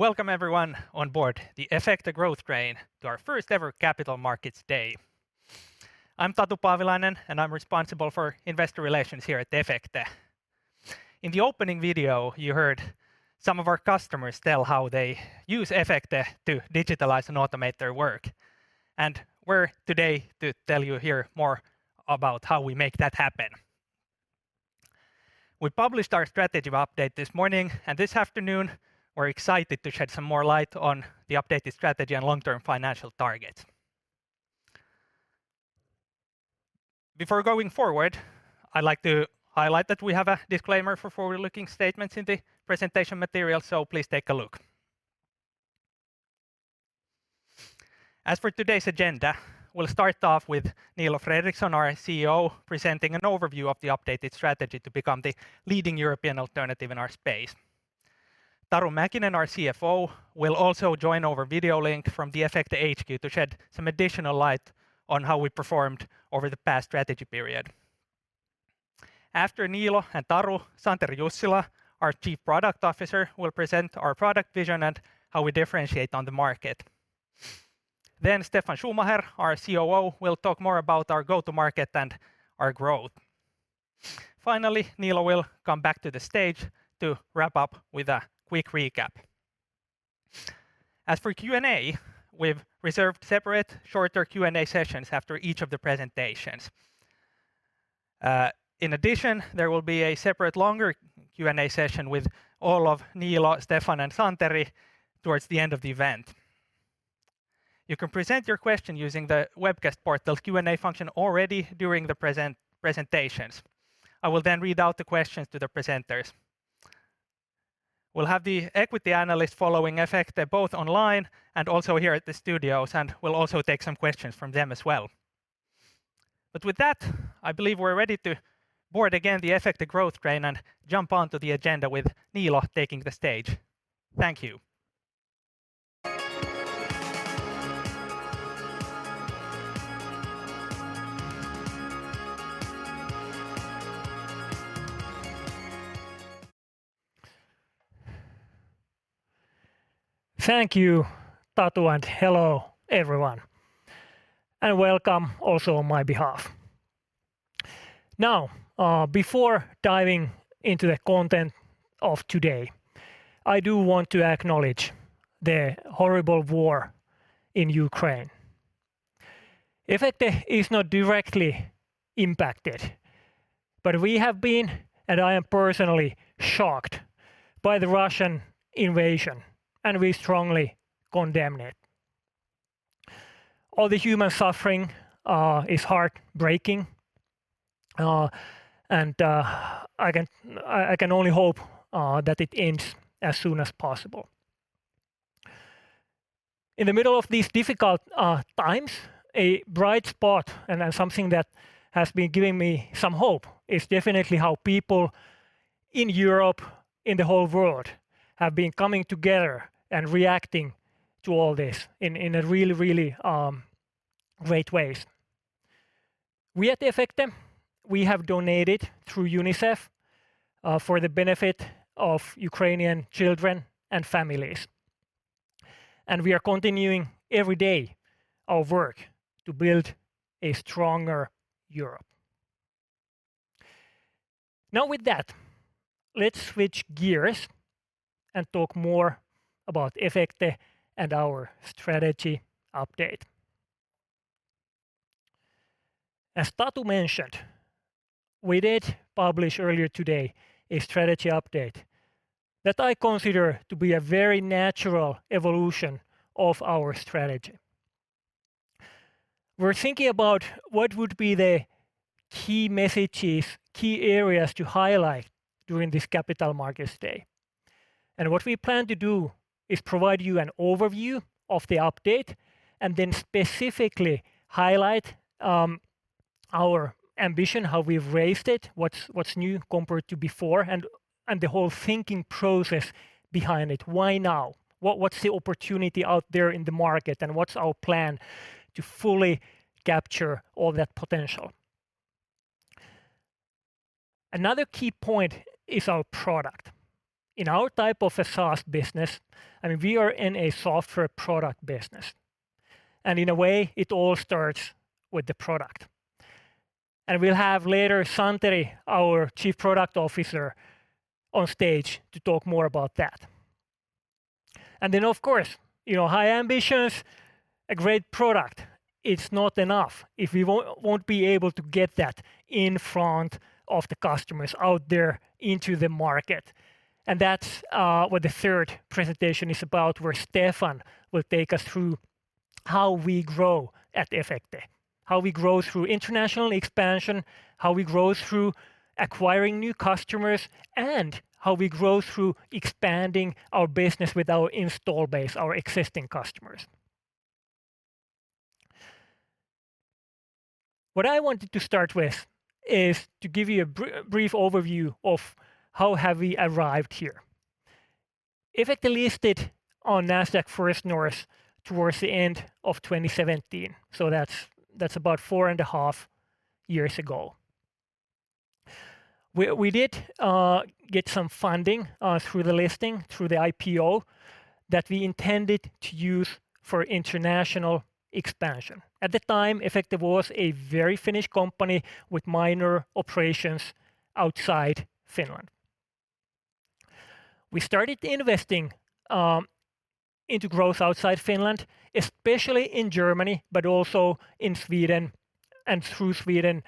Welcome everyone on board the Efecte Growth Train to our first ever Capital Markets Day. I'm Tatu Paavilainen, and I'm responsible for investor relations here at Efecte. In the opening video, you heard some of our customers tell how they use Efecte to digitalize and automate their work. We're here today to tell you more about how we make that happen. We published our strategy update this morning, and this afternoon we're excited to shed some more light on the updated strategy and long-term financial targets. Before going forward, I'd like to highlight that we have a disclaimer for forward-looking statements in the presentation material, so please take a look. As for today's agenda, we'll start off with Niilo Fredrikson, our CEO, presenting an overview of the updated strategy to become the leading European alternative in our space. Taru Mäkinen, our CFO, will also join over video link from the Efecte HQ to shed some additional light on how we performed over the past strategy period. After Niilo and Taru, Santeri Jussila, our Chief Product Officer, will present our product vision and how we differentiate on the market. Steffan Schumacher, our COO, will talk more about our go-to market and our growth. Finally, Niilo will come back to the stage to wrap up with a quick recap. As for Q&A, we've reserved separate shorter Q&A sessions after each of the presentations. In addition, there will be a separate longer Q&A session with all of Niilo, Steffan, and Santeri towards the end of the event. You can present your question using the webcast portal's Q&A function already during the presentations. I will then read out the questions to the presenters. We'll have the equity analyst following Efecte both online and also here at the studios, and we'll also take some questions from them as well. With that, I believe we're ready to board again the Efecte growth train and jump onto the agenda with Niilo taking the stage. Thank you. Thank you, Tatu, and hello everyone. Welcome also on my behalf. Now, before diving into the content of today, I do want to acknowledge the horrible war in Ukraine. Efecte is not directly impacted, but we have been, and I am personally shocked by the Russian invasion, and we strongly condemn it. All the human suffering is heartbreaking, and I can only hope that it ends as soon as possible. In the middle of these difficult times, a bright spot and then something that has been giving me some hope is definitely how people in Europe, in the whole world have been coming together and reacting to all this in a really great ways. We at Efecte, we have donated through UNICEF for the benefit of Ukrainian children and families. We are continuing every day our work to build a stronger Europe. Now, with that, let's switch gears and talk more about Efecte and our strategy update. As Tatu mentioned, we did publish earlier today a strategy update that I consider to be a very natural evolution of our strategy. We're thinking about what would be the key messages, key areas to highlight during this Capital Markets Day. What we plan to do is provide you an overview of the update and then specifically highlight our ambition, how we've raised it, what's new compared to before and the whole thinking process behind it. Why now? What's the opportunity out there in the market, and what's our plan to fully capture all that potential? Another key point is our product. In our type of a SaaS business, and we are in a software product business, and in a way it all starts with the product. We'll have later Santeri, our Chief Product Officer, on stage to talk more about that. Then of course, you know, high ambitions, a great product, it's not enough if we won't be able to get that in front of the customers out there into the market. That's what the third presentation is about, where Steffan will take us through how we grow at Efecte. How we grow through international expansion, how we grow through acquiring new customers, and how we grow through expanding our business with our install base, our existing customers. What I wanted to start with is to give you a brief overview of how we have arrived here. Efecte listed on Nasdaq First North towards the end of 2017. That's about four and a half years ago. We did get some funding through the listing, through the IPO, that we intended to use for international expansion. At the time, Efecte was a very Finnish company with minor operations outside Finland. We started investing into growth outside Finland, especially in Germany, but also in Sweden and through Sweden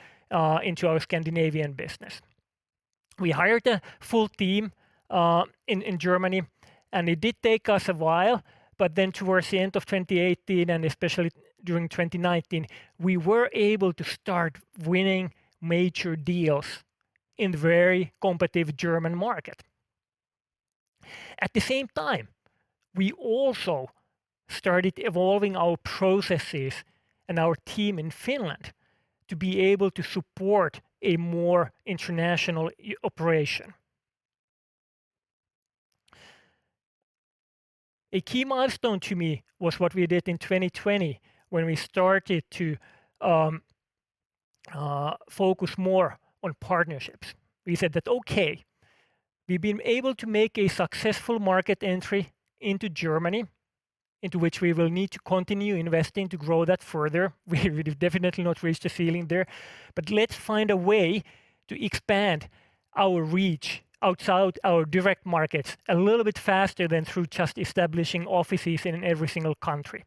into our Scandinavian business. We hired a full team in Germany, and it did take us a while, but then towards the end of 2018 and especially during 2019, we were able to start winning major deals in the very competitive German market. At the same time, we also started evolving our processes and our team in Finland to be able to support a more international operation. A key milestone to me was what we did in 2020 when we started to focus more on partnerships. We said that, "Okay, we've been able to make a successful market entry into Germany, into which we will need to continue investing to grow that further. We have definitely not reached the ceiling there. But let's find a way to expand our reach outside our direct markets a little bit faster than through just establishing offices in every single country."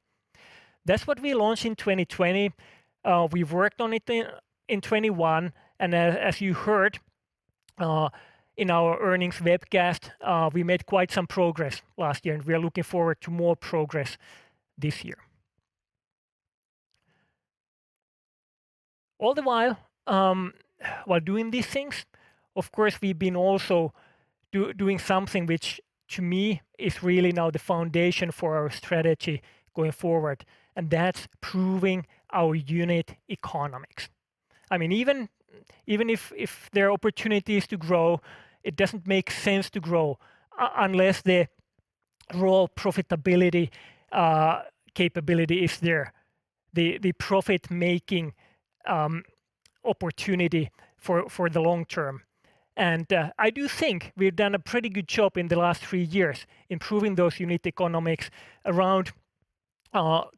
That's what we launched in 2020. We've worked on it in 2021, and as you heard in our earnings webcast, we made quite some progress last year, and we are looking forward to more progress this year. All the while doing these things, of course, we've been also doing something which, to me, is really now the foundation for our strategy going forward, and that's proving our unit economics. I mean, even if there are opportunities to grow, it doesn't make sense to grow unless the raw profitability capability is there, the profit-making opportunity for the long term. I do think we've done a pretty good job in the last three years improving those unit economics around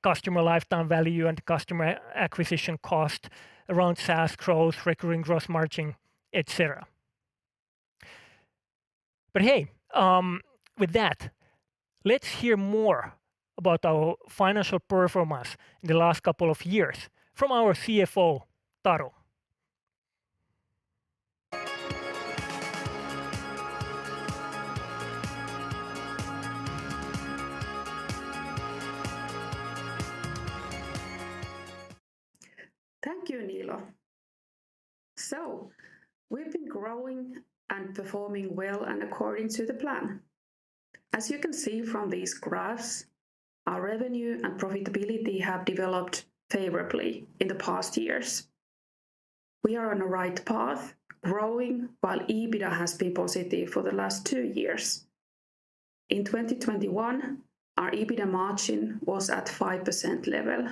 customer lifetime value and customer acquisition cost, around SaaS growth, recurring gross margin, et cetera. Hey, with that, let's hear more about our financial performance in the last couple of years from our CFO, Taru Mäkinen. Thank you, Niilo. We've been growing and performing well and according to the plan. As you can see from these graphs, our revenue and profitability have developed favorably in the past years. We are on the right path growing while EBITDA has been positive for the last two years. In 2021, our EBITDA margin was at 5% level.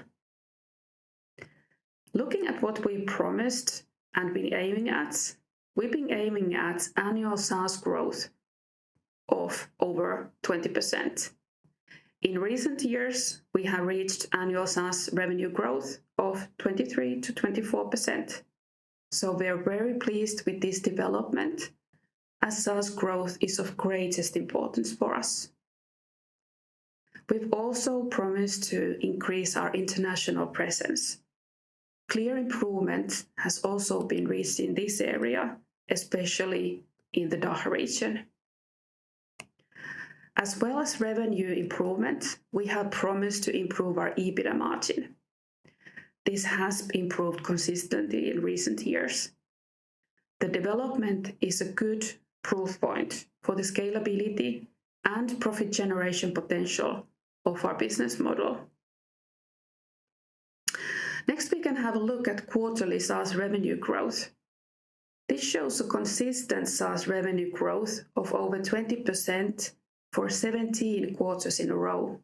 Looking at what we promised and been aiming at, we've been aiming at annual SaaS growth of over 20%. In recent years, we have reached annual SaaS revenue growth of 23%-24%, so we're very pleased with this development as SaaS growth is of greatest importance for us. We've also promised to increase our international presence. Clear improvement has also been reached in this area, especially in the DACH region. As well as revenue improvement, we have promised to improve our EBITDA margin. This has improved consistently in recent years. The development is a good proof point for the scalability and profit generation potential of our business model. Next, we can have a look at quarterly SaaS revenue growth. This shows a consistent SaaS revenue growth of over 20% for 17 quarters in a row.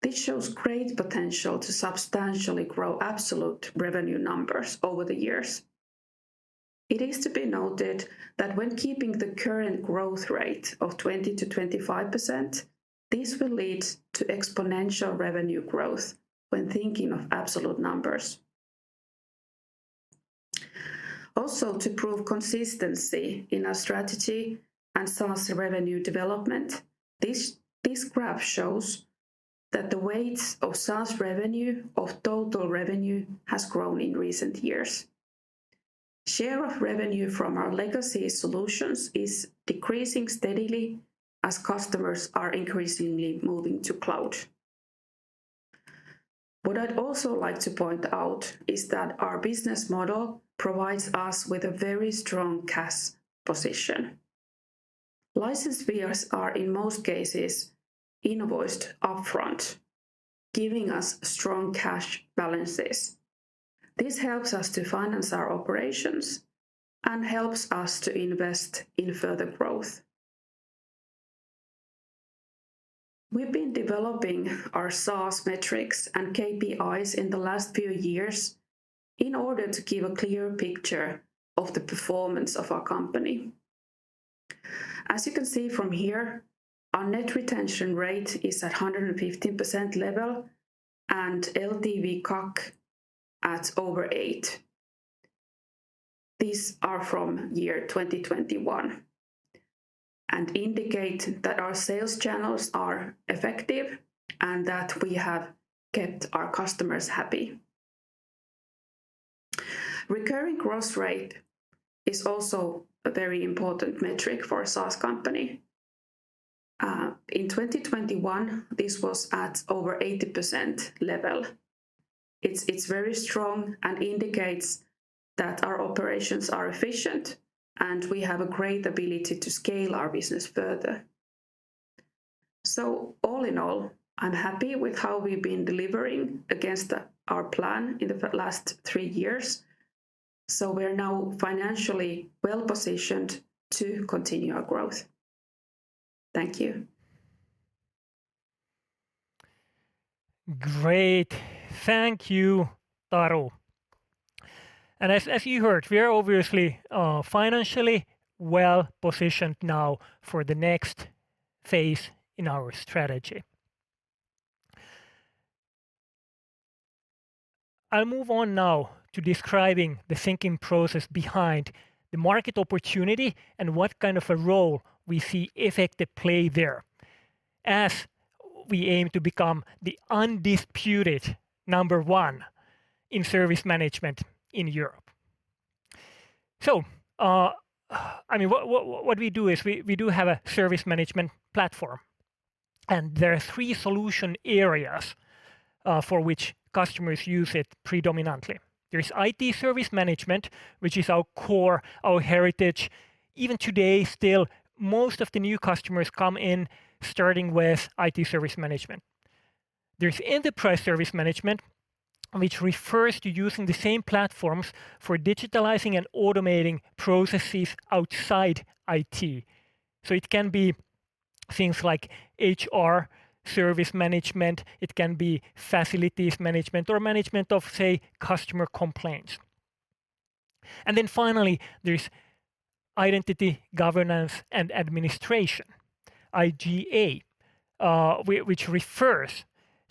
This shows great potential to substantially grow absolute revenue numbers over the years. It is to be noted that when keeping the current growth rate of 20%-25%, this will lead to exponential revenue growth when thinking of absolute numbers. Also, to prove consistency in our strategy and SaaS revenue development, this graph shows that the weights of SaaS revenue of total revenue has grown in recent years. Share of revenue from our legacy solutions is decreasing steadily as customers are increasingly moving to cloud. What I'd also like to point out is that our business model provides us with a very strong cash position. License fees are in most cases invoiced upfront, giving us strong cash balances. This helps us to finance our operations and helps us to invest in further growth. We've been developing our SaaS metrics and KPIs in the last few years in order to give a clear picture of the performance of our company. As you can see from here, our net retention rate is at a 115% level and LTV/CAC at over eight. These are from year 2021, and indicate that our sales channels are effective and that we have kept our customers happy. Recurring gross rate is also a very important metric for a SaaS company. In 2021, this was at over 80% level. It's very strong and indicates that our operations are efficient, and we have a great ability to scale our business further. All in all, I'm happy with how we've been delivering against our plan in the last three years, so we're now financially well-positioned to continue our growth. Thank you. Great. Thank you, Taru. As you heard, we are obviously financially well-positioned now for the next phase in our strategy. I'll move on now to describing the thinking process behind the market opportunity and what kind of a role we see Efecte play there as we aim to become the undisputed number one in service management in Europe. What we do is we have a service management platform, and there are three solution areas for which customers use it predominantly. There is IT service management, which is our core, our heritage. Even today still, most of the new customers come in starting with IT service management. There's enterprise service management, which refers to using the same platforms for digitalizing and automating processes outside IT. It can be things like HR service management, it can be facilities management or management of, say, customer complaints. Finally, there's identity governance and administration, IGA, which refers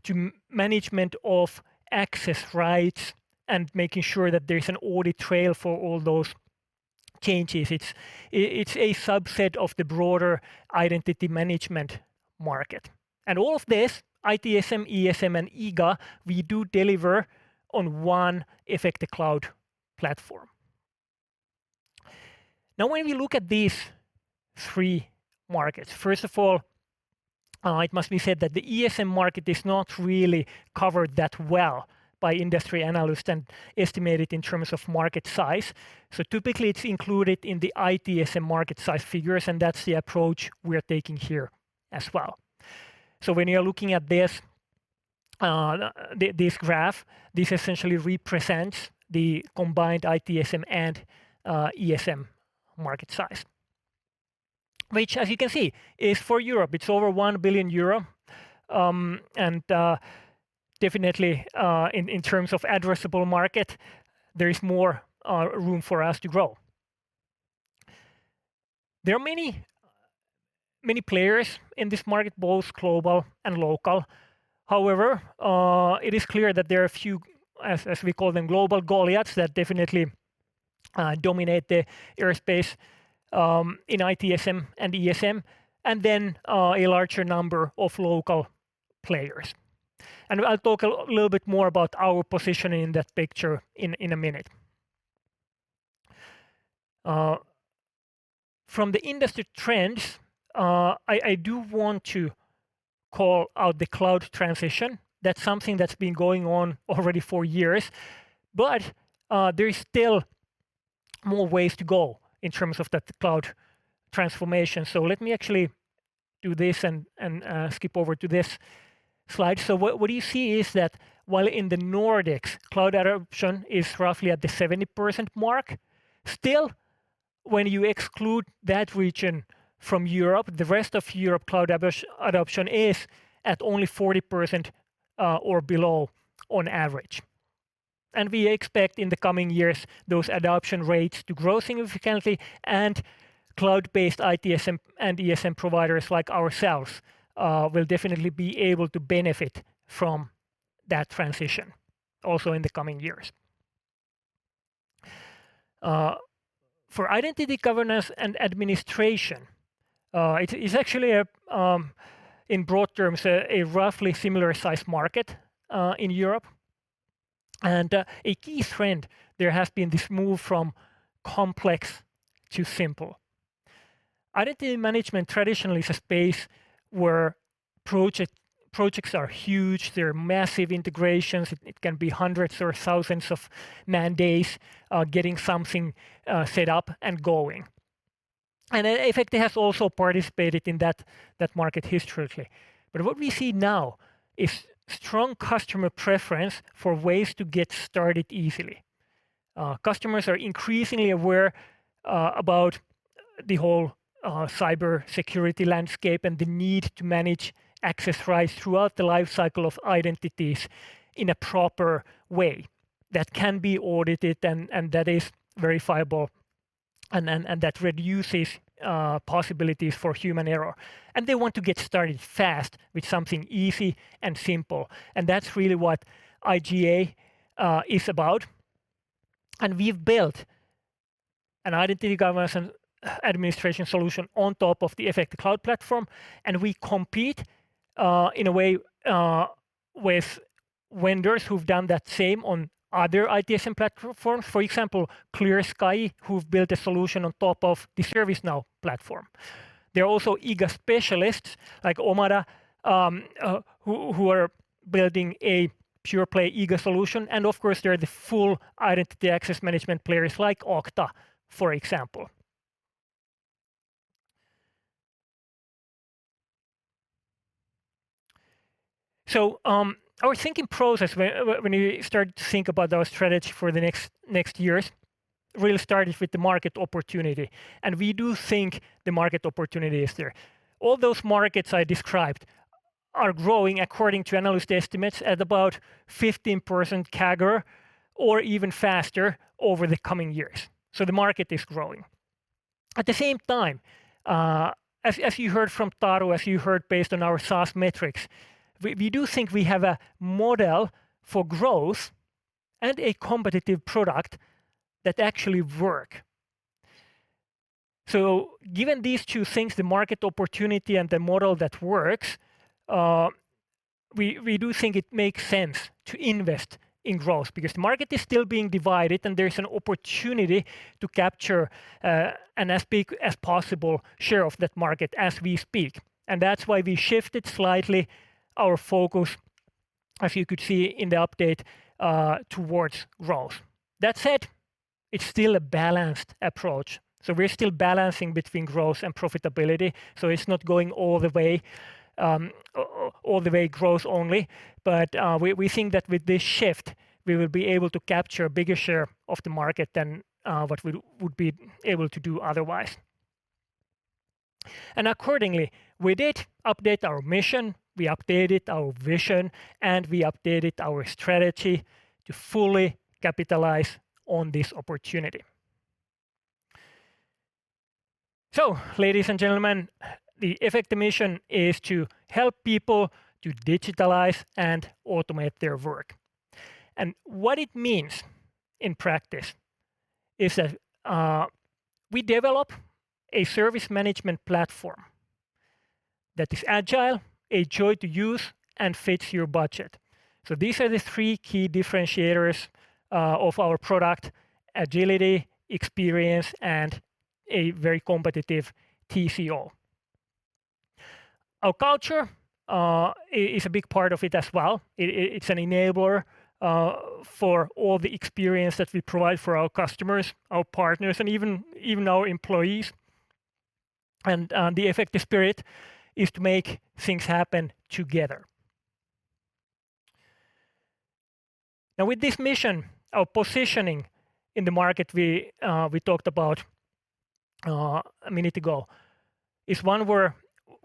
to management of access rights and making sure that there's an audit trail for all those changes. It's a subset of the broader identity management market. All of this, ITSM, ESM, and IGA, we do deliver on one Efecte cloud platform. Now, when we look at these three markets, first of all, it must be said that the ESM market is not really covered that well by industry analysts and estimated in terms of market size. Typically, it's included in the ITSM market size figures, and that's the approach we're taking here as well. When you're looking at this graph, this essentially represents the combined ITSM and ESM market size, which as you can see is for Europe, it's over 1 billion euro, and definitely in terms of addressable market, there is more room for us to grow. There are many players in this market, both global and local. However, it is clear that there are a few, as we call them, global Goliaths that definitely dominate the airspace in ITSM and ESM, and then a larger number of local players. I'll talk a little bit more about our position in that picture in a minute. From the industry trends, I do want to call out the cloud transition. That's something that's been going on already for years. There is still more ways to go in terms of that cloud transformation. Let me actually do this and skip over to this slide. What you see is that while in the Nordics, cloud adoption is roughly at the 70% mark. Still, when you exclude that region from Europe, the rest of Europe cloud adoption is at only 40%, or below on average. We expect in the coming years, those adoption rates to grow significantly and cloud-based ITSM and ESM providers like ourselves will definitely be able to benefit from that transition also in the coming years. For identity governance and administration, it is actually, in broad terms, a roughly similar size market in Europe. A key trend there has been this move from complex to simple. Identity management traditionally is a space where projects are huge, they're massive integrations. It can be hundreds or thousands of man days getting something set up and going. Efecte has also participated in that market historically. What we see now is strong customer preference for ways to get started easily. Customers are increasingly aware about the whole cybersecurity landscape and the need to manage access rights throughout the life cycle of identities in a proper way that can be audited and that is verifiable and that reduces possibilities for human error. They want to get started fast with something easy and simple. That's really what IGA is about. We've built an identity governance and administration solution on top of the Efecte cloud platform, and we compete in a way with vendors who've done that same on other ITSM platforms. For example, Crossfuze, who've built a solution on top of the ServiceNow platform. There are also IGA specialists like Omada who are building a pure play IGA solution, and of course there are the full identity access management players like Okta, for example. Our thinking process when you start to think about our strategy for the next years really started with the market opportunity, and we do think the market opportunity is there. All those markets I described are growing according to analyst estimates at about 15% CAGR or even faster over the coming years. The market is growing. At the same time, as you heard from Tatu based on our SaaS metrics, we do think we have a model for growth and a competitive product that actually work. Given these two things, the market opportunity and the model that works, we do think it makes sense to invest in growth because the market is still being divided and there's an opportunity to capture as big as possible share of that market as we speak. That's why we shifted slightly our focus, as you could see in the update, towards growth. That said, it's still a balanced approach, so we're still balancing between growth and profitability, so it's not going all the way growth only. We think that with this shift, we will be able to capture a bigger share of the market than what we would be able to do otherwise. Accordingly, we did update our mission, we updated our vision, and we updated our strategy to fully capitalize on this opportunity. Ladies and gentlemen, the Efecte mission is to help people to digitalize and automate their work. What it means in practice is that we develop a service management platform that is agile, a joy to use, and fits your budget. These are the three key differentiators of our product. Agility, experience, and a very competitive TCO. Our culture is a big part of it as well. It is an enabler for all the experience that we provide for our customers, our partners, and even our employees. The Efecte spirit is to make things happen together. Now, with this mission, our positioning in the market, we talked about a minute ago, is one where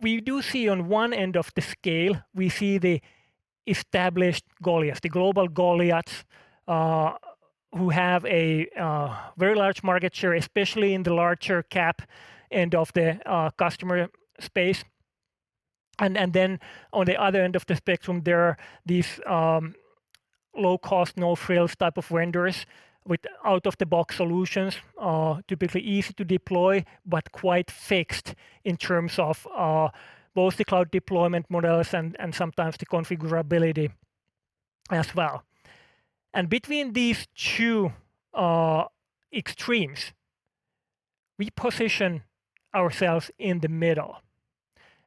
we do see on one end of the scale, we see the established Goliaths, the global Goliaths, who have a very large market share, especially in the larger-cap end of the customer space. Then on the other end of the spectrum, there are these low-cost, no-frills type of vendors with out-of-the-box solutions, typically easy to deploy, but quite fixed in terms of both the cloud deployment models and sometimes the configurability as well. Between these two extremes, we position ourselves in the middle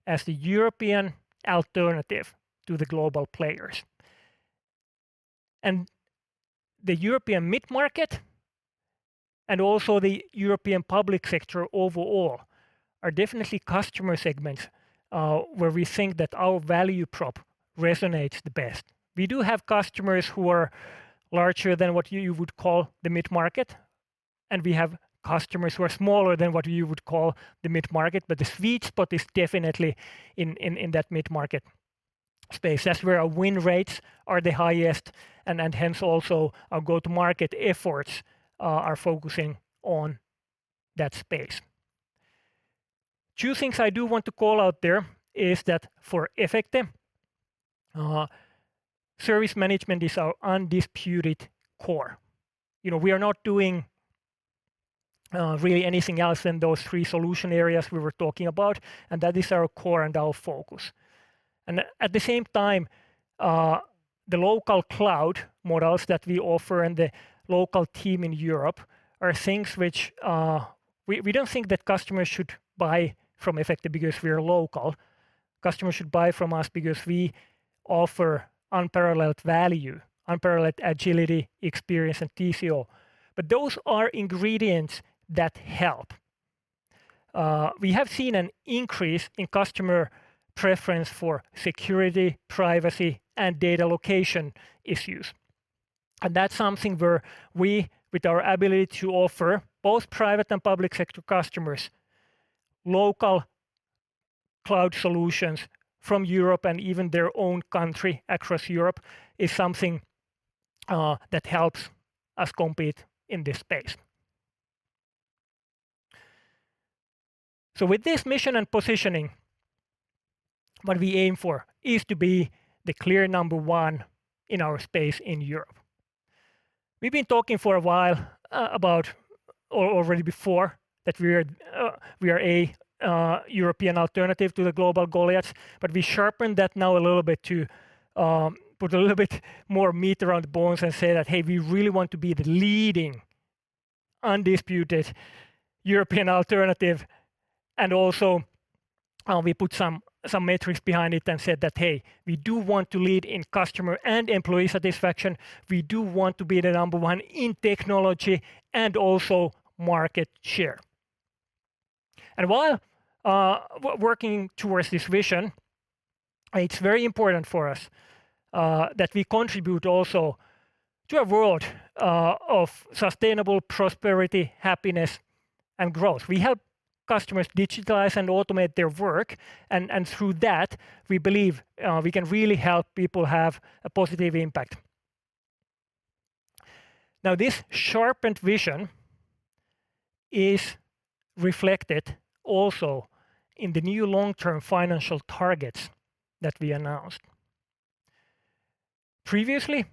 as the European alternative to the global players. The European mid-market and also the European public sector overall are definitely customer segments where we think that our value prop resonates the best. We do have customers who are larger than what you would call the mid-market, and we have customers who are smaller than what you would call the mid-market, but the sweet spot is definitely in that mid-market space. That's where our win rates are the highest and hence also our go-to-market efforts are focusing on that space. Two things I do want to call out there is that for Efecte, service management is our undisputed core. You know, we are not doing really anything else in those three solution areas we were talking about, and that is our core and our focus. At the same time, the local cloud models that we offer and the local team in Europe are things which we don't think that customers should buy from Efecte because we are local. Customers should buy from us because we offer unparalleled value, unparalleled agility, experience, and TCO. Those are ingredients that help. We have seen an increase in customer preference for security, privacy, and data location issues. That's something where we, with our ability to offer both private and public sector customers local cloud solutions from Europe and even their own country across Europe, is something that helps us compete in this space. With this mission and positioning, what we aim for is to be the clear number one in our space in Europe. We've been talking for a while about or already before that we are a European alternative to the global Goliaths, but we sharpen that now a little bit to put a little bit more meat around the bones and say that, hey, we really want to be the leading undisputed European alternative. Also, we put some metrics behind it and said that, "Hey, we do want to lead in customer and employee satisfaction. We do want to be the number one in technology and also market share." While working towards this vision, it's very important for us that we contribute also to a world of sustainable prosperity, happiness, and growth. We help customers digitalize and automate their work, and through that, we believe we can really help people have a positive impact. This sharpened vision is reflected also in the new long-term financial targets that we announced. Previously,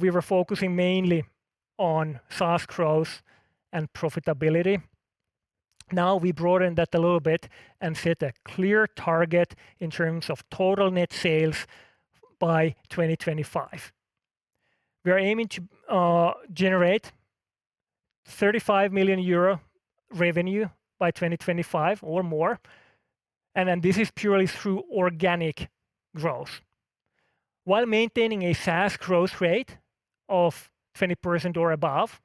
we were focusing mainly on SaaS growth and profitability. Now, we broaden that a little bit and set a clear target in terms of total net sales by 2025. We are aiming to generate 35 million euro revenue by 2025 or more, and then this is purely through organic growth, while maintaining a SaaS growth rate of 20% or above,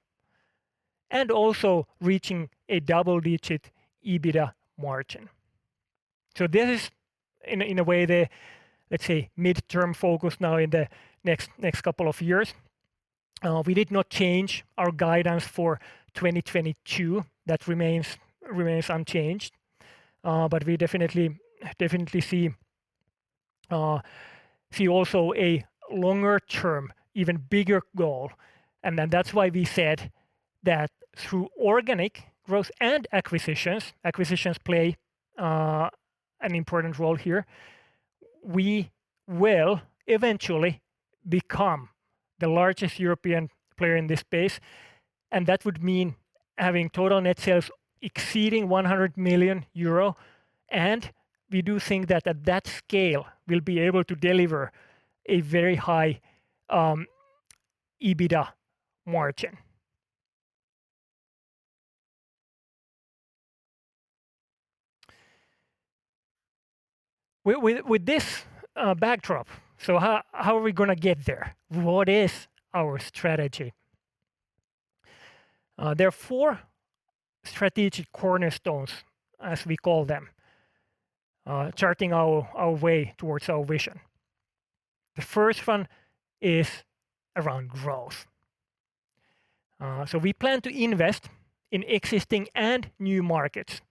and also reaching a double-digit EBITDA margin. This is in a way the, let's say, midterm focus now in the next couple of years. We did not change our guidance for 2022. That remains unchanged. We definitely see also a longer term, even bigger goal. That's why we said that through organic growth and acquisitions play an important role here. We will eventually become the largest European player in this space, and that would mean having total net sales exceeding 100 million euro, and we do think that at that scale we'll be able to deliver a very high EBITDA margin. With this backdrop, how are we gonna get there? What is our strategy? There are four strategic cornerstones, as we call them, charting our way towards our vision. The first one is around growth. We plan to invest in existing and new markets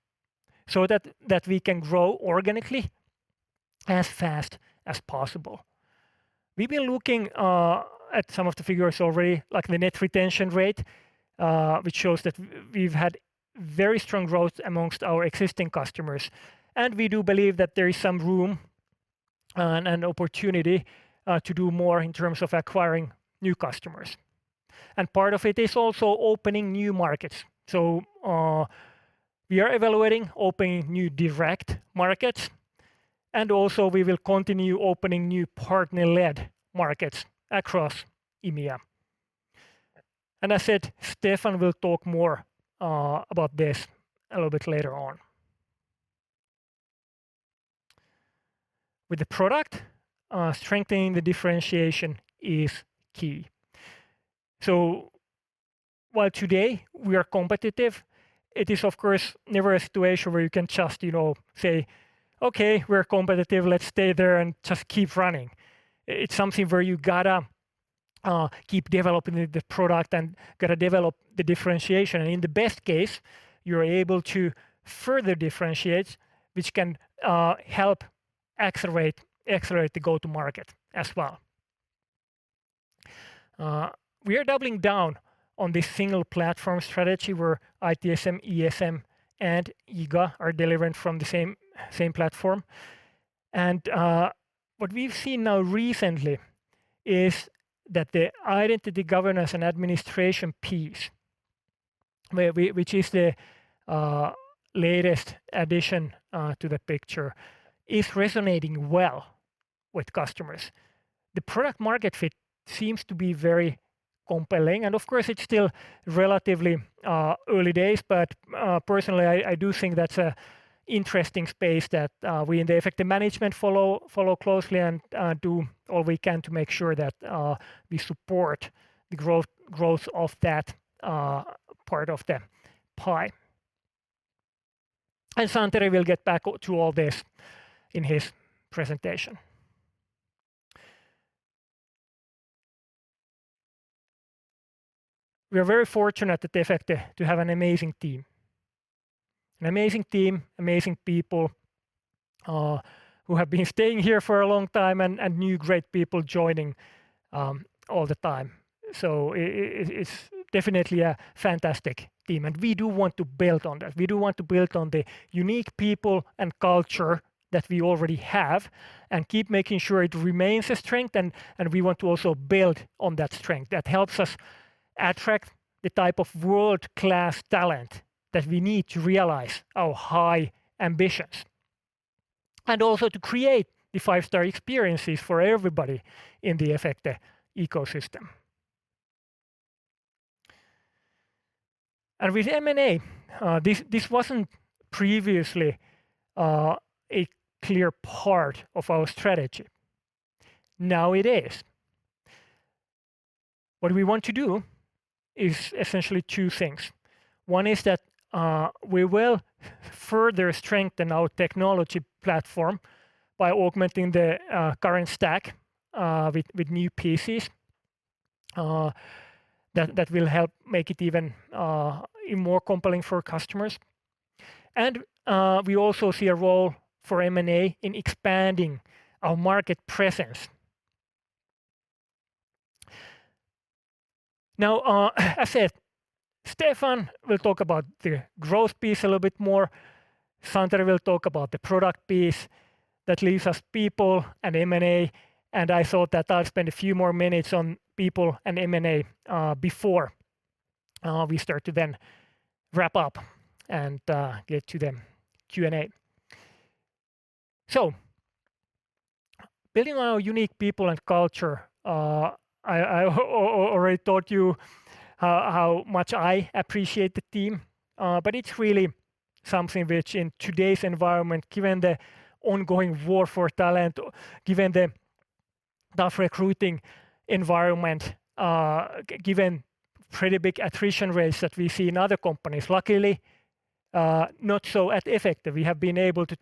so that we can grow organically as fast as possible. We've been looking at some of the figures already, like the net retention rate, which shows that we've had very strong growth among our existing customers, and we do believe that there is some room and opportunity to do more in terms of acquiring new customers. Part of it is also opening new markets. We are evaluating opening new direct markets, and also we will continue opening new partner-led markets across EMEA. I said Steffan will talk more about this a little bit later on. With the product, strengthening the differentiation is key. While today we are competitive, it is of course never a situation where you can just, you know, say, "Okay, we're competitive. Let's stay there and just keep running." It's something where you gotta keep developing the product and gotta develop the differentiation, and in the best case, you're able to further differentiate, which can help accelerate the go to market as well. We are doubling down on the single platform strategy where ITSM, ESM, and IGA are delivering from the same platform. What we've seen now recently is that the identity governance and administration piece, which is the latest addition to the picture, is resonating well with customers. The product market fit seems to be very compelling, and of course, it's still relatively early days. Personally, I do think that's an interesting space that we in the Efecte management follow closely and do all we can to make sure that we support the growth of that part of the pie. Santeri will get back to all this in his presentation. We're very fortunate at Efecte to have an amazing team. An amazing team, amazing people who have been staying here for a long time and new great people joining all the time. It's definitely a fantastic team, and we do want to build on that. We do want to build on the unique people and culture that we already have and keep making sure it remains a strength, and we want to also build on that strength. That helps us attract the type of world-class talent that we need to realize our high ambitions and also to create the five-star experiences for everybody in the Efecte ecosystem. With M&A, this wasn't previously a clear part of our strategy. Now it is. What we want to do is essentially two things. One is that we will further strengthen our technology platform by augmenting the current stack with new pieces that will help make it even more compelling for customers. We also see a role for M&A in expanding our market presence. Now, as said, Steffan will talk about the growth piece a little bit more. Santeri will talk about the product piece. That leaves us people and M&A, and I thought that I'll spend a few more minutes on people and M&A before we start to then wrap up and get to the Q&A. Building on our unique People and Culture, I already told you how much I appreciate the team, but it's really something which in today's environment, given the ongoing war for talent, given the tough recruiting environment, given pretty big attrition rates that we see in other companies. Luckily, not so at Efecte. We have been able to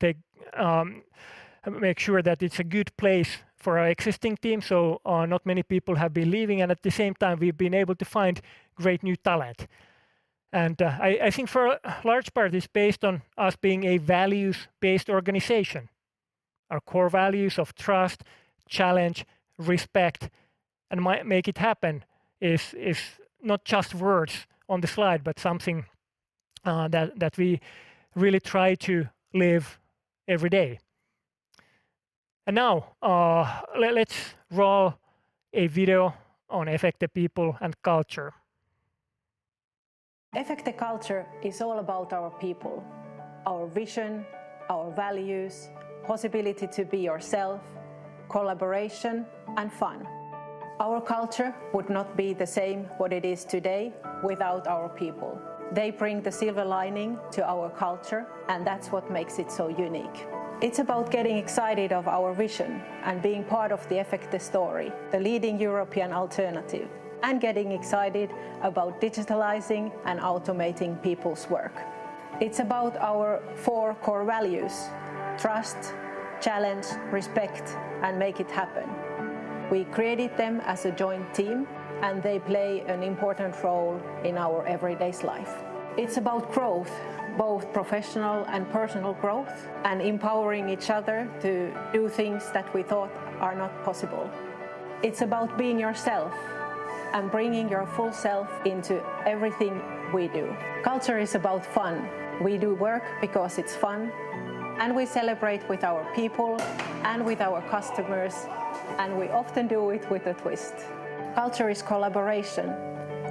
make sure that it's a good place for our existing team, so not many people have been leaving. At the same time, we've been able to find great new talent. I think for a large part it's based on us being a values-based organization. Our core values of trust, challenge, respect, and make it happen is not just words on the slide, but something that we really try to live every day. Now let's roll a video on Efecte people and culture. Efecte culture is all about our people, our vision, our values, possibility to be yourself, collaboration, and fun. Our culture would not be the same what it is today without our people. They bring the silver lining to our culture, and that's what makes it so unique. It's about getting excited of our vision and being part of the Efecte story, the leading European alternative, and getting excited about digitalizing and automating people's work. It's about our four core values, trust, challenge, respect, and make it happen. We created them as a joint team, and they play an important role in our everyday life. It's about growth, both professional and personal growth, and empowering each other to do things that we thought are not possible. It's about being yourself and bringing your full self into everything we do. Culture is about fun. We do work because it's fun, and we celebrate with our people and with our customers, and we often do it with a twist. Culture is collaboration.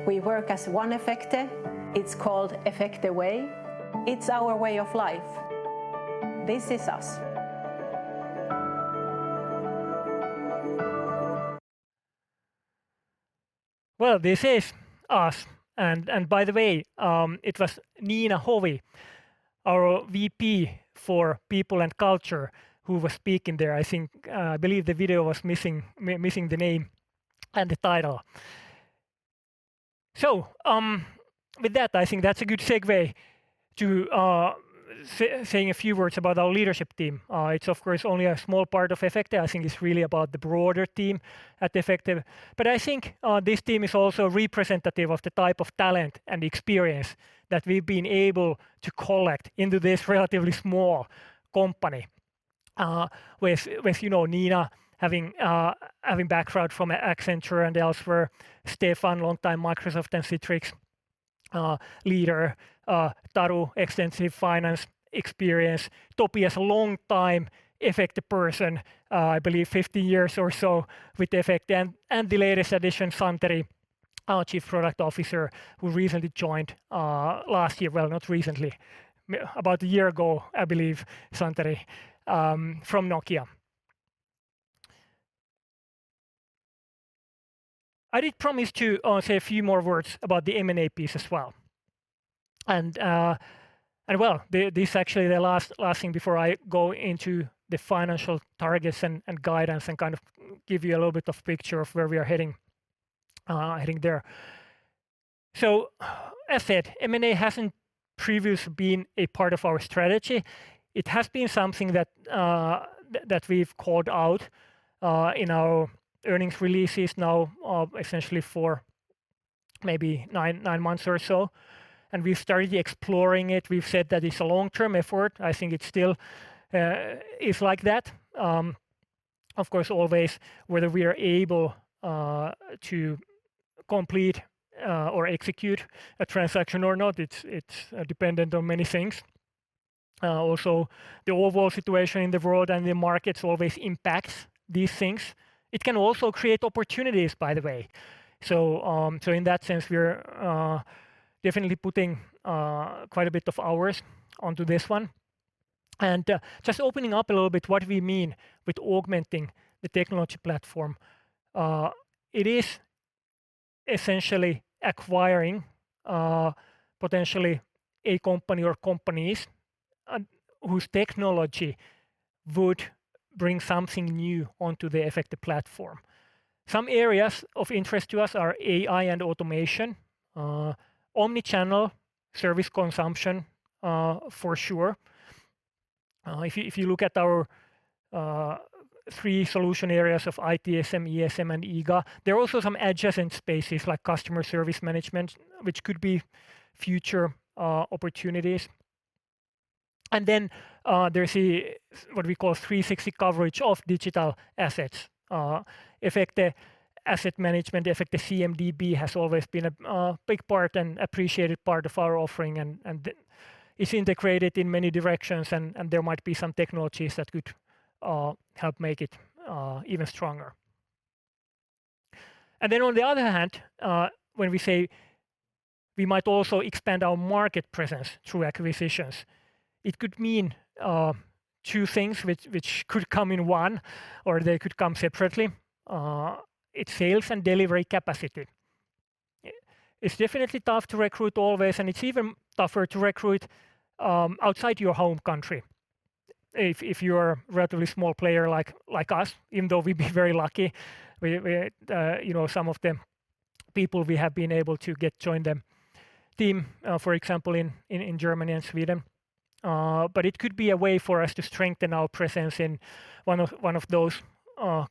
We work as one Efecte. It's called Efecte Way. It's our way of life. This is us. Well, this is us. By the way, it was Niina Hovi, our VP for People and Culture, who was speaking there. I think I believe the video was missing the name and the title. With that, I think that's a good segue to saying a few words about our leadership team. It's of course only a small part of Efecte. I think it's really about the broader team at Efecte. This team is also representative of the type of talent and experience that we've been able to collect into this relatively small company, with, you know, Niina having background from Accenture and elsewhere, Steffan, longtime Microsoft and Citrix leader, Taru, extensive finance experience. Topi is a longtime Efecte person. I believe 15 years or so with Efecte. The latest addition, Santeri, our Chief Product Officer who recently joined last year, well, not recently, about a year ago, I believe, Santeri, from Nokia. I did promise to say a few more words about the M&A piece as well. This actually is the last thing before I go into the financial targets and guidance and kind of give you a little bit of picture of where we are heading. As said, M&A hasn't previously been a part of our strategy. It has been something that that we've called out in our earnings releases now, essentially for maybe nine months or so, and we've started exploring it. We've said that it's a long-term effort. I think it still is like that. Of course, always whether we are able to complete or execute a transaction or not, it's dependent on many things. Also the overall situation in the world and the markets always impacts these things. It can also create opportunities, by the way. In that sense, we're definitely putting quite a bit of hours onto this one. Just opening up a little bit what we mean with augmenting the technology platform. It is essentially acquiring potentially a company or companies whose technology would bring something new onto the Efecte platform. Some areas of interest to us are AI and automation, omni-channel service consumption, for sure. If you look at our three solution areas of ITSM, ESM, and IGA, there are also some adjacent spaces like customer service management, which could be future opportunities. There's a what we call 360 coverage of digital assets. Efecte Asset Management, Efecte CMDB has always been a big part and appreciated part of our offering and it's integrated in many directions and there might be some technologies that could help make it even stronger. On the other hand, when we say we might also expand our market presence through acquisitions, it could mean two things which could come in one or they could come separately. It's sales and delivery capacity. It's definitely tough to recruit always, and it's even tougher to recruit outside your home country if you're a relatively small player like us, even though we've been very lucky, you know, some of the people we have been able to get join the team, for example, in Germany and Sweden. But it could be a way for us to strengthen our presence in one of those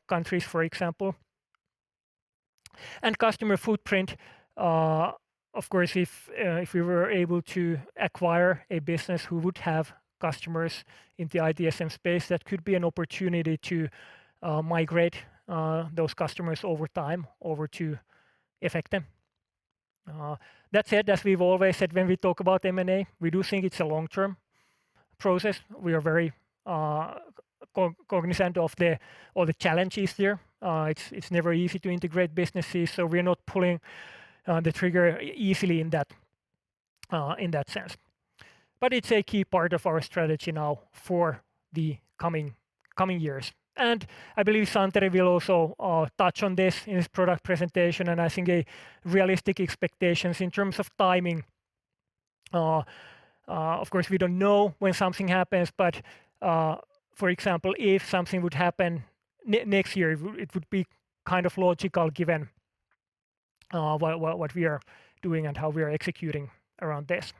countries, for example. Customer footprint, of course, if we were able to acquire a business who would have customers in the ITSM space, that could be an opportunity to migrate those customers over time over to Efecte. That said, as we've always said when we talk about M&A, we do think it's a long-term process. We are very cognizant of all the challenges there. It's never easy to integrate businesses, so we're not pulling the trigger easily in that sense. It's a key part of our strategy now for the coming years. I believe Santeri will also touch on this in his product presentation and I think a realistic expectations in terms of timing, of course, we don't know when something happens, but for example, if something would happen next year, it would be kind of logical given what we are doing and how we are executing around this.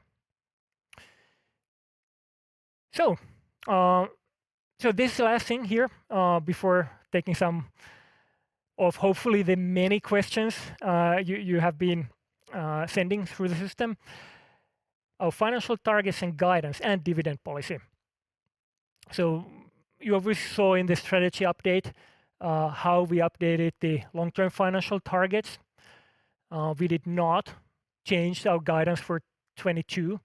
This last thing here, before taking some of hopefully the many questions you have been sending through the system, our financial targets and guidance and dividend policy. You obviously saw in the strategy update how we updated the long-term financial targets. We did not change our guidance for 2022.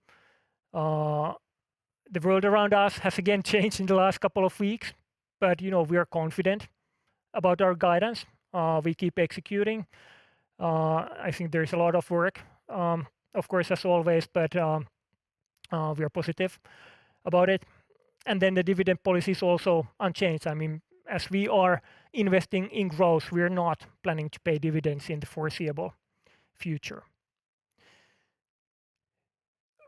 The world around us has again changed in the last couple of weeks, but, you know, we are confident about our guidance. We keep executing. I think there is a lot of work, of course, as always, but we are positive about it. The dividend policy is also unchanged. I mean, as we are investing in growth, we are not planning to pay dividends in the foreseeable future.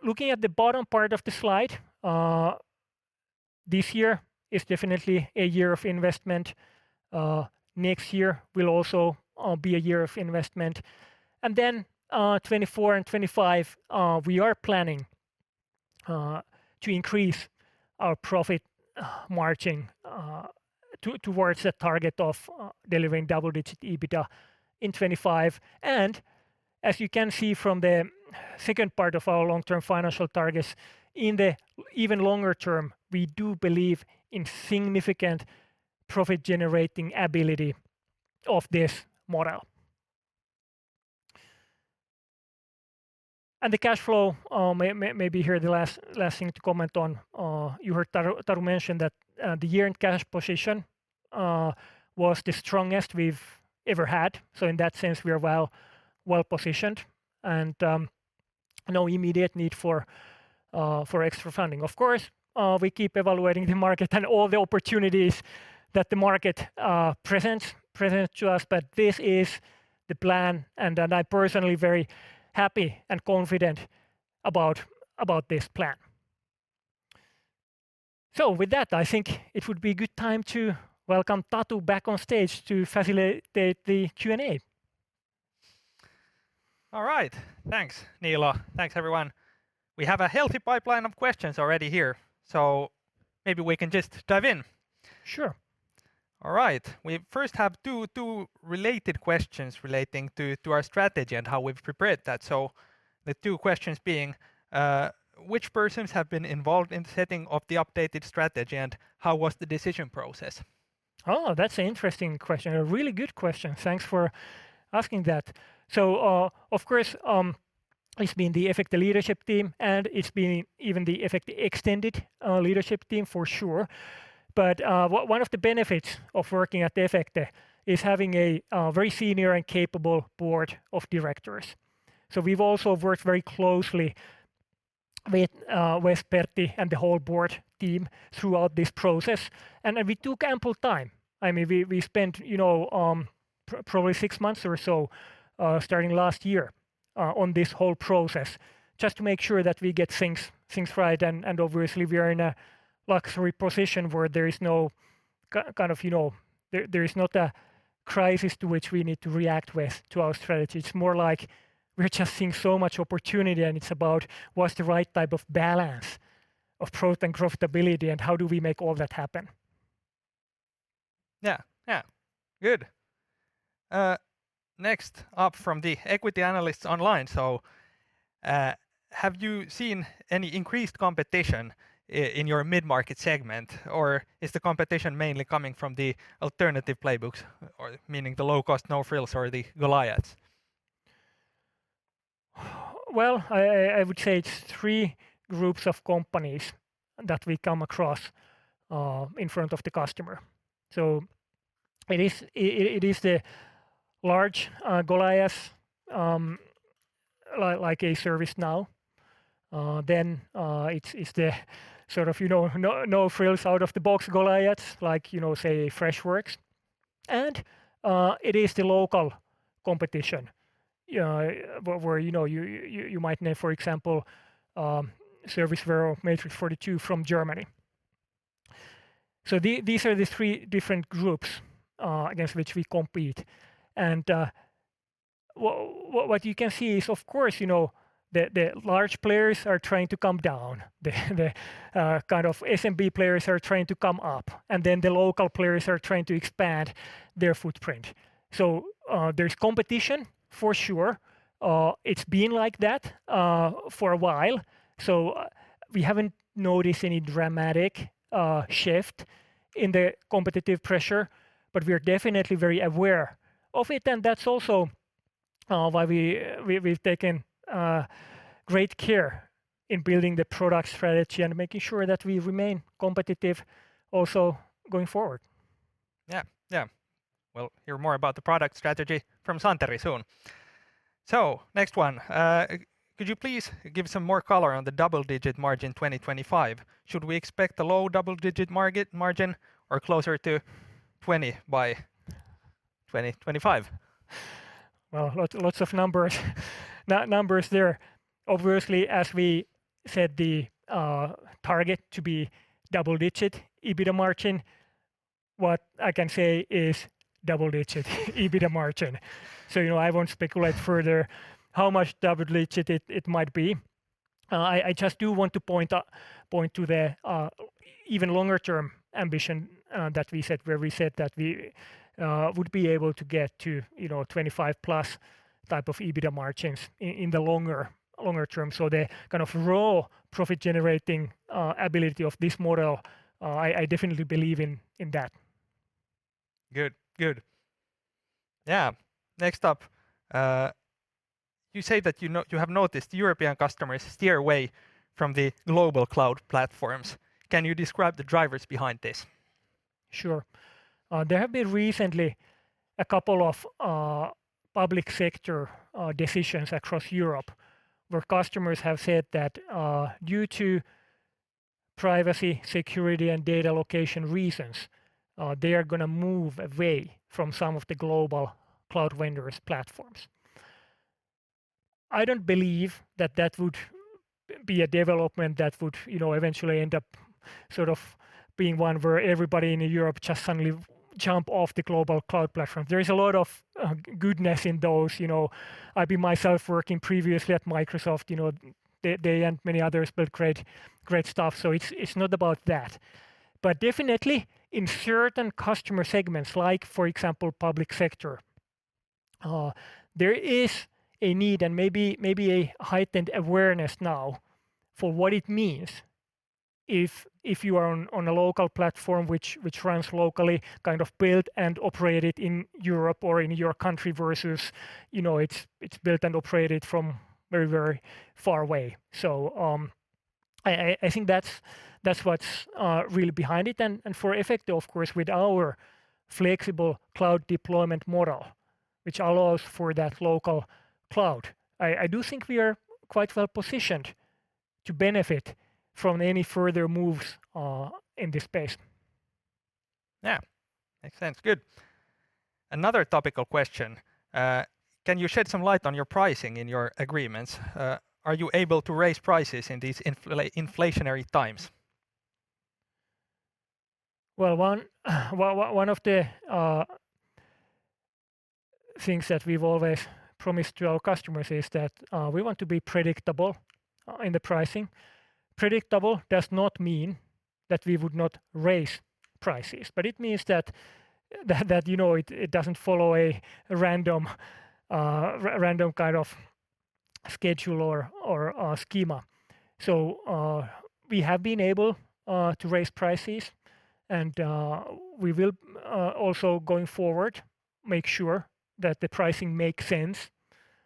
Looking at the bottom part of the slide, this year is definitely a year of investment. Next year will also be a year of investment. and 2025, we are planning to increase our profit margin towards the target of delivering double-digit EBITDA in 2025. As you can see from the second part of our long-term financial targets, in the even longer term, we do believe in significant profit-generating ability of this model. The cash flow may be the last thing to comment on. You heard Taru mention that the year-end cash position was the strongest we've ever had. So in that sense, we are well-positioned, and no immediate need for extra funding. Of course, we keep evaluating the market and all the opportunities that the market presents to us, but this is the plan, and I am personally very happy and confident about this plan. With that, I think it would be good time to welcome Tatu back on stage to facilitate the Q&A. All right. Thanks, Niilo. Thanks, everyone. We have a healthy pipeline of questions already here, so maybe we can just dive in. Sure. All right. We first have two related questions relating to our strategy and how we've prepared that. The two questions being, which persons have been involved in setting of the updated strategy, and how was the decision process? Oh, that's an interesting question. A really good question. Thanks for asking that. Of course, it's been the Efecte leadership team, and it's been even the Efecte extended leadership team for sure. One of the benefits of working at Efecte is having a very senior and capable board of directors. We've also worked very closely with Pertti and the whole board team throughout this process, and we took ample time. I mean, we spent, you know, probably six months or so, starting last year, on this whole process just to make sure that we get things right. Obviously we are in a luxury position where there is no kind of, you know, there is not a crisis to which we need to react with to our strategy. It's more like we're just seeing so much opportunity, and it's about what's the right type of balance of growth and profitability, and how do we make all that happen. Next up from the equity analysts online. Have you seen any increased competition in your mid-market segment, or is the competition mainly coming from the alternative playbooks or meaning the low-cost, no-frills or the Goliaths? Well, I would say it's three groups of companies that we come across in front of the customer. It is the large Goliaths like a ServiceNow. Then it's the sort of, you know, no-frills out-of-the-box Goliaths like, you know, say, Freshworks, and it is the local competition where, you know, you might name for example, Serviceware, Matrix42 from Germany. These are the three different groups against which we compete. What you can see is, of course, you know, the large players are trying to come down. The kind of SMB players are trying to come up, and then the local players are trying to expand their footprint. There's competition for sure. It's been like that for a while, so we haven't noticed any dramatic shift in the competitive pressure, but we are definitely very aware of it, and that's also why we've taken great care in building the product strategy and making sure that we remain competitive also going forward. Yeah. Yeah. We'll hear more about the product strategy from Santeri soon. Next one. Could you please give some more color on the double-digit margin 2025? Should we expect a low double-digit margin or closer to 20% by 2025? Well, lots of numbers there. Obviously, as we set the target to be double-digit EBITDA margin, what I can say is double-digit EBITDA margin. You know, I won't speculate further how much double-digit it might be. I just want to point to the even longer term ambition that we set where we said that we would be able to get to, you know, 25+ type of EBITDA margins in the longer term. The kind of raw profit generating ability of this model, I definitely believe in that. Good. Yeah. Next up, you say that, you know, you have noticed European customers steer away from the global cloud platforms. Can you describe the drivers behind this? Sure. There have been recently a couple of public sector decisions across Europe where customers have said that due to privacy, security, and data location reasons they are gonna move away from some of the global cloud vendors' platforms. I don't believe that would be a development that would, you know, eventually end up sort of being one where everybody in Europe just suddenly jump off the global cloud platform. There is a lot of goodness in those, you know. I've been myself working previously at Microsoft, you know, they and many others build great stuff, so it's not about that. Definitely in certain customer segments, like, for example, public sector, there is a need and maybe a heightened awareness now for what it means. If you are on a local platform which runs locally, kind of built and operated in Europe or in your country versus, you know, it's built and operated from very, very far away. I think that's what's really behind it. For Efecte of course, with our flexible cloud deployment model, which allows for that local cloud, I do think we are quite well positioned to benefit from any further moves in this space. Yeah. Makes sense. Good. Another topical question. Can you shed some light on your pricing in your agreements? Are you able to raise prices in these inflationary times? One of the things that we've always promised to our customers is that we want to be predictable in the pricing. Predictable does not mean that we would not raise prices, but it means that, you know, it doesn't follow a random kind of schedule or schema. We have been able to raise prices and we will also going forward make sure that the pricing makes sense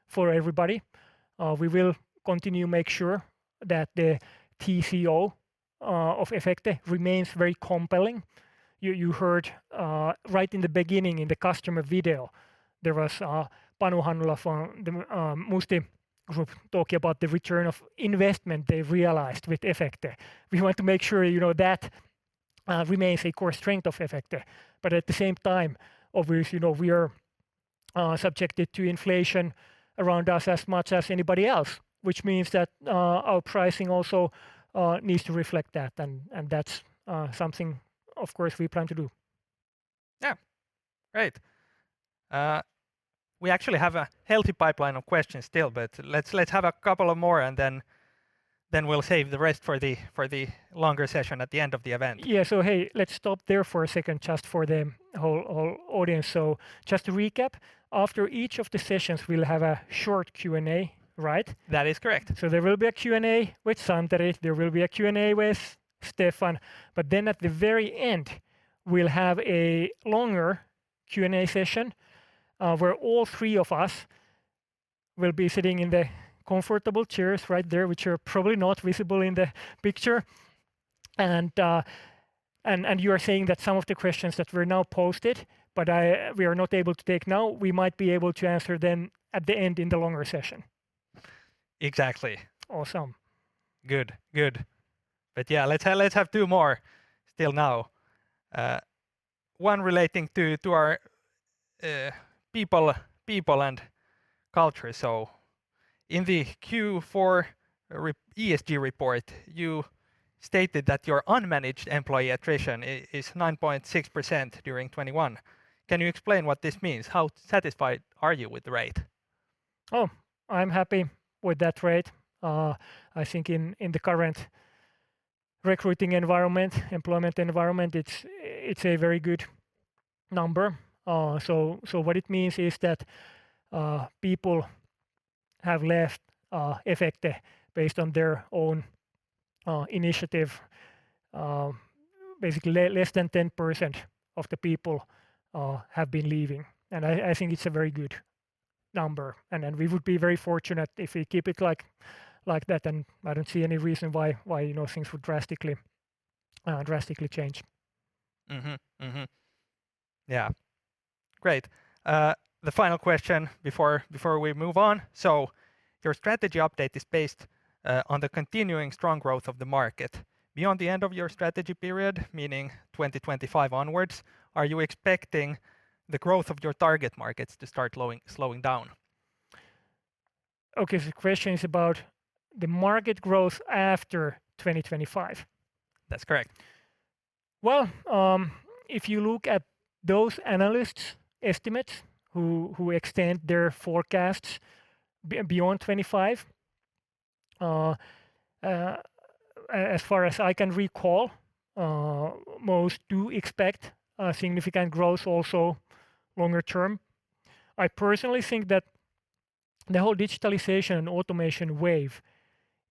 for everybody. We will continue make sure that the TCO of Efecte remains very compelling. You heard right in the beginning in the customer video, there was Panu Hannula from the Musti Group talking about the return on investment they've realized with Efecte. We want to make sure, you know, that remains a core strength of Efecte. At the same time, obviously, you know, we are subjected to inflation around us as much as anybody else, which means that our pricing also needs to reflect that. That's something of course we plan to do. Yeah. Great. We actually have a healthy pipeline of questions still, but let's have a couple more and then we'll save the rest for the longer session at the end of the event. Yeah. Hey, let's stop there for a second just for the whole audience. Just to recap, after each of the sessions, we'll have a short Q&A, right? That is correct. There will be a Q&A with Santeri. There will be a Q&A with Steffan. At the very end, we'll have a longer Q&A session, where all three of us will be sitting in the comfortable chairs right there, which are probably not visible in the picture. You are saying that some of the questions that were now posted, but we are not able to take now, we might be able to answer them at the end in the longer session. Exactly. Awesome. Good. Yeah, let's have two more still now. One relating to our people and culture. In the Q4 ESG report, you stated that your unmanaged employee attrition is 9.6% during 2021. Can you explain what this means? How satisfied are you with the rate? Oh, I'm happy with that rate. I think in the current recruiting environment, employment environment, it's a very good number. So what it means is that people have left Efecte based on their own initiative. Basically less than 10% of the people have been leaving, and I think it's a very good number. We would be very fortunate if we keep it like that, and I don't see any reason why, you know, things would drastically change. The final question before we move on. Your strategy update is based on the continuing strong growth of the market. Beyond the end of your strategy period, meaning 2025 onwards, are you expecting the growth of your target markets to start slowing down? Okay. The question is about the market growth after 2025. That's correct. Well, if you look at those analysts' estimates who extend their forecasts beyond 25, as far as I can recall, most do expect a significant growth also longer term. I personally think that the whole digitalization and automation wave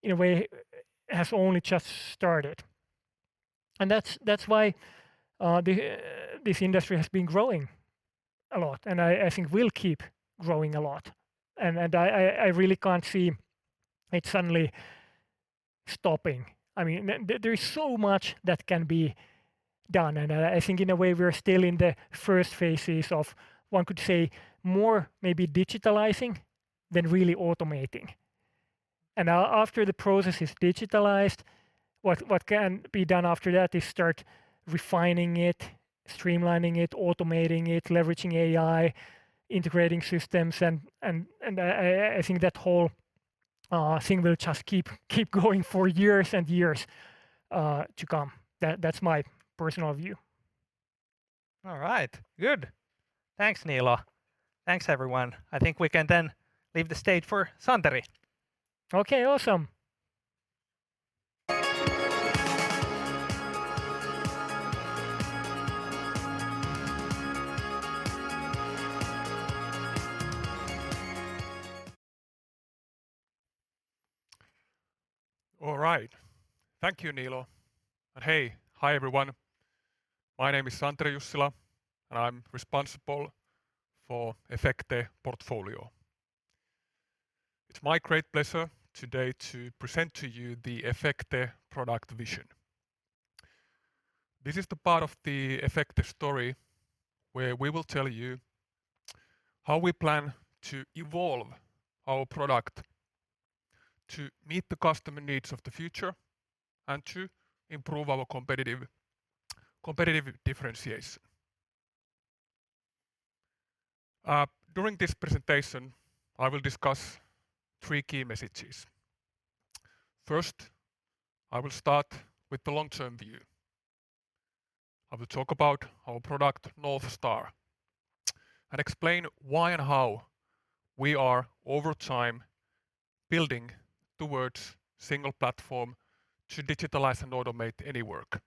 in a way has only just started, and that's why this industry has been growing a lot, and I think will keep growing a lot. I really can't see it suddenly stopping. I mean, there is so much that can be done, and I think in a way we are still in the first phases of, one could say, more maybe digitalizing than really automating. Now after the process is digitalized, what can be done after that is start refining it, streamlining it, automating it, leveraging AI, integrating systems, and I think that whole thing will just keep going for years and years to come. That's my personal view. All right. Good. Thanks, Niilo. Thanks, everyone. I think we can then leave the stage for Santeri. Okay. Awesome. All right. Thank you, Niilo. Hey, hi everyone. My name is Santeri Jussila, and I'm responsible for Efecte portfolio. It's my great pleasure today to present to you the Efecte product vision. This is the part of the Efecte story where we will tell you how we plan to evolve our product to meet the customer needs of the future, and to improve our competitive differentiation. During this presentation, I will discuss three key messages. First, I will start with the long-term view. I will talk about our product North Star, and explain why and how we are, over time, building towards single platform to digitalize and automate any work.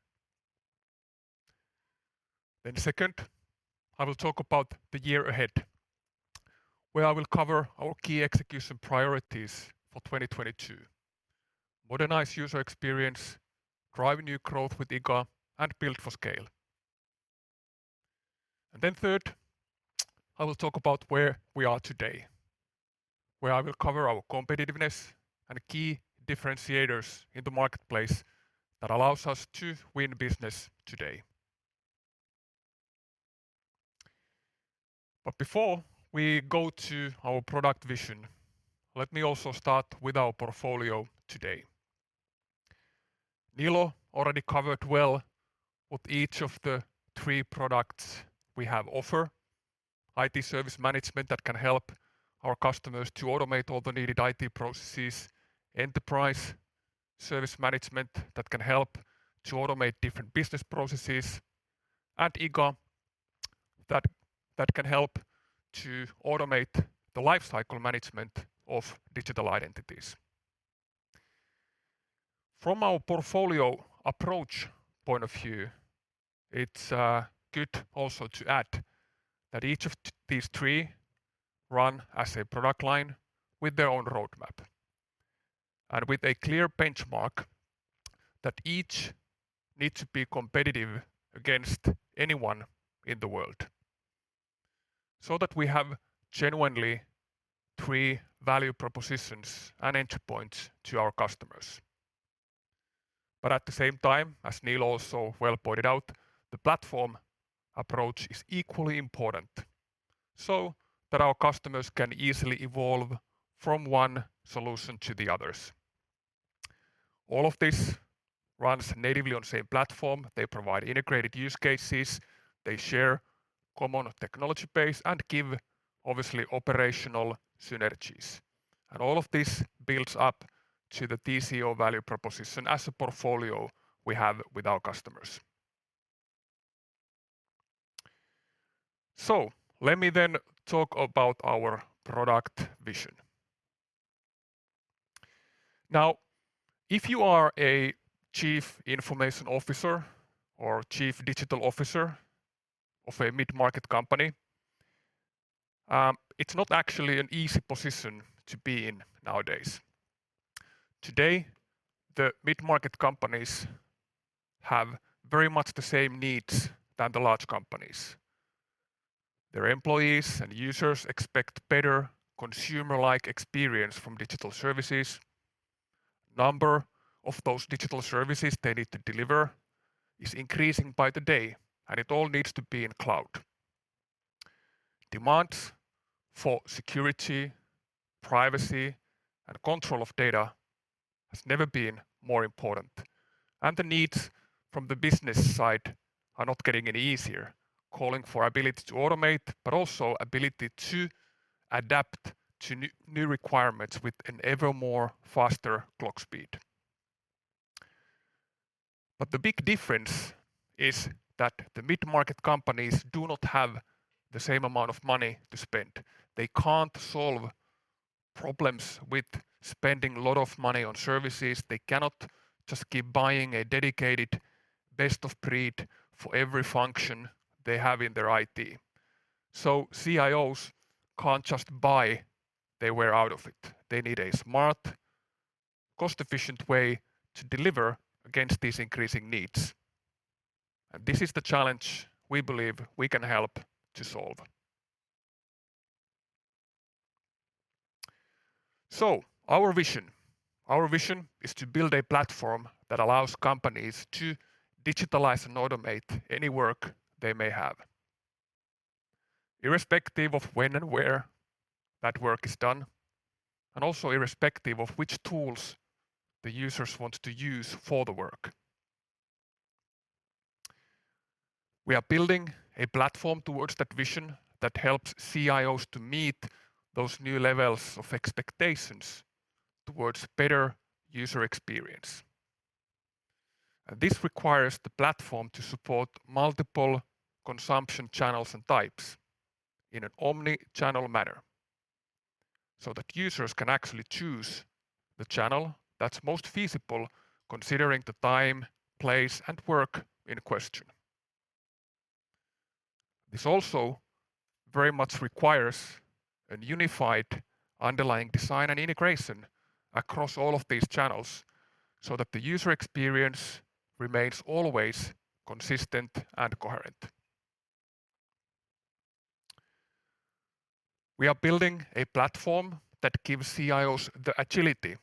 Second, I will talk about the year ahead, where I will cover our key execution priorities for 2022. Modernize user experience, drive new growth with IGA, and build for scale. Third, I will talk about where we are today, where I will cover our competitiveness and key differentiators in the marketplace that allows us to win business today. Before we go to our product vision, let me also start with our portfolio today. Niilo already covered well with each of the three products we have to offer. IT service management that can help our customers to automate all the needed IT processes, enterprise service management that can help to automate different business processes, and IGA that can help to automate the life cycle management of digital identities. From our portfolio approach point of view, it's good also to add that each of these three run as a product line with their own roadmap, and with a clear benchmark that each need to be competitive against anyone in the world, so that we have genuinely three value propositions and entry points to our customers. At the same time, as Niilo also well pointed out, the platform approach is equally important, so that our customers can easily evolve from one solution to the others. All of this runs natively on same platform. They provide integrated use cases. They share common technology base and give obviously operational synergies. All of this builds up to the TCO value proposition as a portfolio we have with our customers. Let me then talk about our product vision. Now, if you are a chief information officer or chief digital officer of a mid-market company, it's not actually an easy position to be in nowadays. Today, the mid-market companies have very much the same needs than the large companies. Their employees and users expect better consumer-like experience from digital services. Number of those digital services they need to deliver is increasing by the day, and it all needs to be in cloud. Demands for security, privacy, and control of data has never been more important. The needs from the business side are not getting any easier, calling for ability to automate, but also ability to adapt to new requirements with an ever more faster clock speed. The big difference is that the mid-market companies do not have the same amount of money to spend. They can't solve problems with spending a lot of money on services. They cannot just keep buying a dedicated best of breed for every function they have in their IT. CIOs can't just buy their way out of it. They need a smart, cost-efficient way to deliver against these increasing needs. This is the challenge we believe we can help to solve. Our vision. Our vision is to build a platform that allows companies to digitalize and automate any work they may have irrespective of when and where that work is done, and also irrespective of which tools the users want to use for the work. We are building a platform towards that vision that helps CIOs to meet those new levels of expectations towards better user experience. This requires the platform to support multiple consumption channels and types in an omni-channel manner, so that users can actually choose the channel that's most feasible considering the time, place, and work in question. This also very much requires a unified underlying design and integration across all of these channels so that the user experience remains always consistent and coherent. We are building a platform that gives CIOs the agility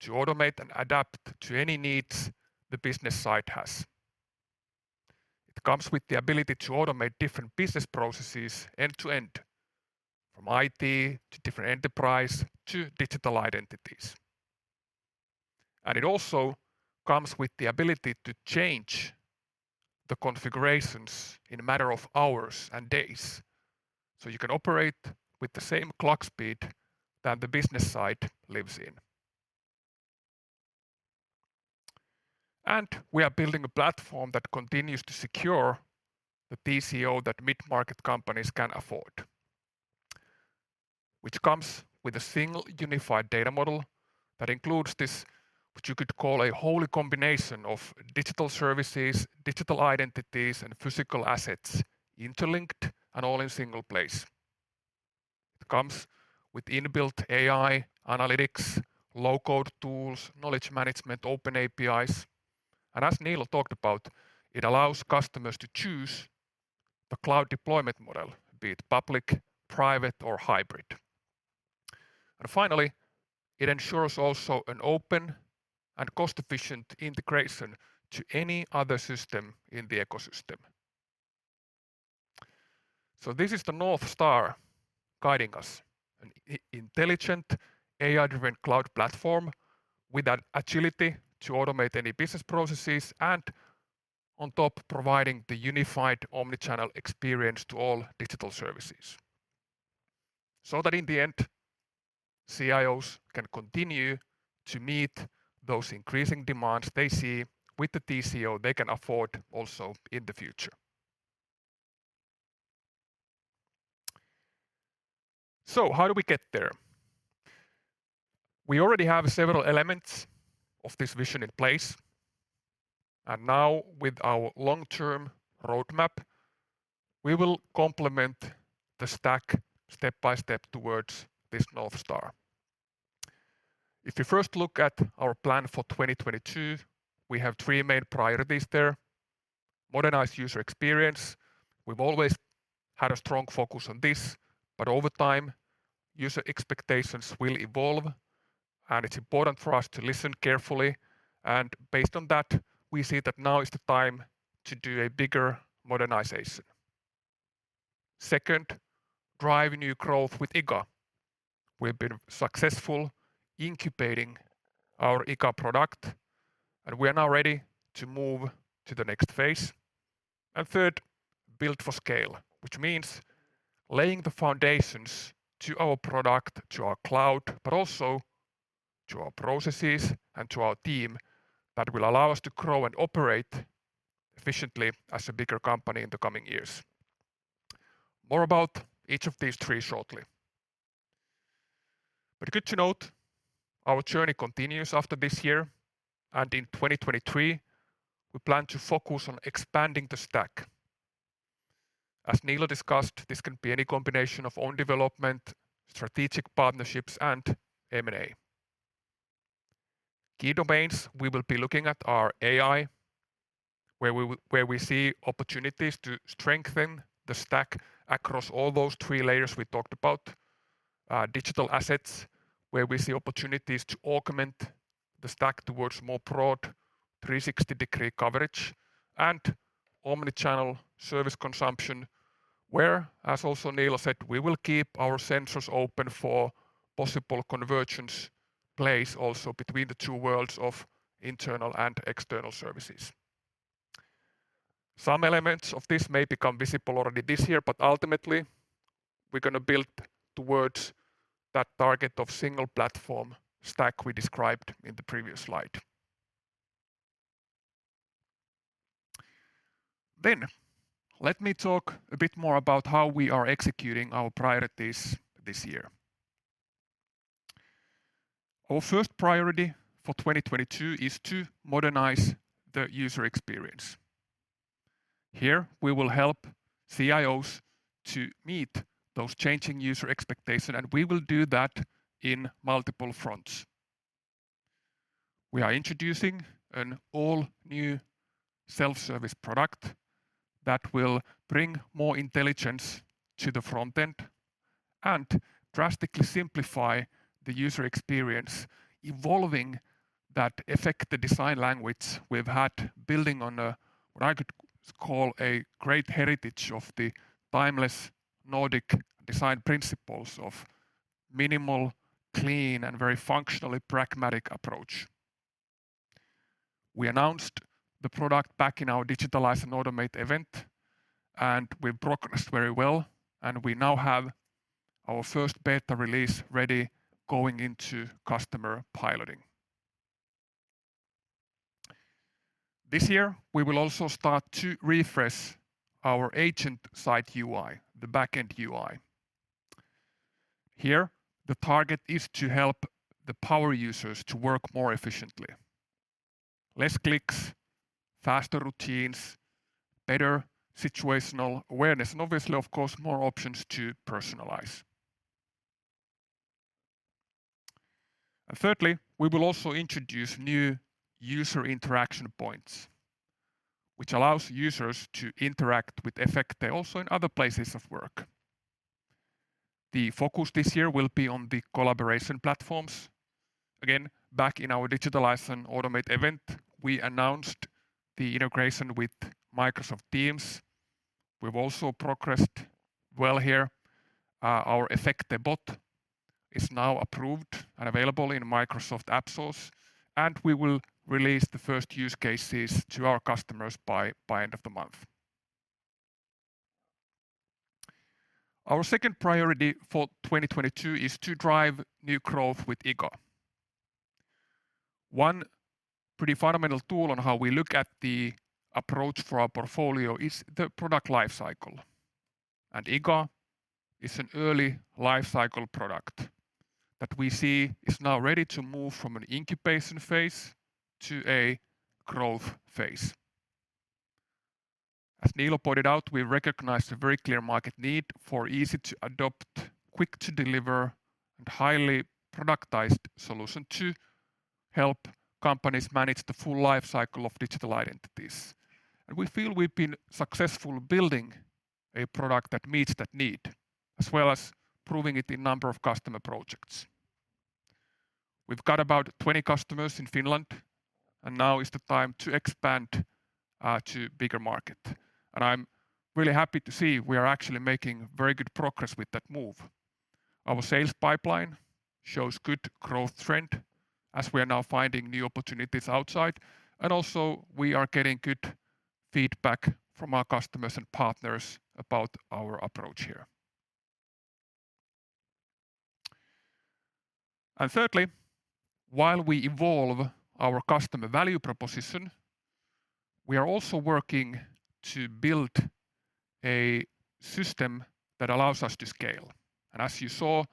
to automate and adapt to any needs the business side has. It comes with the ability to automate different business processes end to end, from IT to different enterprise to digital identities. It also comes with the ability to change the configurations in a matter of hours and days, so you can operate with the same clock speed that the business side lives in. We are building a platform that continues to secure the TCO that mid-market companies can afford. Which comes with a single unified data model that includes this, what you could call a holy combination of digital services, digital identities and physical assets interlinked and all in a single place. It comes with inbuilt AI, analytics, low code tools, knowledge management, open APIs. As Niilo talked about, it allows customers to choose the cloud deployment model, be it public, private or hybrid. Finally, it ensures also an open and cost-efficient integration to any other system in the ecosystem. This is the North Star guiding us, an intelligent AI-driven cloud platform with an agility to automate any business processes and on top providing the unified omni-channel experience to all digital services. So that in the end, CIOs can continue to meet those increasing demands they see with the TCO they can afford also in the future. How do we get there? We already have several elements of this vision in place. Now with our long-term roadmap, we will complement the stack step by step towards this North Star. If you first look at our plan for 2022, we have three main priorities there. Modernized user experience. We've always had a strong focus on this, but over time, user expectations will evolve, and it's important for us to listen carefully. Based on that, we see that now is the time to do a bigger modernization. Second, drive new growth with IGA. We've been successful incubating our IGA product, and we are now ready to move to the next phase. Third, build for scale, which means laying the foundations to our product, to our cloud, but also to our processes and to our team that will allow us to grow and operate efficiently as a bigger company in the coming years. More about each of these three shortly. Good to note, our journey continues after this year. In 2023, we plan to focus on expanding the stack. As Niilo discussed, this can be any combination of own development, strategic partnerships, and M&A. Key domains we will be looking at are AI, where we see opportunities to strengthen the stack across all those three layers we talked about. Digital assets where we see opportunities to augment the stack towards more broad 360-degree coverage and omni-channel service consumption, where, as also Niilo said, we will keep our sensors open for possible convergence plays also between the two worlds of internal and external services. Some elements of this may become visible already this year, but ultimately, we're gonna build towards that target of single platform stack we described in the previous slide. Let me talk a bit more about how we are executing our priorities this year. Our first priority for 2022 is to modernize the user experience. Here we will help CIOs to meet those changing user expectation, and we will do that in multiple fronts. We are introducing an all new self-service product that will bring more intelligence to the front end and drastically simplify the user experience evolving that Efecte design language we've had building on a, what I could call a great heritage of the timeless Nordic design principles of minimal, clean, and very functionally pragmatic approach. We announced the product back in our Digitalize and Automate event, and we've progressed very well, and we now have our first beta release ready going into customer piloting. This year, we will also start to refresh our agent site UI, the back-end UI. Here, the target is to help the power users to work more efficiently. Less clicks, faster routines, better situational awareness, and obviously, of course, more options to personalize. Thirdly, we will also introduce new user interaction points, which allows users to interact with Efecte also in other places of work. The focus this year will be on the collaboration platforms. Again, back in our Digitalize and Automate event, we announced the integration with Microsoft Teams. We've also progressed well here. Our Efecte bot is now approved and available in Microsoft AppSource, and we will release the first use cases to our customers by end of the month. Our second priority for 2022 is to drive new growth with IGA. One pretty fundamental tool on how we look at the approach for our portfolio is the product life cycle. IGA is an early life cycle product that we see is now ready to move from an incubation phase to a growth phase. As Niilo pointed out, we recognize the very clear market need for easy-to-adopt, quick-to-deliver, and highly productized solution to help companies manage the full life cycle of digital identities. We feel we've been successful building a product that meets that need, as well as proving it in number of customer projects. We've got about 20 customers in Finland, and now is the time to expand to bigger market. I'm really happy to see we are actually making very good progress with that move. Our sales pipeline shows good growth trend as we are now finding new opportunities outside. We are getting good feedback from our customers and partners about our approach here. While we evolve our customer value proposition, we are also working to build a system that allows us to scale. As you saw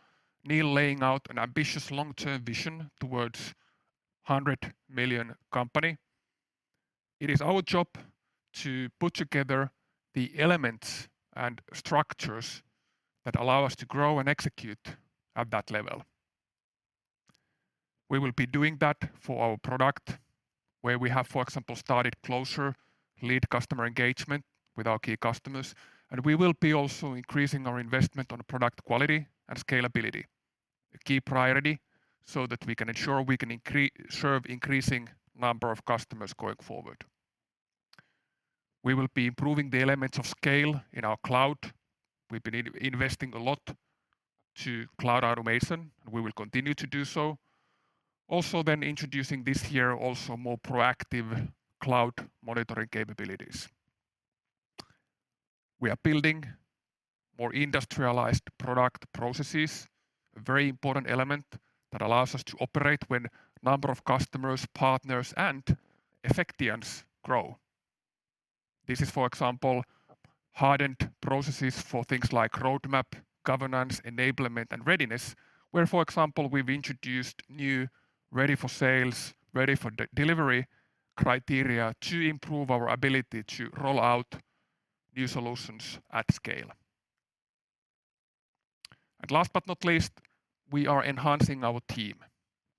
Niilo laying out an ambitious long-term vision towards 100 million company, it is our job to put together the elements and structures that allow us to grow and execute at that level. We will be doing that for our product where we have, for example, started closer lead customer engagement with our key customers, and we will be also increasing our investment on product quality and scalability. A key priority so that we can ensure we can serve increasing number of customers going forward. We will be improving the elements of scale in our cloud. We've been investing a lot to cloud automation, and we will continue to do so, also introducing this year more proactive cloud monitoring capabilities. We are building more industrialized product processes, a very important element that allows us to operate when number of customers, partners, and Efectians grow. This is, for example, hardened processes for things like roadmap, governance, enablement, and readiness, where, for example, we've introduced new ready for sales, ready for delivery criteria to improve our ability to roll out new solutions at scale. Last but not least, we are enhancing our team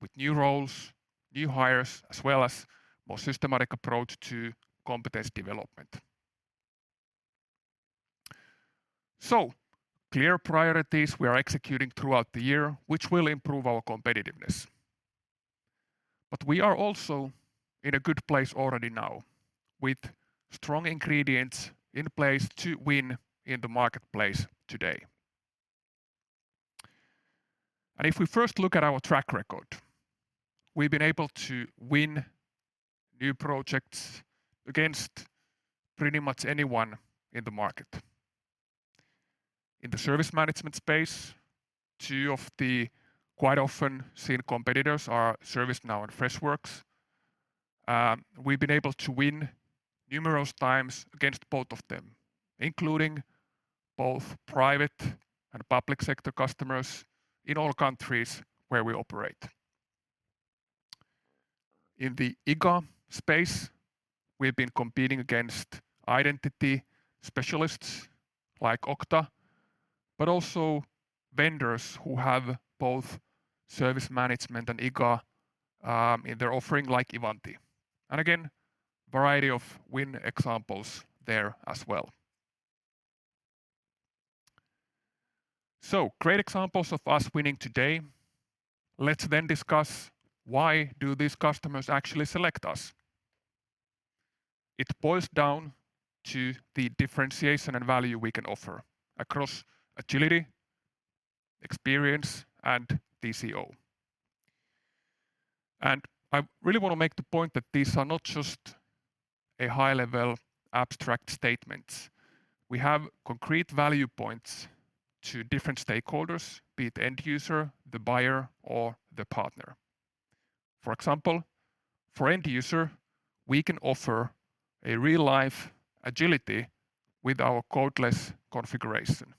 with new roles, new hires, as well as more systematic approach to competence development. Clear priorities we are executing throughout the year, which will improve our competitiveness. We are also in a good place already now with strong ingredients in place to win in the marketplace today. If we first look at our track record, we've been able to win new projects against pretty much anyone in the market. In the service management space, two of the quite often seen competitors are ServiceNow and Freshworks. We've been able to win numerous times against both of them, including both private and public sector customers in all countries where we operate. In the IGA space, we've been competing against identity specialists like Okta, but also vendors who have both service management and IGA, in their offering like Ivanti. Again, variety of win examples there as well. Great examples of us winning today. Let's discuss why do these customers actually select us? It boils down to the differentiation and value we can offer across agility, experience, and TCO. I really wanna make the point that these are not just a high-level abstract statements. We have concrete value points to different stakeholders, be it the end user, the buyer, or the partner. For example, for end user, we can offer a real-life agility with our codeless configuration.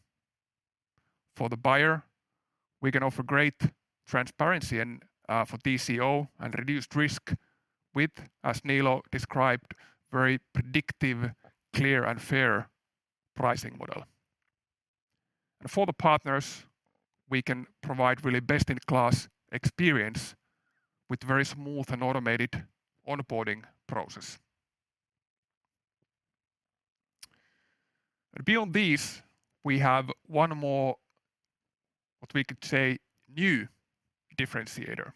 For the buyer, we can offer great transparency and for TCO and reduced risk with, as Niilo described, very predictive, clear and fair pricing model. For the partners, we can provide really best-in-class experience with very smooth and automated onboarding process. Beyond these, we have one more, what we could say, new differentiator,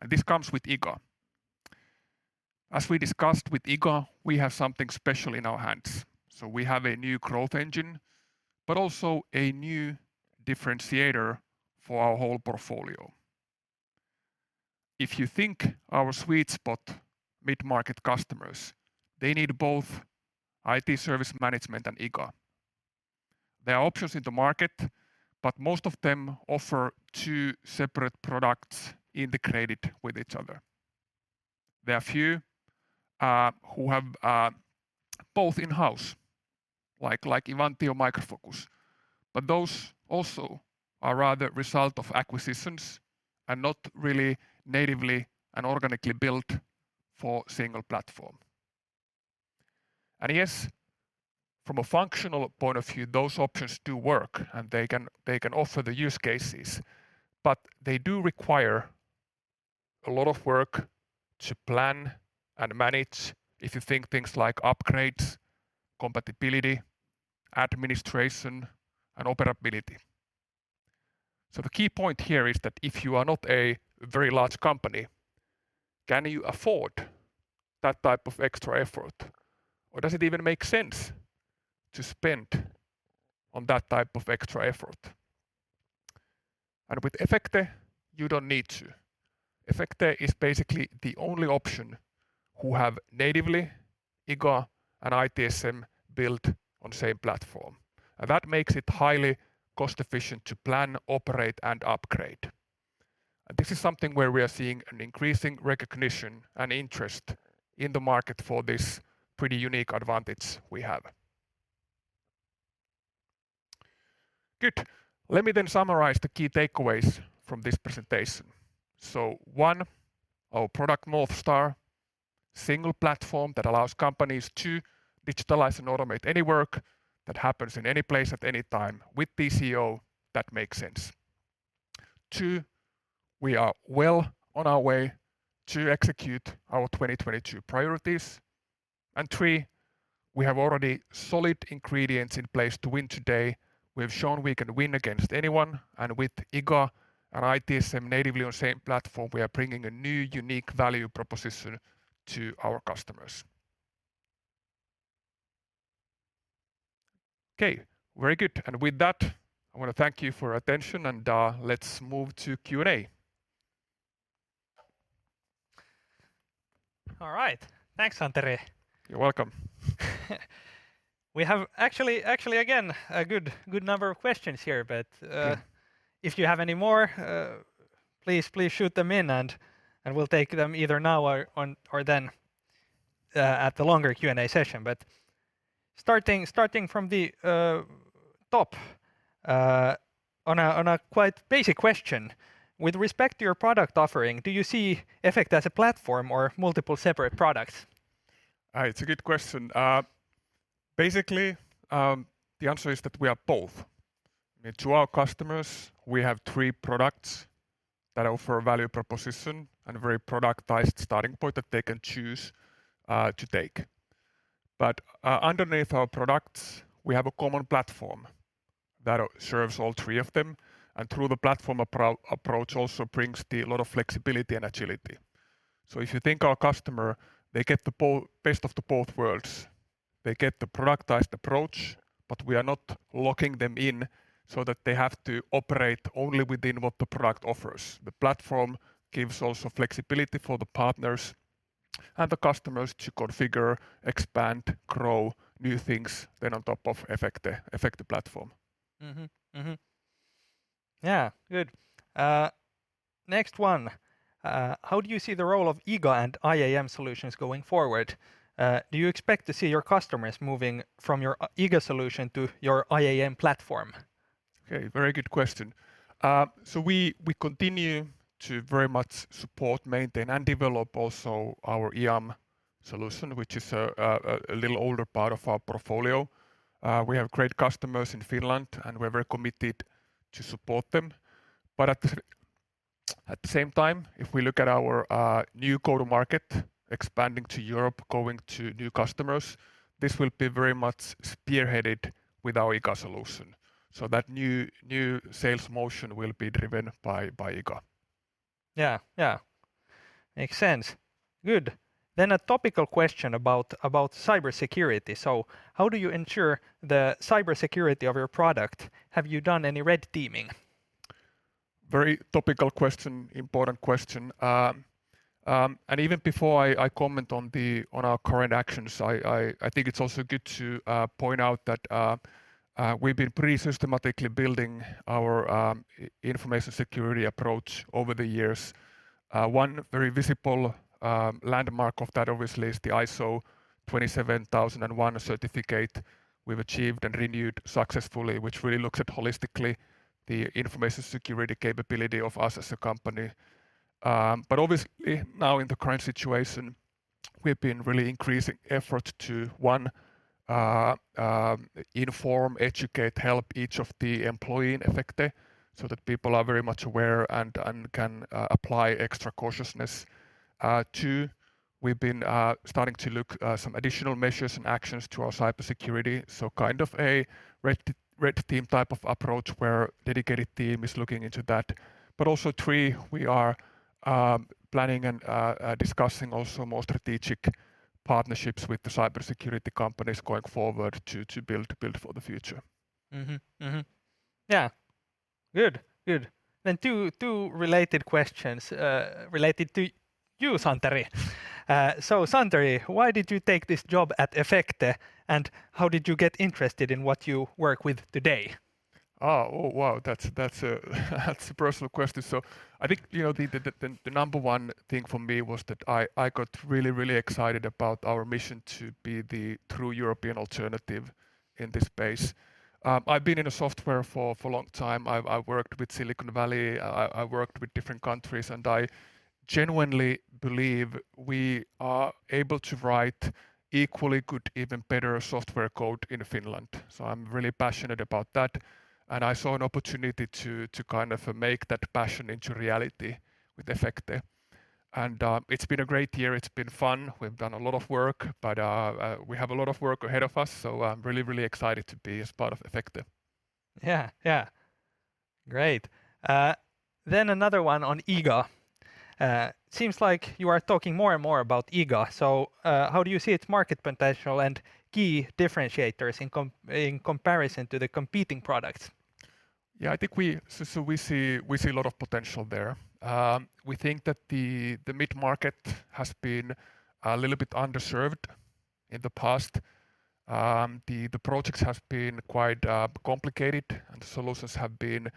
and this comes with IGA. As we discussed with IGA, we have something special in our hands. We have a new growth engine, but also a new differentiator for our whole portfolio. If you think our sweet spot mid-market customers, they need both IT service management and IGA. There are options in the market, but most of them offer two separate products integrated with each other. There are few who have both in-house, like Ivanti or Micro Focus, but those also are rather result of acquisitions and not really natively and organically built for single platform. Yes, from a functional point of view, those options do work, and they can offer the use cases, but they do require a lot of work to plan and manage if you think things like upgrades, compatibility, administration, and operability. The key point here is that if you are not a very large company, can you afford that type of extra effort? Or does it even make sense to spend on that type of extra effort? With Efecte, you don't need to. Efecte is basically the only option who have natively IGA and ITSM built on same platform. That makes it highly cost efficient to plan, operate, and upgrade. This is something where we are seeing an increasing recognition and interest in the market for this pretty unique advantage we have. Good. Let me then summarize the key takeaways from this presentation. One, our product North Star, single platform that allows companies to digitalize and automate any work that happens in any place at any time with TCO that makes sense. Two, we are well on our way to execute our 2022 priorities. Three, we have already solid ingredients in place to win today. We have shown we can win against anyone, and with IGA and ITSM natively on same platform, we are bringing a new unique value proposition to our customers. Okay. Very good. With that, I wanna thank you for attention and, let's move to Q&A. All right. Thanks, Santeri. You're welcome. We have actually again a good number of questions here, but Okay If you have any more, please shoot them in and we'll take them either now or then at the longer Q&A session. Starting from the top, on a quite basic question. With respect to your product offering, do you see Efecte as a platform or multiple separate products? It's a good question. Basically, the answer is that we are both. I mean, to our customers, we have three products that offer a value proposition and a very productized starting point that they can choose to take. Underneath our products, we have a common platform that serves all three of them, and through the platform approach also brings a lot of flexibility and agility. If you think of our customer, they get the best of both worlds. They get the productized approach, but we are not locking them in so that they have to operate only within what the product offers. The platform gives also flexibility for the partners and the customers to configure, expand, grow new things then on top of Efecte platform. Next one. How do you see the role of IGA and IAM solutions going forward? Do you expect to see your customers moving from your IGA solution to your IAM platform? Okay. Very good question. We continue to very much support, maintain, and develop also our IAM solution, which is a little older part of our portfolio. We have great customers in Finland, and we're very committed to support them. At the same time, if we look at our new go-to-market, expanding to Europe, going to new customers, this will be very much spearheaded with our IGA solution. That new sales motion will be driven by IGA. Yeah. Yeah. Makes sense. Good. A topical question about cybersecurity. How do you ensure the cybersecurity of your product? Have you done any red teaming? Very topical question, important question. Even before I think it's also good to point out that we've been pretty systematically building our information security approach over the years. One very visible landmark of that obviously is the ISO 27001 certificate we've achieved and renewed successfully, which really looks at holistically the information security capability of us as a company. Obviously now in the current situation, we've been really increasing effort to inform, educate, help each of the employee in Efecte so that people are very much aware and can apply extra cautiousness. Two, we've been starting to look some additional measures and actions to our cybersecurity, so kind of a red team type of approach where dedicated team is looking into that. Three, we are planning and discussing also more strategic partnerships with the cybersecurity companies going forward to build for the future. Two related questions related to you, Santeri. So Santeri, why did you take this job at Efecte, and how did you get interested in what you work with today? Oh, wow. That's a personal question. I think, you know, the number one thing for me was that I got really excited about our mission to be the true European alternative in this space. I've been in software for a long time. I've worked with Silicon Valley. I worked with different countries, and I genuinely believe we are able to write equally good, even better software code in Finland. I'm really passionate about that, and I saw an opportunity to kind of make that passion into reality with Efecte. It's been a great year. It's been fun. We've done a lot of work, but we have a lot of work ahead of us, so I'm really excited to be a part of Efecte. Another one on IGA. Seems like you are talking more and more about IGA. How do you see its market potential and key differentiators in comparison to the competing products? We see a lot of potential there. We think that the mid-market has been a little bit underserved in the past. The projects have been quite complicated, and the solutions have been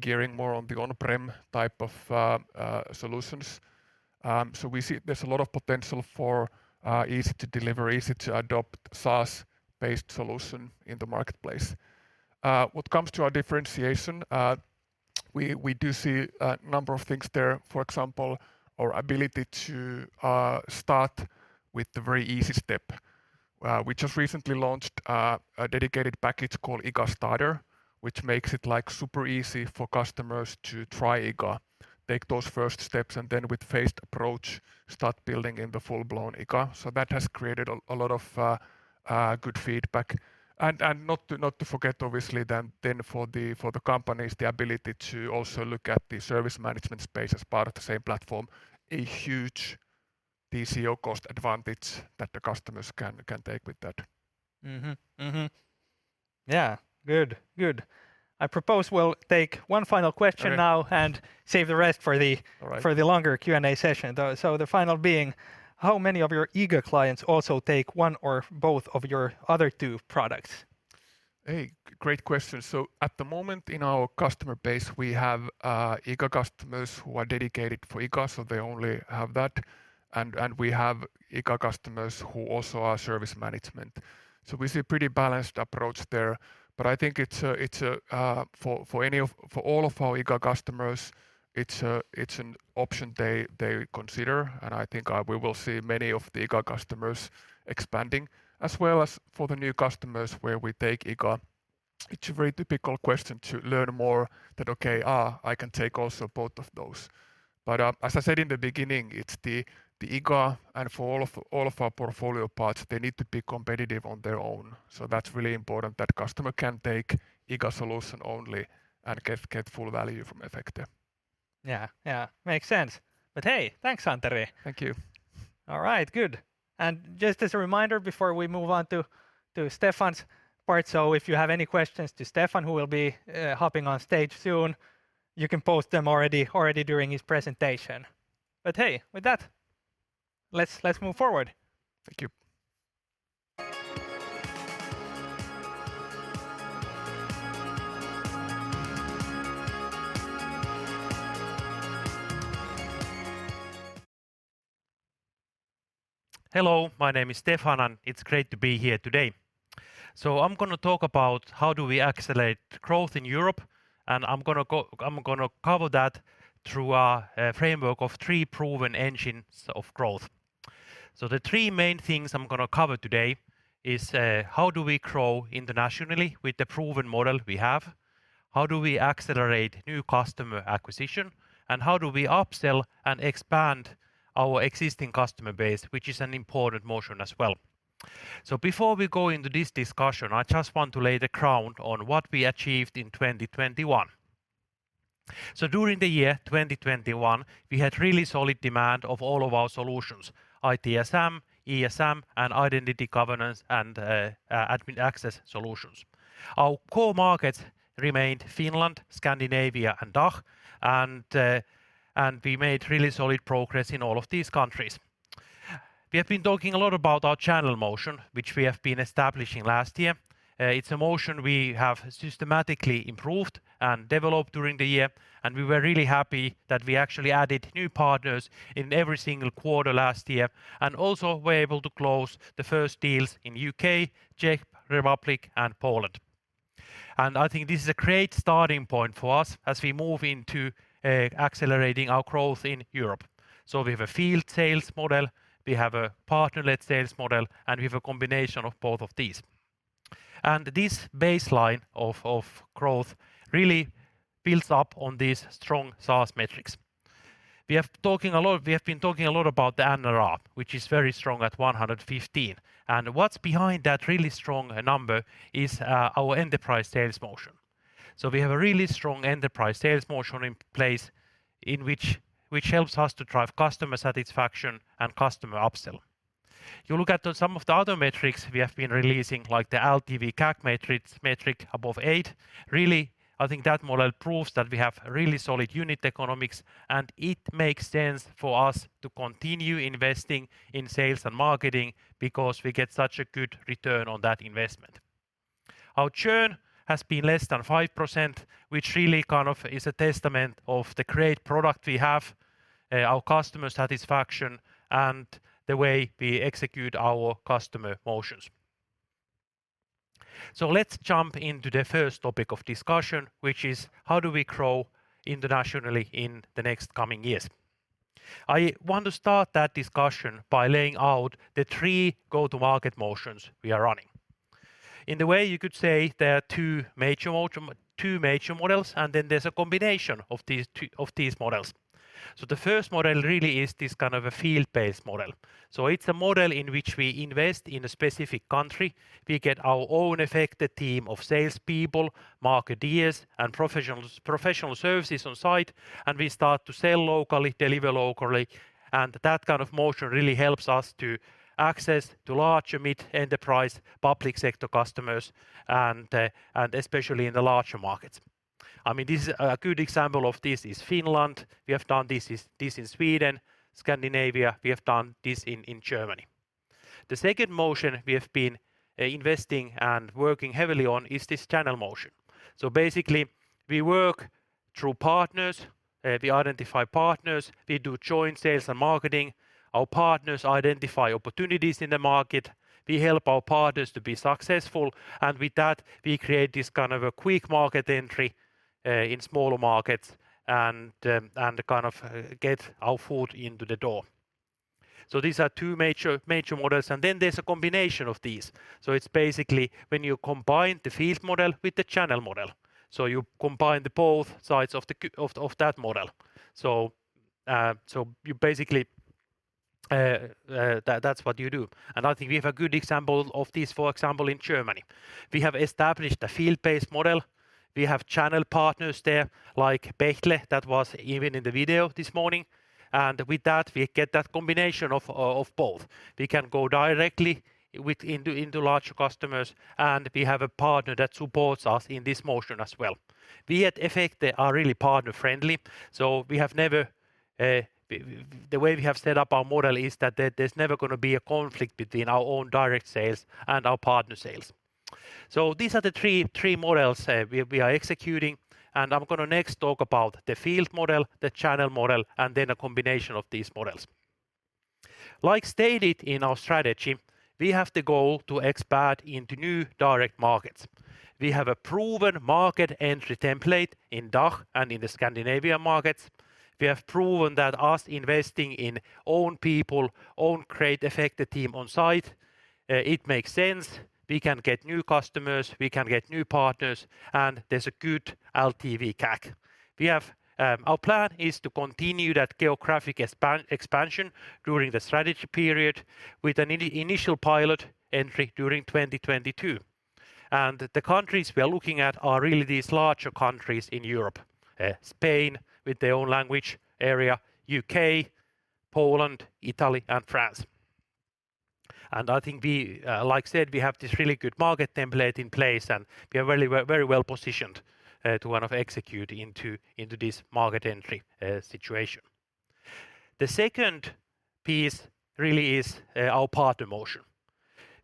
gearing more on the on-prem type of solutions. We see there's a lot of potential for easy to deliver, easy to adopt SaaS-based solution in the marketplace. What comes to our differentiation, we do see a number of things there. For example, our ability to start with the very easy step. We just recently launched a dedicated package called IGA Starter, which makes it, like, super easy for customers to try IGA, take those first steps, and then with phased approach, start building in the full-blown IGA. That has created a lot of good feedback. Not to forget obviously then for the companies, the ability to also look at the service management space as part of the same platform, a huge TCO cost advantage that the customers can take with that. Mm-hmm. Yeah. Good. I propose we'll take one final question now. All right.... and save the rest for the- All right.... for the longer Q&A session. The final question being, how many of your IGA clients also take one or both of your other two products? Hey, great question. At the moment in our customer base, we have IGA customers who are dedicated for IGA, so they only have that, and we have IGA customers who also are service management. We see pretty balanced approach there, but I think it's a for all of our IGA customers, it's an option they consider, and I think we will see many of the IGA customers expanding. As well as for the new customers where we take IGA, it's a very typical question to learn more that, "Okay, I can take also both of those." As I said in the beginning, it's the IGA and for all of our portfolio parts, they need to be competitive on their own. That's really important that customer can take IGA solution only and get full value from Efecte. Yeah. Yeah. Makes sense. Hey, thanks, Santeri. Thank you. All right. Good. Just as a reminder before we move on to Steffan's part, if you have any questions to Steffan, who will be hopping on stage soon, you can post them already during his presentation. Hey, with that, let's move forward. Thank you. Hello, my name is Steffan, and it's great to be here today. I'm gonna talk about how do we accelerate growth in Europe, and I'm gonna cover that through a framework of three proven engines of growth. The three main things I'm gonna cover today is how do we grow internationally with the proven model we have? How do we accelerate new customer acquisition? And how do we upsell and expand our existing customer base, which is an important motion as well. Before we go into this discussion, I just want to lay the ground on what we achieved in 2021. During the year 2021, we had really solid demand of all of our solutions, ITSM, ESM, and identity governance and administration solutions. Our core markets remained Finland, Scandinavia, and DACH, and we made really solid progress in all of these countries. We have been talking a lot about our channel motion, which we have been establishing last year. It's a motion we have systematically improved and developed during the year, and we were really happy that we actually added new partners in every single quarter last year. We also were able to close the first deals in U.K., Czech Republic, and Poland. I think this is a great starting point for us as we move into accelerating our growth in Europe. We have a field sales model, we have a partner-led sales model, and we have a combination of both of these. This baseline of growth really builds up on these strong sales metrics. We have been talking a lot. We have been talking a lot about the NRR, which is very strong at 115. What's behind that really strong number is our enterprise sales motion. We have a really strong enterprise sales motion in place in which helps us to drive customer satisfaction and customer upsell. You look at some of the other metrics we have been releasing, like the LTV/CAC metric above eight. Really, I think that model proves that we have really solid unit economics, and it makes sense for us to continue investing in sales and marketing because we get such a good return on that investment. Our churn has been less than 5%, which really kind of is a testament of the great product we have, our customer satisfaction, and the way we execute our customer motions. Let's jump into the first topic of discussion, which is How do we grow internationally in the next coming years? I want to start that discussion by laying out the three go-to-market motions we are running. In a way you could say there are two major models, and then there's a combination of these two of these models. The first model really is this kind of a field-based model. It's a model in which we invest in a specific country. We get our own Efecte team of salespeople, marketeers, and professional services on site, and we start to sell locally, deliver locally, and that kind of motion really helps us to access to larger mid-enterprise public sector customers and especially in the larger markets. I mean, this is a good example of this is Finland. We have done this in Sweden, Scandinavia. We have done this in Germany. The second motion we have been investing and working heavily on is this channel motion. Basically, we work through partners. We identify partners. We do joint sales and marketing. Our partners identify opportunities in the market. We help our partners to be successful, and with that, we create this kind of a quick market entry in smaller markets and kind of get our foot in the door. These are two major models, and then there's a combination of these. It's basically when you combine the field model with the channel model. You combine both sides of that model. You basically do that. That's what you do. I think we have a good example of this, for example, in Germany. We have established a field-based model. We have channel partners there like Bechtle that was even in the video this morning. With that, we get that combination of both. We can go directly into larger customers, and we have a partner that supports us in this motion as well. We at Efecte are really partner-friendly, so we have never. The way we have set up our model is that there's never gonna be a conflict between our own direct sales and our partner sales. These are the three models we are executing, and I'm gonna next talk about the field model, the channel model, and then a combination of these models. As stated in our strategy, we have the goal to expand into new direct markets. We have a proven market entry template in DACH and in the Scandinavian markets. We have proven that us investing in own people, own great Efecte team on site, it makes sense. We can get new customers, we can get new partners, and there's a good LTV/CAC. Our plan is to continue that geographic expansion during the strategy period with an initial pilot entry during 2022. The countries we are looking at are really these larger countries in Europe. Spain with their own language area, U.K., Poland, Italy, and France. I think we, like I said, we have this really good market template in place, and we are very well positioned to kind of execute into this market entry situation. The second piece really is our partner motion.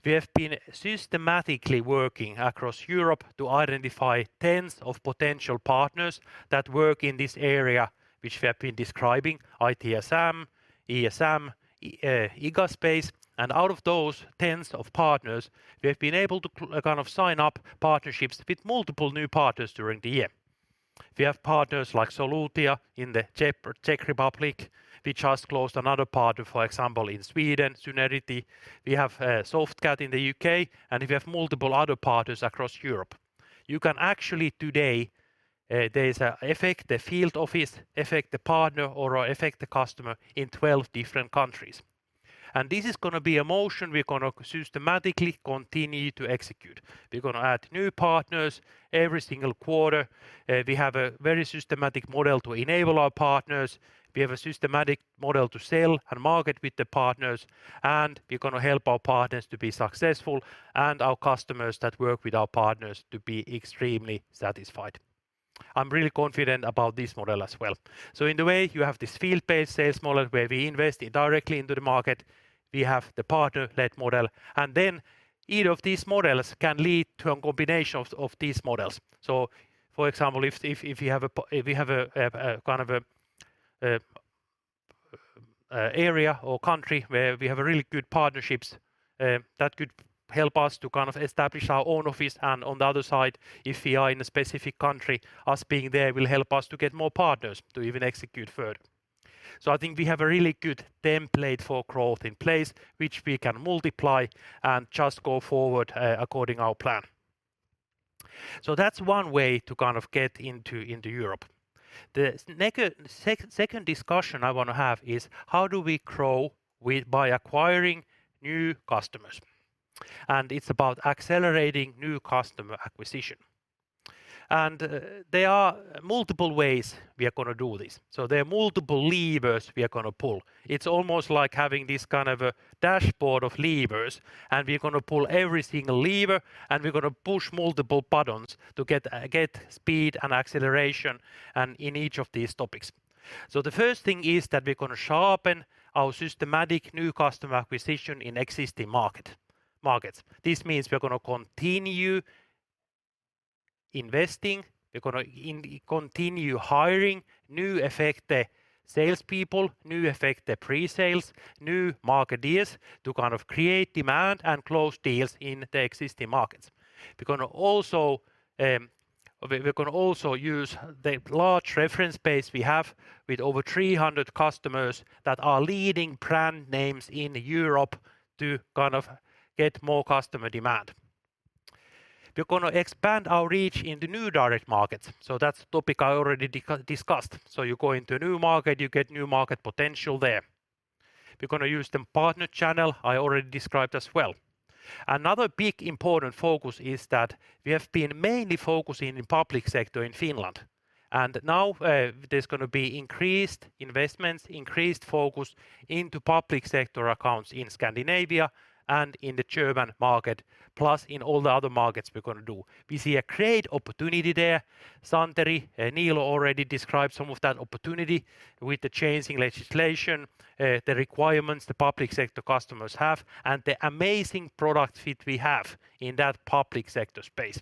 We have been systematically working across Europe to identify tens of potential partners that work in this area which we have been describing, ITSM, ESM, e-commerce space. Out of those tens of partners, we have been able to kind of sign up partnerships with multiple new partners during the year. We have partners like Solutia in the Czech Republic. We just closed another partner, for example, in Sweden, Zunarity. We have Softcat in the U.K., and we have multiple other partners across Europe. You can actually today there is an Efecte field office, Efecte partner or Efecte customer in 12 different countries. This is gonna be a motion we're gonna systematically continue to execute. We're gonna add new partners every single quarter. We have a very systematic model to enable our partners. We have a systematic model to sell and market with the partners, and we're gonna help our partners to be successful and our customers that work with our partners to be extremely satisfied. I'm really confident about this model as well. In the way, you have this field-based sales model where we invest directly into the market, we have the partner-led model, and then each of these models can lead to a combination of these models. For example, if we have a kind of a area or country where we have really good partnerships, that could help us to kind of establish our own office and on the other side, if we are in a specific country, us being there will help us to get more partners to even execute further. I think we have a really good template for growth in place, which we can multiply and just go forward according to our plan. That's one way to kind of get into Europe. The second discussion I wanna have is how do we grow by acquiring new customers? It's about accelerating new customer acquisition. There are multiple ways we are gonna do this. There are multiple levers we are gonna pull. It's almost like having this kind of a dashboard of levers, and we're gonna pull every single lever, and we're gonna push multiple buttons to get speed and acceleration in each of these topics. The first thing is that we're gonna sharpen our systematic new customer acquisition in existing markets. This means we're gonna continue investing, we're gonna in... Continue hiring new Efecte salespeople, new Efecte pre-sales, new marketeers to kind of create demand and close deals in the existing markets. We're gonna also use the large reference base we have with over 300 customers that are leading brand names in Europe to kind of get more customer demand. We're gonna expand our reach in the new direct markets, so that's a topic I already discussed. You go into a new market, you get new market potential there. We're gonna use the partner channel I already described as well. Another big important focus is that we have been mainly focusing in public sector in Finland. Now, there's gonna be increased investments, increased focus into public sector accounts in Scandinavia and in the German market, plus in all the other markets we're gonna do. We see a great opportunity there. Santeri and Niilo already described some of that opportunity with the changing legislation, the requirements the public sector customers have, and the amazing product fit we have in that public sector space.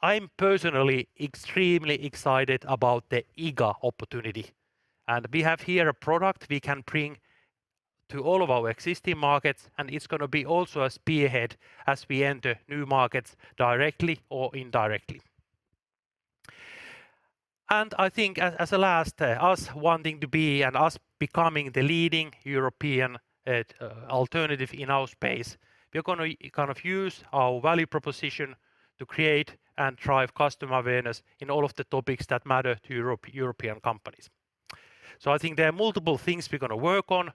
I'm personally extremely excited about the IGA opportunity. We have here a product we can bring to all of our existing markets, and it's gonna be also a spearhead as we enter new markets directly or indirectly. I think us wanting to be and us becoming the leading European alternative in our space, we're gonna kind of use our value proposition to create and drive customer awareness in all of the topics that matter to European companies. I think there are multiple things we're gonna work on.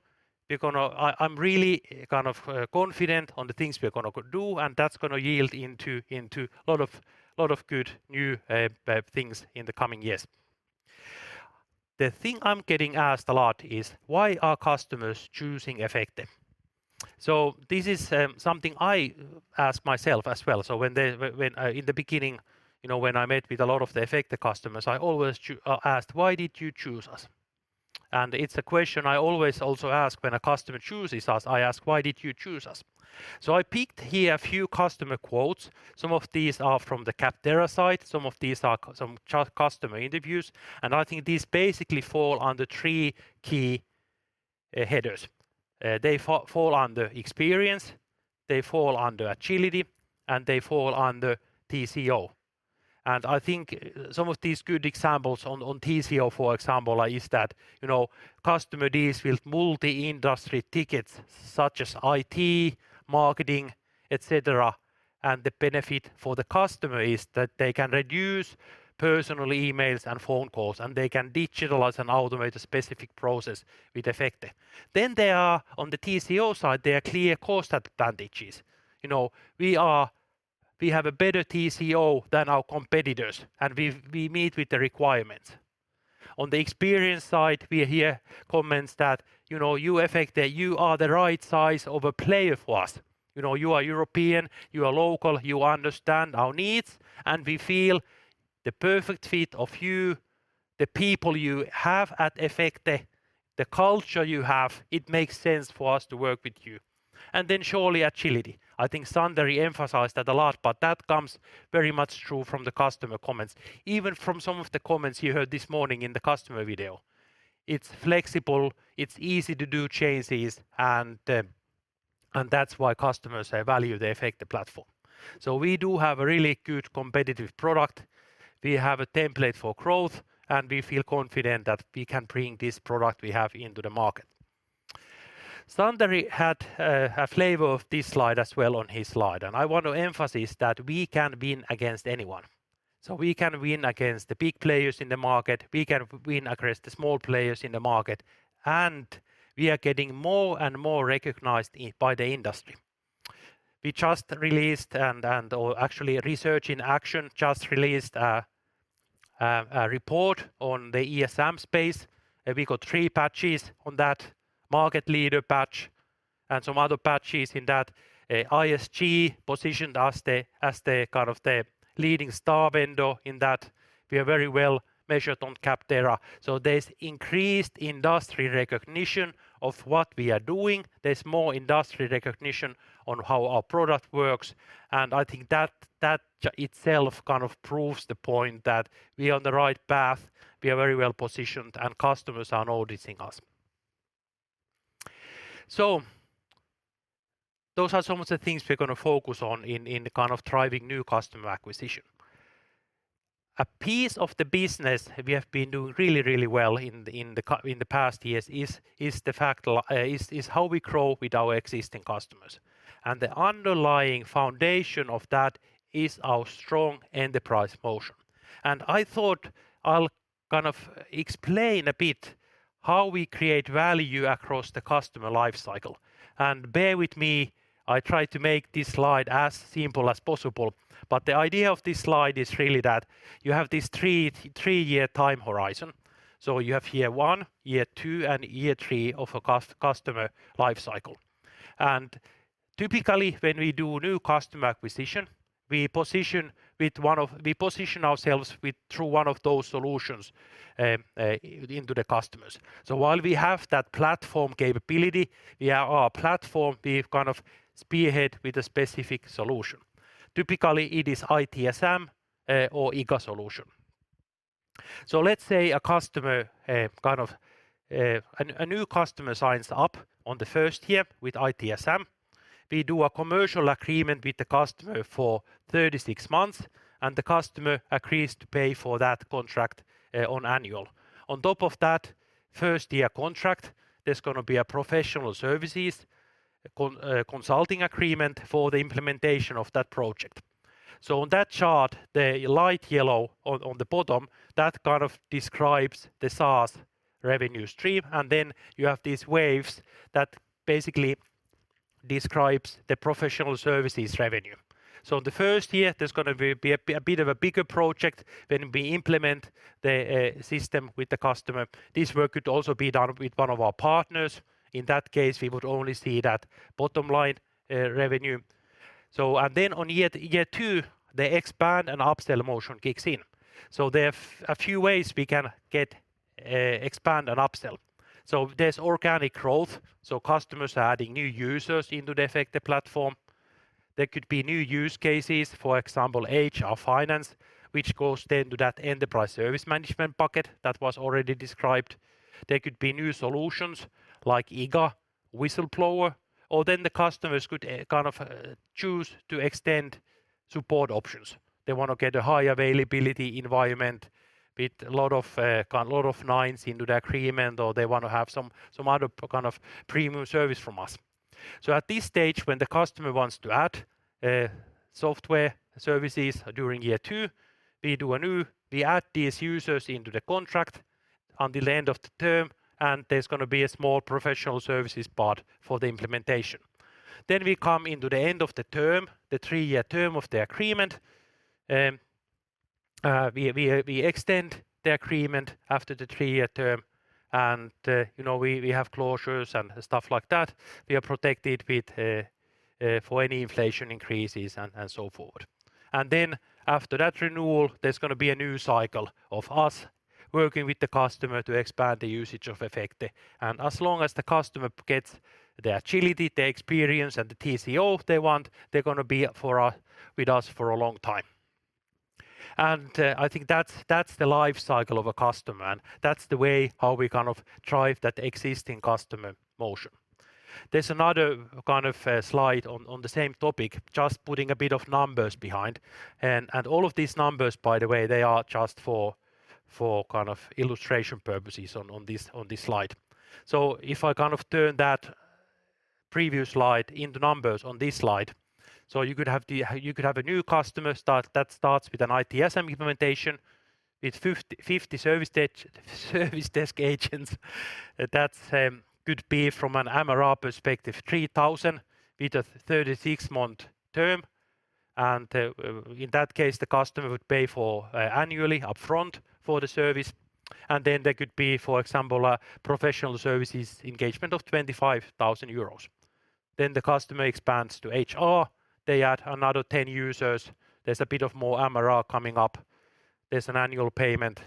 We're gonna... I'm really kind of confident on the things we're gonna do, and that's gonna yield into a lot of good new things in the coming years. The thing I'm getting asked a lot is, "Why are customers choosing Efecte?" This is something I ask myself as well. In the beginning, you know, when I met with a lot of the Efecte customers, I always asked, "Why did you choose us?" It's a question I always also ask when a customer chooses us. I ask, "Why did you choose us?" I picked here a few customer quotes. Some of these are from the Capterra site, some of these are some customer interviews, and I think these basically fall under three key headers. They fall under experience, they fall under agility, and they fall under TCO. I think some of these good examples on TCO for example is that, you know, customer deals with multi-industry tickets such as IT, marketing, et cetera, and the benefit for the customer is that they can reduce personal emails and phone calls, and they can digitalize and automate a specific process with Efecte. Then, on the TCO side, there are clear cost advantages. You know, we have a better TCO than our competitors, and we meet with the requirements. On the experience side, we hear comments that, you know, "You Efecte, you are the right size of a player for us. You know, you are European, you are local, you understand our needs, and we feel the perfect fit of you, the people you have at Efecte, the culture you have, it makes sense for us to work with you. Then surely agility. I think Santeri emphasized that a lot, but that comes very much through from the customer comments. Even from some of the comments you heard this morning in the customer video. It's flexible, it's easy to do changes, and that's why customers, they value the Efecte platform. We do have a really good competitive product. We have a template for growth, and we feel confident that we can bring this product we have into the market. Santeri had a flavor of this slide as well on his slide, and I want to emphasize that we can win against anyone. We can win against the big players in the market. We can win against the small players in the market, and we are getting more and more recognized by the industry. Actually, Research in Action just released a report on the ESM space. We got three patches on that market leader patch. And some other patches in that, ISG positioned us as the kind of leading star vendor in that we are very well measured on Capterra. There's increased industry recognition of what we are doing. There's more industry recognition on how our product works, and I think that just itself kind of proves the point that we are on the right path. We are very well positioned, and customers are noticing us. Those are some of the things we're gonna focus on in kind of driving new customer acquisition. A piece of the business we have been doing really well in the past years is how we grow with our existing customers. The underlying foundation of that is our strong enterprise motion. I thought I'll kind of explain a bit how we create value across the customer life cycle. Bear with me, I tried to make this slide as simple as possible. The idea of this slide is really that you have this three-year time horizon. You have year one, year two, and year three of a customer life cycle. Typically, when we do new customer acquisition, we position with one of... We position ourselves through one of those solutions into the customers. While we have that platform capability, we are our platform. We've kind of spearhead with a specific solution. Typically, it is ITSM or ESM solution. Let's say a new customer signs up in the first year with ITSM. We do a commercial agreement with the customer for 36 months, and the customer agrees to pay for that contract annually. On top of that first-year contract, there's gonna be a professional services consulting agreement for the implementation of that project. On that chart, the light yellow on the bottom, that kind of describes the SaaS revenue stream. Then you have these waves that basically describes the professional services revenue. The first year, there's gonna be a bit of a bigger project when we implement the system with the customer. This work could also be done with one of our partners. In that case, we would only see that bottom line revenue. In year two, the expand and upsell motion kicks in. There are a few ways we can get expand and upsell. There's organic growth, so customers are adding new users into the Efecte platform. There could be new use cases, for example, HR, finance, which goes then to that enterprise service management bucket that was already described. There could be new solutions like IGA, Whistleblower, or then the customers could kind of choose to extend support options. They want to get a high availability environment with a lot of nines into the agreement, or they want to have some other kind of premium service from us. At this stage, when the customer wants to add software services during year two, we add these users into the contract until end of the term, and there's gonna be a small professional services part for the implementation. We come into the end of the term, the three year term of the agreement, we extend the agreement after the three year term, and you know, we have closures and stuff like that. We are protected with for any inflation increases and so forth. After that renewal, there's gonna be a new cycle of us working with the customer to expand the usage of Efecte. As long as the customer gets the agility, the experience, and the TCO they want, they're gonna be with us for a long time. I think that's the life cycle of a customer, and that's the way how we kind of drive that existing customer motion. There's another kind of slide on the same topic, just putting a bit of numbers behind. All of these numbers, by the way, they are just for kind of illustration purposes on this slide. If I kind of turn that previous slide into numbers on this slide, you could have the... You could have a new customer start with an ITSM implementation with 50 service desk agents. That could be from an MRR perspective, 3,000 with a 36-month term, and in that case, the customer would pay annually upfront for the service. There could be, for example, a professional services engagement of 25,000 euros. The customer expands to HR. They add another 10 users. There's a bit more MRR coming up. There's an annual payment.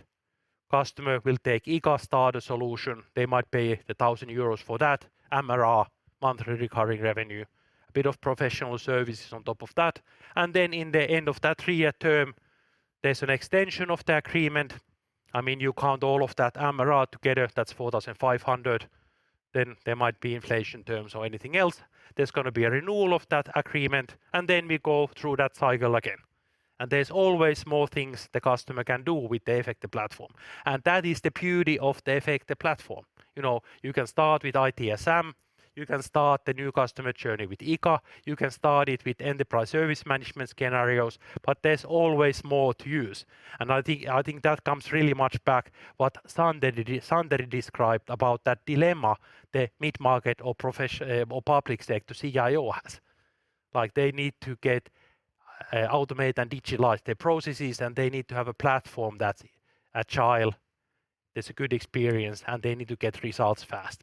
Customer will take IGA Starter solution. They might pay 1,000 euros for that. MRR, monthly recurring revenue. A bit of professional services on top of that. In the end of that three-year term, there's an extension of the agreement. I mean, you count all of that MRR together, that's 4,500. There might be inflation terms or anything else. There's gonna be a renewal of that agreement, and then we go through that cycle again. There's always more things the customer can do with the Efecte platform, and that is the beauty of the Efecte platform. You know, you can start with ITSM. You can start the new customer journey with IGA. You can start it with enterprise service management scenarios, but there's always more to use. I think that comes really much back what Santeri described about that dilemma the mid-market or public sector CIO has. Like, they need to get automate and digitalize their processes, and they need to have a platform that's agile. It's a good experience, and they need to get results fast.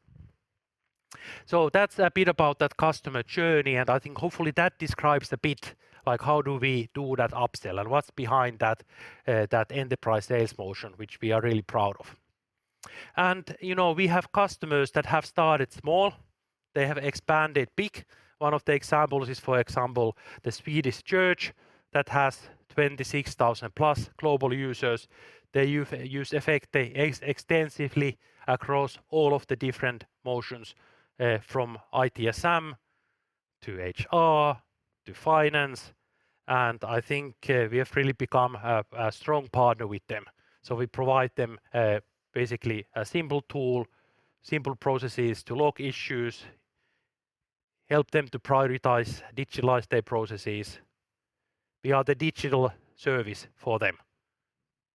That's a bit about that customer journey, and I think hopefully that describes a bit, like, how do we do that upsell and what's behind that enterprise sales motion which we are really proud of. You know, we have customers that have started small. They have expanded big. One of the examples is, for example, the Church of Sweden that has 26,000+ global users. They use Efecte extensively across all of the different motions, from ITSM to HR to finance, and I think, we have really become a strong partner with them. We provide them, basically a simple tool, simple processes to log issues, help them to prioritize, digitalize their processes. We are the digital service for them,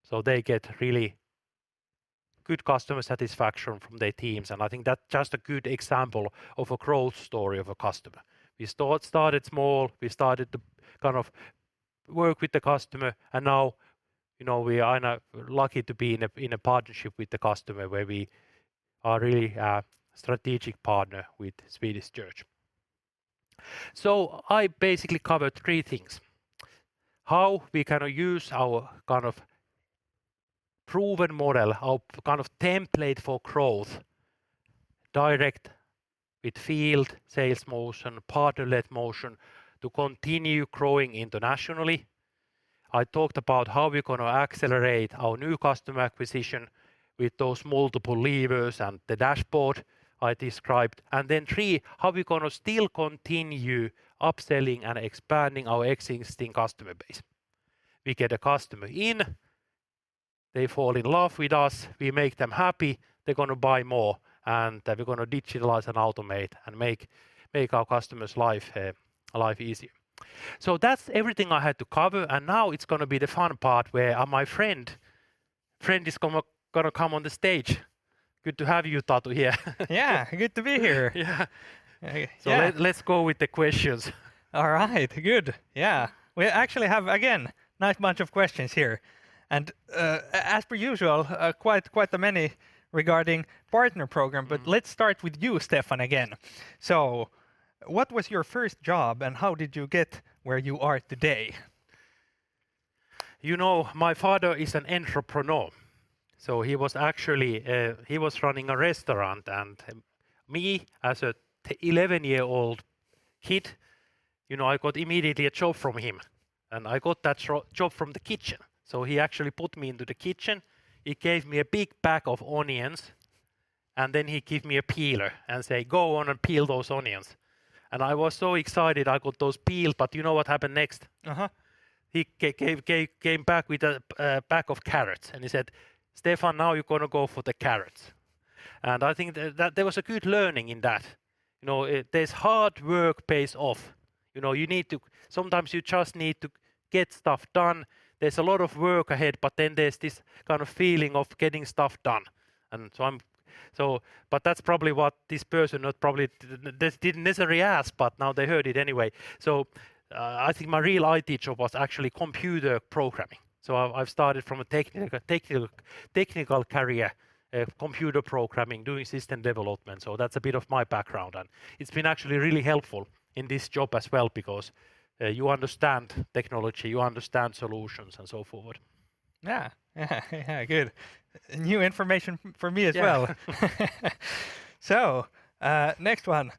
so they get really good customer satisfaction from their teams, and I think that's just a good example of a growth story of a customer. We started small. We started to kind of work with the customer, and now, you know, we are now lucky to be in a, in a partnership with the customer where we are really a strategic partner with Church of Sweden. I basically covered three things, how we can use our kind of proven model, our kind of template for growth, direct with field sales motion, partner-led motion to continue growing internationally. I talked about how we're gonna accelerate our new customer acquisition with those multiple levers and the dashboard I described. Then three, how we're gonna still continue upselling and expanding our existing customer base. We get a customer in. They fall in love with us. We make them happy. They're gonna buy more, and then we're gonna Digitalize and Automate and make our customers' life easy. That's everything I had to cover, and now it's gonna be the fun part where my friend is gonna come on the stage. Good to have you, Tatu, here. Yeah. Good to be here. Yeah. Yeah. Let's go with the questions. All right. Good. Yeah. We actually have, again, nice bunch of questions here, and, as per usual, quite the many regarding partner program. Let's start with you, Steffan, again. So what was your first job, and how did you get where you are today? You know, my father is an entrepreneur, so he was actually, he was running a restaurant, and me, as a 11-year-old kid, you know, I got immediately a job from him, and I got that job from the kitchen. So he actually put me into the kitchen. He gave me a big bag of onions, and then he give me a peeler and say, "Go on and peel those onions." I was so excited I got those peeled, but you know what happened next? Uh-huh. He came back with a bag of carrots, and he said, "Steffan, now you're gonna go for the carrots." I think there was a good learning in that. You know, this hard work pays off. You know, sometimes you just need to get stuff done. There's a lot of work ahead, but then there's this kind of feeling of getting stuff done. That's probably what this person didn't necessarily ask, but now they heard it anyway. I think my real IT job was actually computer programming, so I've started from a technical career of computer programming, doing system development, so that's a bit of my background. It's been actually really helpful in this job as well because you understand technology, you understand solutions and so forward. Yeah. Good. New information for me as well. Yeah. Next one.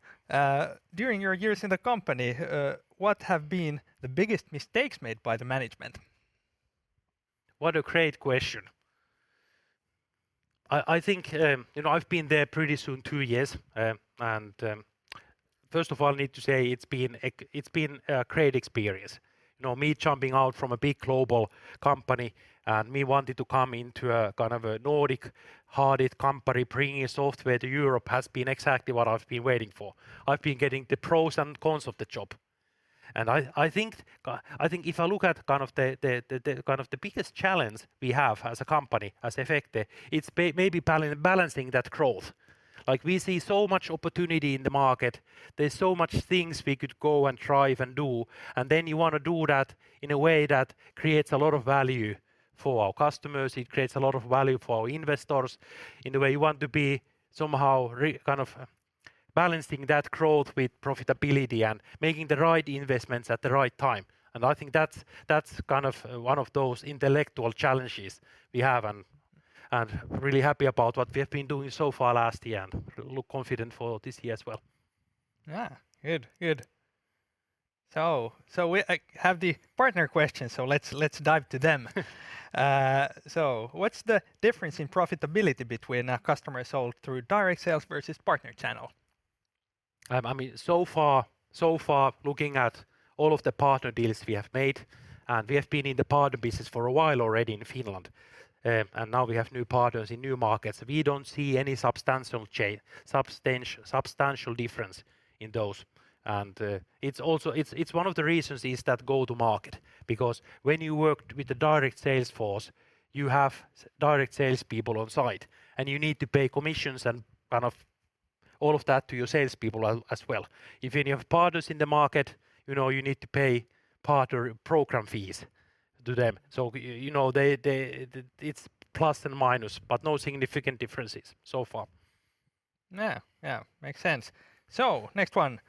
During your years in the company, what have been the biggest mistakes made by the management? What a great question. I think you know, I've been there pretty soon two years, and first of all, I need to say it's been a great experience. You know, me jumping out from a big global company, and me wanted to come into a kind of a Nordic-hardened company, bringing software to Europe has been exactly what I've been waiting for. I've been getting the pros and cons of the job, and I think if I look at kind of the biggest challenge we have as a company, as Efecte, it's maybe balancing that growth. Like, we see so much opportunity in the market. There's so much things we could go and try and do, and then you wanna do that in a way that creates a lot of value for our customers. It creates a lot of value for our investors. In a way you want to be somehow kind of balancing that growth with profitability and making the right investments at the right time, and I think that's kind of one of those intellectual challenges we have and really happy about what we have been doing so far last year and look confident for this year as well. Yeah. Good. I have the partner questions, so let's dive into them. What's the difference in profitability between a customer sold through direct sales versus partner channel? I mean, so far looking at all of the partner deals we have made, and we have been in the partner business for a while already in Finland, and now we have new partners in new markets. We don't see any substantial difference in those. It's also one of the reasons is that go-to-market because when you work with the direct sales force, you have direct sales people on site, and you need to pay commissions and all of that to your sales people as well. If any of partners in the market, you know, you need to pay partner program fees to them. You know, they, it's plus and minus, but no significant differences so far. Yeah, yeah. Makes sense. Next one,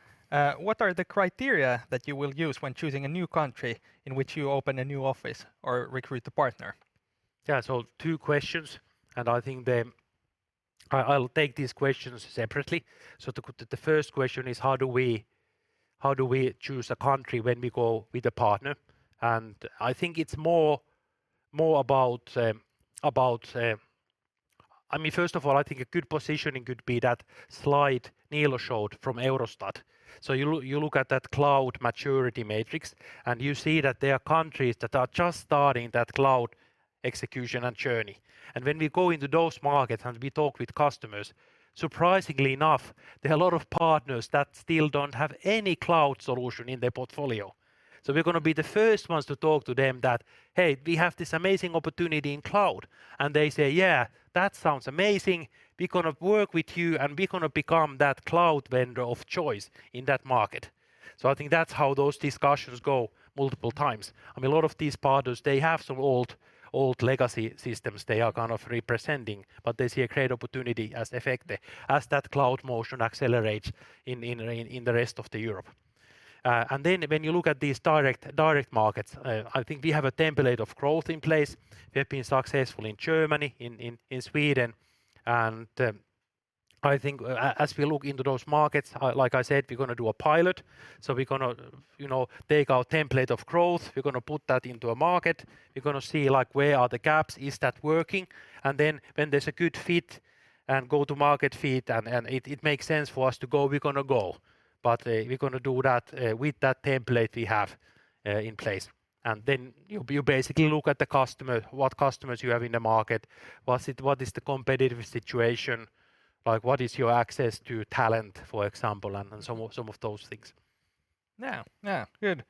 what are the criteria that you will use when choosing a new country in which you open a new office or recruit a partner? Yeah. Two questions, and I think they... I'll take these questions separately. The first question is how do we choose a country when we go with a partner? I think it's more about. I mean, first of all, I think a good positioning could be that slide Niilo showed from Eurostat. You look at that cloud maturity matrix, and you see that there are countries that are just starting that cloud execution and journey. When we go into those markets and we talk with customers, surprisingly enough, there are a lot of partners that still don't have any cloud solution in their portfolio. We're gonna be the first ones to talk to them that, "Hey, we have this amazing opportunity in cloud." They say, "Yeah, that sounds amazing. We're gonna work with you," and we're gonna become that cloud vendor of choice in that market. I think that's how those discussions go multiple times. I mean, a lot of these partners, they have some old legacy systems they are kind of representing, but they see a great opportunity with Efecte, as that cloud motion accelerates in the rest of Europe. When you look at these direct markets, I think we have a template of growth in place. We have been successful in Germany, in Sweden, and I think as we look into those markets, like I said, we're gonna do a pilot. We're gonna, you know, take our template of growth. We're gonna put that into a market. We're gonna see, like, where are the gaps, is that working? When there's a good fit and go-to-market fit and it makes sense for us to go, we're gonna go. We're gonna do that with that template we have in place. You basically look at the customer, what customers you have in the market, what is the competitive situation, like what is your access to talent, for example, and then some of those things. Yeah, yeah. Good.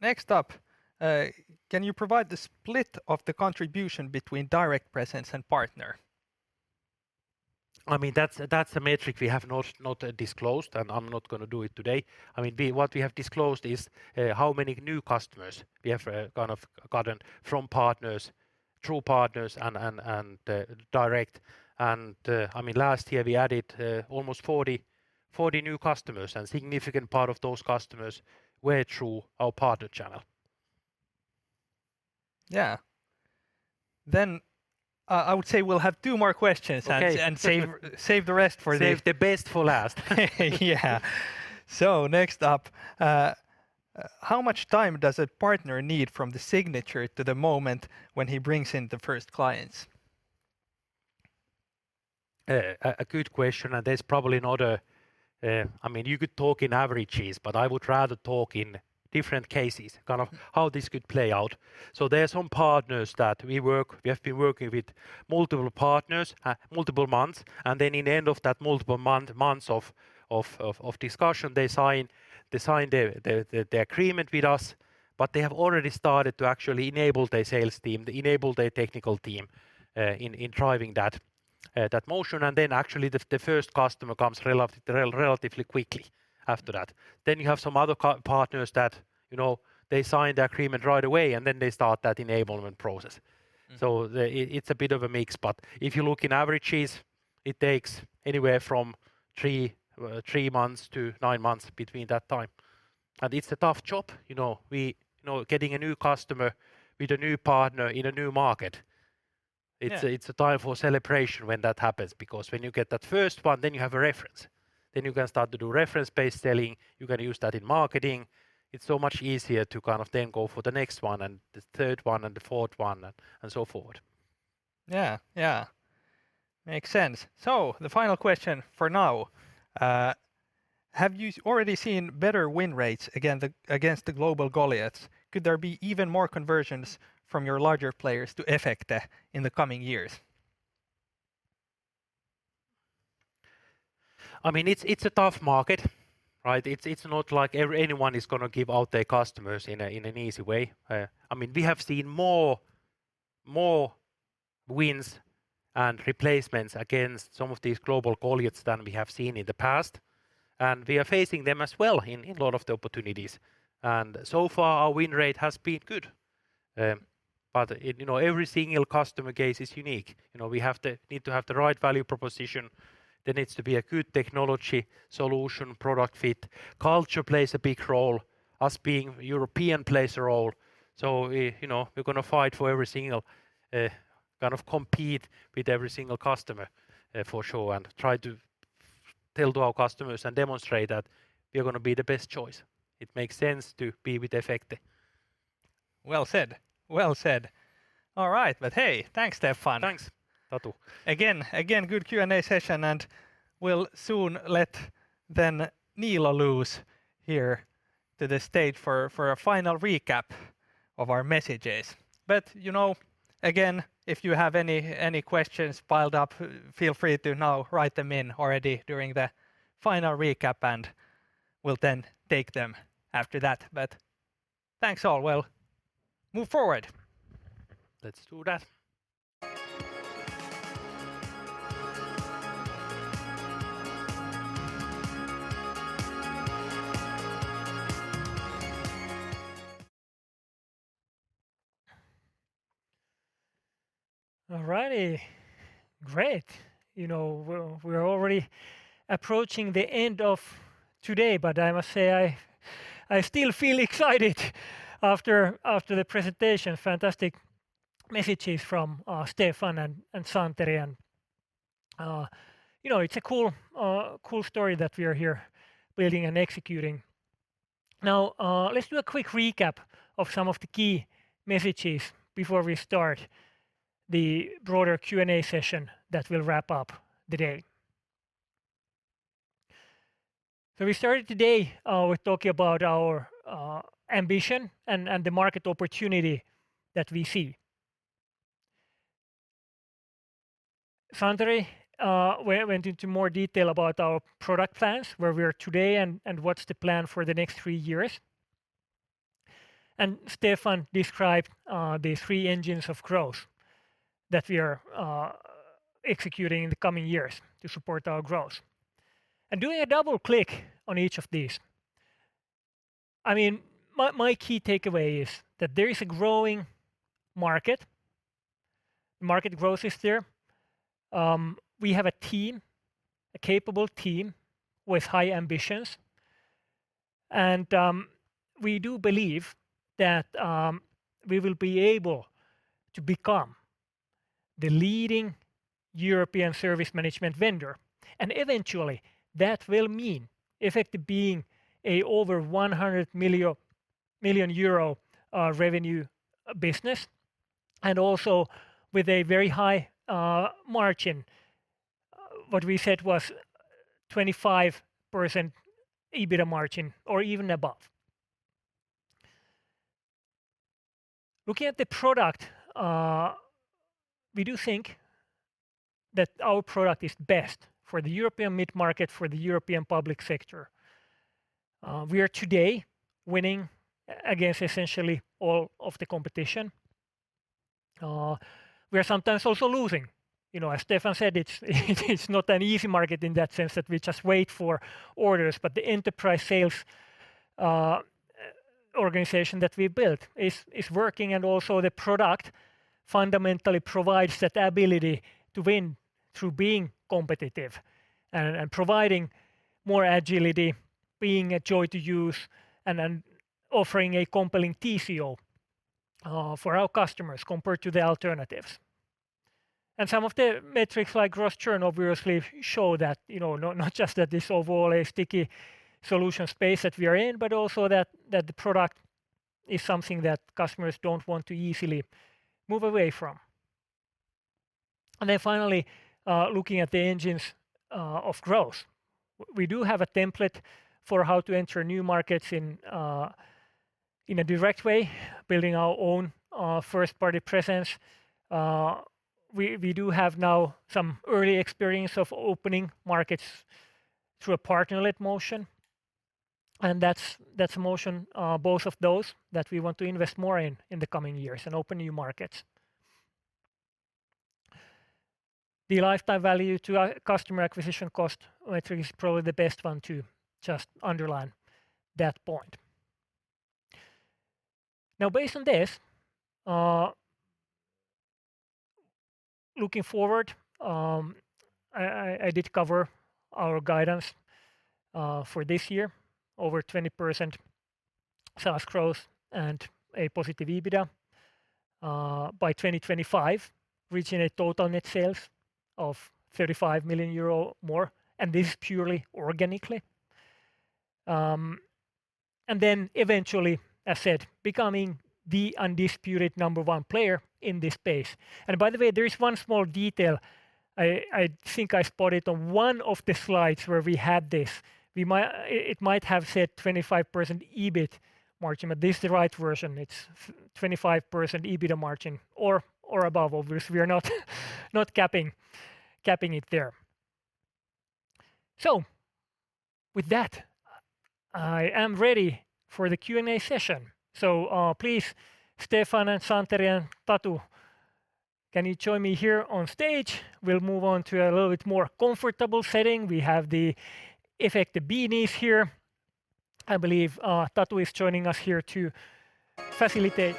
Next up, can you provide the split of the contribution between direct presence and partner? I mean, that's a metric we have not disclosed, and I'm not gonna do it today. I mean, what we have disclosed is how many new customers we have gotten from partners, through partners and direct. I mean, last year we added almost 40 new customers, and significant part of those customers were through our partner channel. Yeah. I would say we'll have two more questions. Okay save the rest for the Save the best for last. Next up, how much time does a partner need from the signature to the moment when he brings in the first clients? A good question, and there's probably not a. I mean, you could talk in averages, but I would rather talk in different cases, kind of how this could play out. There are some partners that we have been working with multiple partners multiple months, and then in the end of that multiple months of discussion, they sign their agreement with us, but they have already started to actually enable their sales team, enable their technical team in driving that motion. Actually the first customer comes relatively quickly after that. You have some other partners that, you know, they sign the agreement right away, and then they start that enablement process. Mm. It's a bit of a mix, but if you look in averages, it takes anywhere from three months to nine months between that time. It's a tough job. You know, getting a new customer with a new partner in a new market- Yeah It's a time for celebration when that happens because when you get that first one, then you have a reference, then you can start to do reference-based selling. You can use that in marketing. It's so much easier to kind of then go for the next one and the third one and the fourth one and so forth. Yeah, yeah. Makes sense. The final question for now, have you already seen better win rates against the global Goliaths? Could there be even more conversions from your larger players to Efecte in the coming years? I mean, it's a tough market, right? It's not like anyone is gonna give out their customers in an easy way. I mean, we have seen more wins and replacements against some of these global Goliaths than we have seen in the past, and we are facing them as well in a lot of the opportunities. So far our win rate has been good. But you know, every single customer case is unique. You know, we need to have the right value proposition. There needs to be a good technology solution, product fit. Culture plays a big role. Us being European plays a role. You know, we're gonna fight for every single customer, compete for every single customer, for sure, and try to tell our customers and demonstrate that we are gonna be the best choice. It makes sense to be with Efecte. Well said. Well said. All right. Hey, thanks, Steffan. Thanks, Tatu. Again, good Q&A session, and we'll soon let then Niilo loose here to the stage for a final recap of our messages. You know, again, if you have any questions piled up, feel free to now write them in already during the final recap, and we'll then take them after that. Thanks all. We'll move forward. Let's do that. All righty. Great. You know, we're already approaching the end of today, but I must say, I still feel excited after the presentation. Fantastic messages from Steffan and Santeri and, you know, it's a cool story that we are here building and executing. Now, let's do a quick recap of some of the key messages before we start the broader Q&A session that will wrap up the day. We started today with talking about our ambition and the market opportunity that we see. Santeri, we went into more detail about our product plans, where we are today and what's the plan for the next three years. Steffan described the three engines of growth that we are executing in the coming years to support our growth. Doing a double click on each of these, I mean, my key takeaway is that there is a growing market. Market growth is there. We have a team, a capable team with high ambitions. We do believe that we will be able to become the leading European service management vendor. Eventually that will mean Efecte being a over 100 million euro revenue business, and also with a very high margin. What we said was 25% EBITDA margin or even above. Looking at the product, we do think that our product is best for the European mid-market, for the European public sector. We are today winning against essentially all of the competition. We are sometimes also losing. You know, as Steffan said, it's not an easy market in that sense that we just wait for orders, but the enterprise sales organization that we built is working and also the product fundamentally provides that ability to win through being competitive and providing more agility, being a joy to use, and then offering a compelling TCO for our customers compared to the alternatives. Some of the metrics like gross churn obviously show that, you know, not just that this is overall a sticky solution space that we are in, but also that the product is something that customers don't want to easily move away from. Finally, looking at the engines of growth. We do have a template for how to enter new markets in a direct way, building our own first party presence. We do have now some early experience of opening markets through a partner-led motion, and that's a motion both of those that we want to invest more in in the coming years and open new markets. The lifetime value to our customer acquisition cost metric is probably the best one to just underline that point. Now, based on this, looking forward, I did cover our guidance for this year, over 20% SaaS growth and a positive EBITDA, by 2025, reaching a total net sales of 35 million euro or more, and this purely organically. Eventually, as said, becoming the undisputed number one player in this space. By the way, there is one small detail. I think I spotted on one of the slides where we had this. We might... It might have said 25% EBIT margin, but this is the right version. It's 25% EBITDA margin or above. Obviously, we are not capping it there. With that, I am ready for the Q&A session. Please, Steffan and Santeri and Tatu, can you join me here on stage? We'll move on to a little bit more comfortable setting. We have the Efecte beanies here. I believe Tatu is joining us here to facilitate.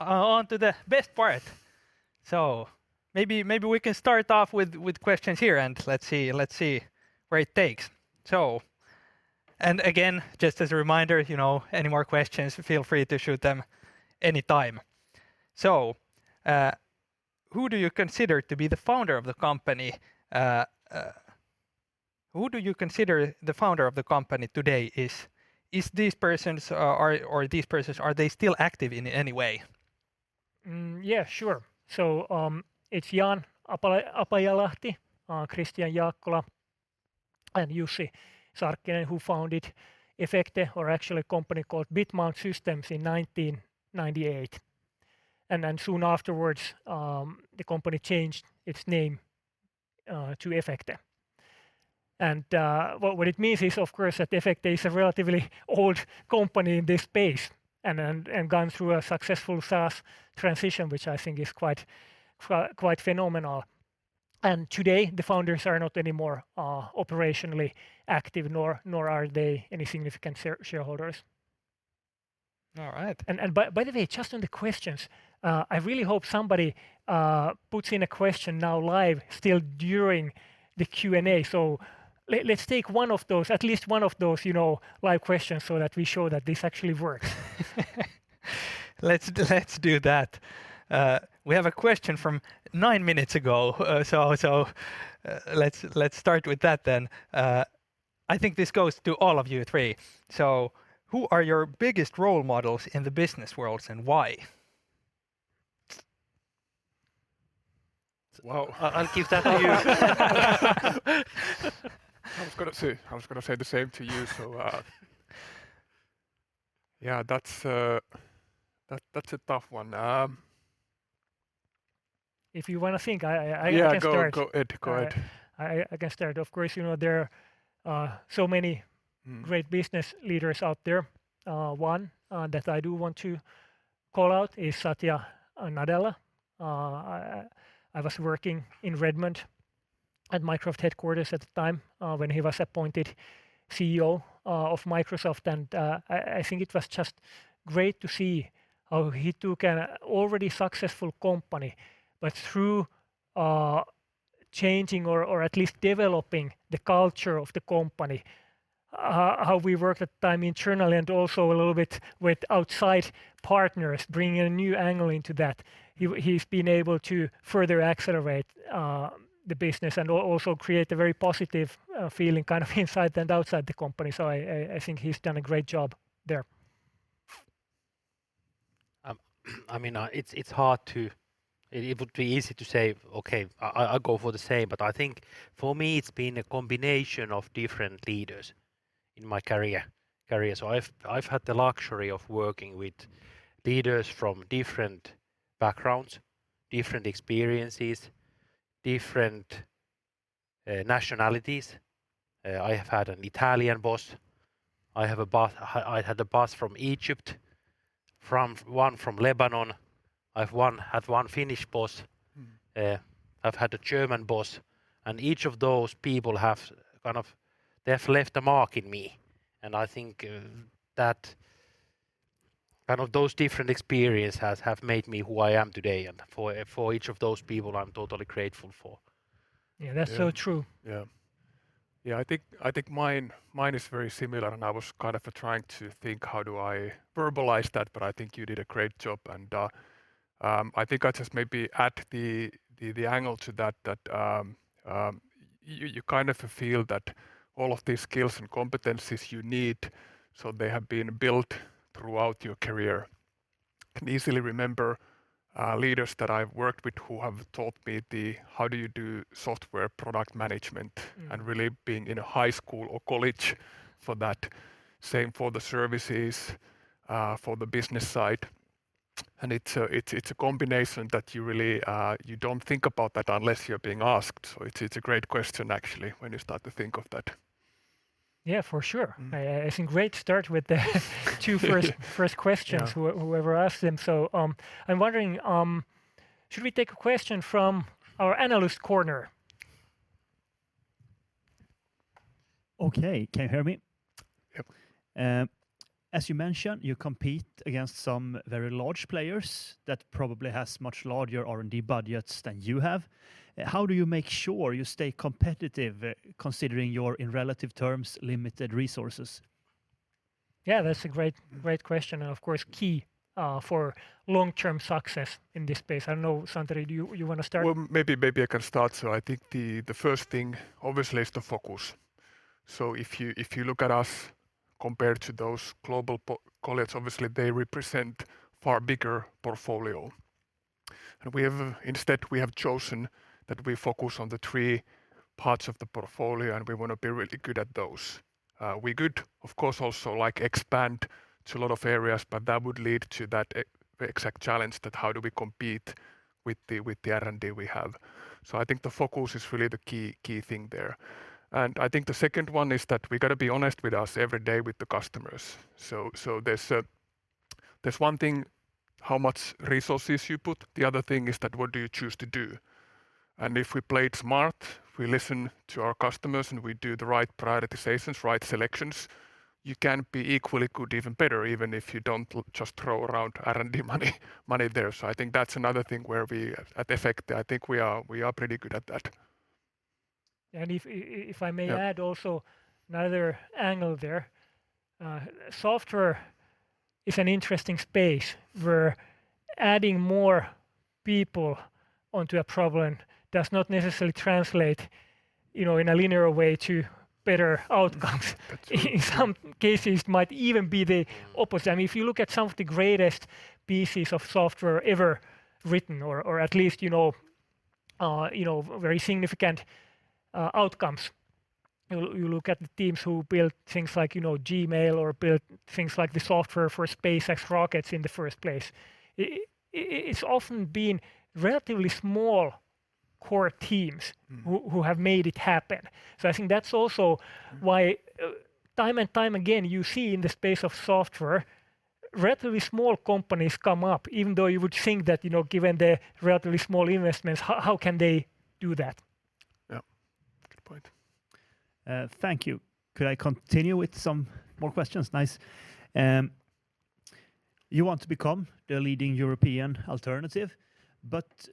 All right. On to the best part. Maybe we can start off with questions here, and let's see where it takes. Again, just as a reminder, you know, any more questions, feel free to shoot them any time. Who do you consider to be the founder of the company? Who do you consider the founder of the company today? Is these persons or these persons are they still active in any way? Yeah, sure. It's Jaan Apajalahti, Kristian Jaakkola, and Jussi Sarkkinen who founded Efecte, or actually a company called Bitmount Systems, in 1998. Then soon afterwards, the company changed its name to Efecte. What it means is, of course, that Efecte is a relatively old company in this space and gone through a successful SaaS transition, which I think is quite phenomenal. Today, the founders are not anymore operationally active nor are they any significant shareholders. All right. By the way, just on the questions, I really hope somebody puts in a question now live still during the Q&A. Let's take one of those, at least one of those, you know, live questions so that we show that this actually works. Let's do that. We have a question from nine minutes ago, let's start with that then. I think this goes to all of you three. Who are your biggest role models in the business world, and why? Well- I'll give that to you. I was gonna say the same to you, so yeah, that's a tough one. If you wanna think, I can start. Yeah. Go, Ed. Go ahead. I can start. Of course, you know, there are so many. Mm Great business leaders out there. One that I do want to call out is Satya Nadella. I was working in Redmond at Microsoft headquarters at the time when he was appointed CEO of Microsoft, and I think it was just great to see how he took an already successful company, but through changing or at least developing the culture of the company, how we worked at the time internally and also a little bit with outside partners, bringing a new angle into that, he's been able to further accelerate the business and also create a very positive feeling kind of inside and outside the company. I think he's done a great job there. I mean, it's hard to. It would be easy to say, "Okay, I'll go for the same," but I think for me it's been a combination of different leaders in my career. I've had the luxury of working with leaders from different backgrounds, different experiences, different nationalities. I have had an Italian boss. I had a boss from Egypt, one from Lebanon. I've had one Finnish boss. Mm. I've had a German boss. Each of those people have kind of, they have left a mark in me, and I think, that kind of those different experiences have made me who I am today, and for each of those people, I'm totally grateful for. Yeah. Yeah. That's so true. Yeah. Yeah. I think mine is very similar, and I was kind of trying to think how do I verbalize that, but I think you did a great job. I think I'd just maybe add the angle to that you kind of feel that all of these skills and competencies you need, so they have been built throughout your career. I can easily remember leaders that I've worked with who have taught me the how do you do software product management. Mm really being in a high school or college for that. Same for the services for the business side. It's a combination that you really you don't think about that unless you're being asked. It's a great question, actually, when you start to think of that. Yeah, for sure. Mm. I think great start with the first two questions. Yeah whoever asked them. I'm wondering, should we take a question from our analyst corner? Okay. Can you hear me? Yep. As you mentioned, you compete against some very large players that probably has much larger R&D budgets than you have. How do you make sure you stay competitive, considering your, in relative terms, limited resources? Yeah, that's a great question, and of course key for long-term success in this space. I don't know, Santtu, do you wanna start? Well, maybe I can start. I think the first thing obviously is the focus. If you look at us compared to those global colleagues, obviously they represent far bigger portfolio. We have instead we have chosen that we focus on the three parts of the portfolio, and we wanna be really good at those. We could, of course, also, like, expand to a lot of areas, but that would lead to that exact challenge that how do we compete with the R&D we have. I think the focus is really the key thing there. I think the second one is that we gotta be honest with ourselves every day with the customers. There's one thing how much resources you put. The other thing is that what do you choose to do. If we played smart, we listen to our customers, and we do the right prioritizations, right selections, you can be equally good, even better, even if you don't just throw around R&D money there. I think that's another thing where we at Efecte, I think we are pretty good at that. If I may add- Yeah Also another angle there, software is an interesting space where adding more people onto a problem does not necessarily translate, you know, in a linear way to better outcomes. That's right. In some cases might even be the opposite. I mean, if you look at some of the greatest pieces of software ever written or at least, you know, very significant outcomes, you look at the teams who built things like, you know, Gmail or built things like the software for SpaceX rockets in the first place, it's often been relatively small core teams. Mm... who have made it happen. I think that's also why, time and time again, you see in the space of software, relatively small companies come up, even though you would think that, you know, given the relatively small investments, how can they do that? Yeah. Good point. Thank you. Could I continue with some more questions? Nice. You want to become the leading European alternative, but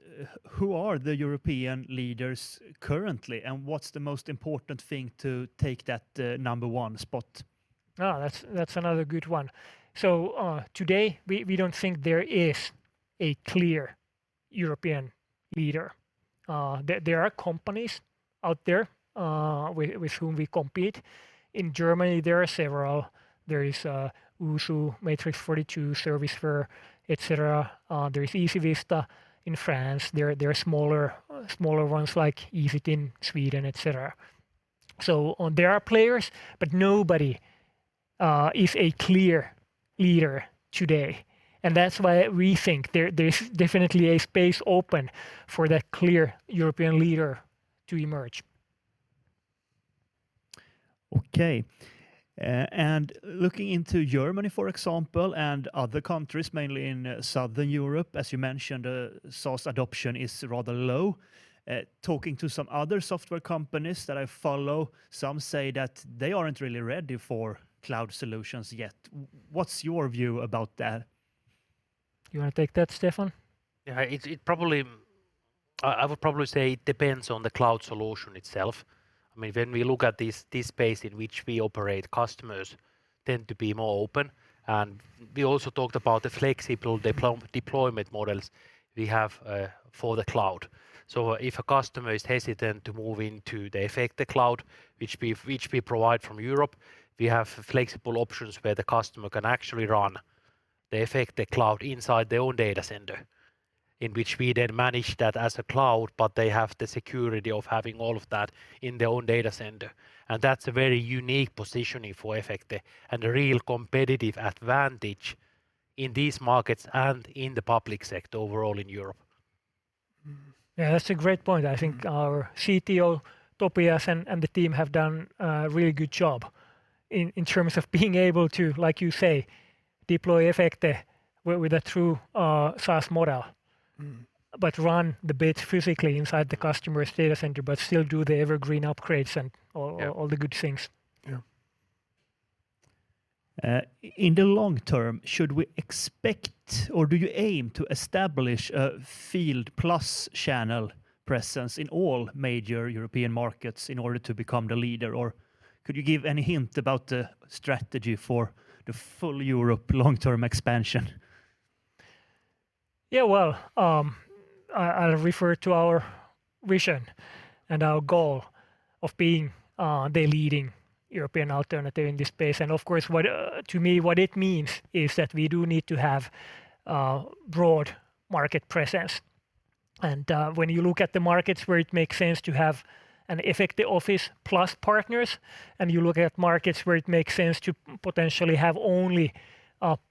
who are the European leaders currently, and what's the most important thing to take that number one spot? Oh, that's another good one. Today, we don't think there is a clear European leader. There are companies out there with whom we compete. In Germany, there are several. There is USU, Matrix42, Serviceware, et cetera. There is EasyVista in France. There are smaller ones like Easit in Sweden, et cetera. There are players, but nobody is a clear leader today, and that's why we think there's definitely a space open for that clear European leader to emerge. Okay. Looking into Germany, for example, and other countries, mainly in Southern Europe, as you mentioned, SaaS adoption is rather low. Talking to some other software companies that I follow, some say that they aren't really ready for cloud solutions yet. What's your view about that? You wanna take that, Steffan? Yeah. It probably depends on the cloud solution itself. I would probably say. I mean, when we look at this space in which we operate, customers tend to be more open. We also talked about the flexible deployment models we have for the cloud. If a customer is hesitant to move into the Efecte cloud, which we provide from Europe, we have flexible options where the customer can actually run the Efecte cloud inside their own data center, in which we then manage that as a cloud, but they have the security of having all of that in their own data center, and that's a very unique positioning for Efecte, and a real competitive advantage in these markets and in the public sector overall in Europe. Yeah, that's a great point. I think our CTO, Topias, and the team have done a really good job in terms of being able to, like you say, deploy Efecte with a true SaaS model. Mm. Run the bits physically inside the customer's data center but still do the evergreen upgrades and all. Yeah all the good things. Yeah. In the long term, should we expect or do you aim to establish a field plus channel presence in all major European markets in order to become the leader? Or could you give any hint about the strategy for the full Europe long-term expansion? Yeah. Well, I'll refer to our vision and our goal of being the leading European alternative in this space. Of course, to me, what it means is that we do need to have broad market presence. When you look at the markets where it makes sense to have an Efecte office plus partners, and you look at markets where it makes sense to potentially have only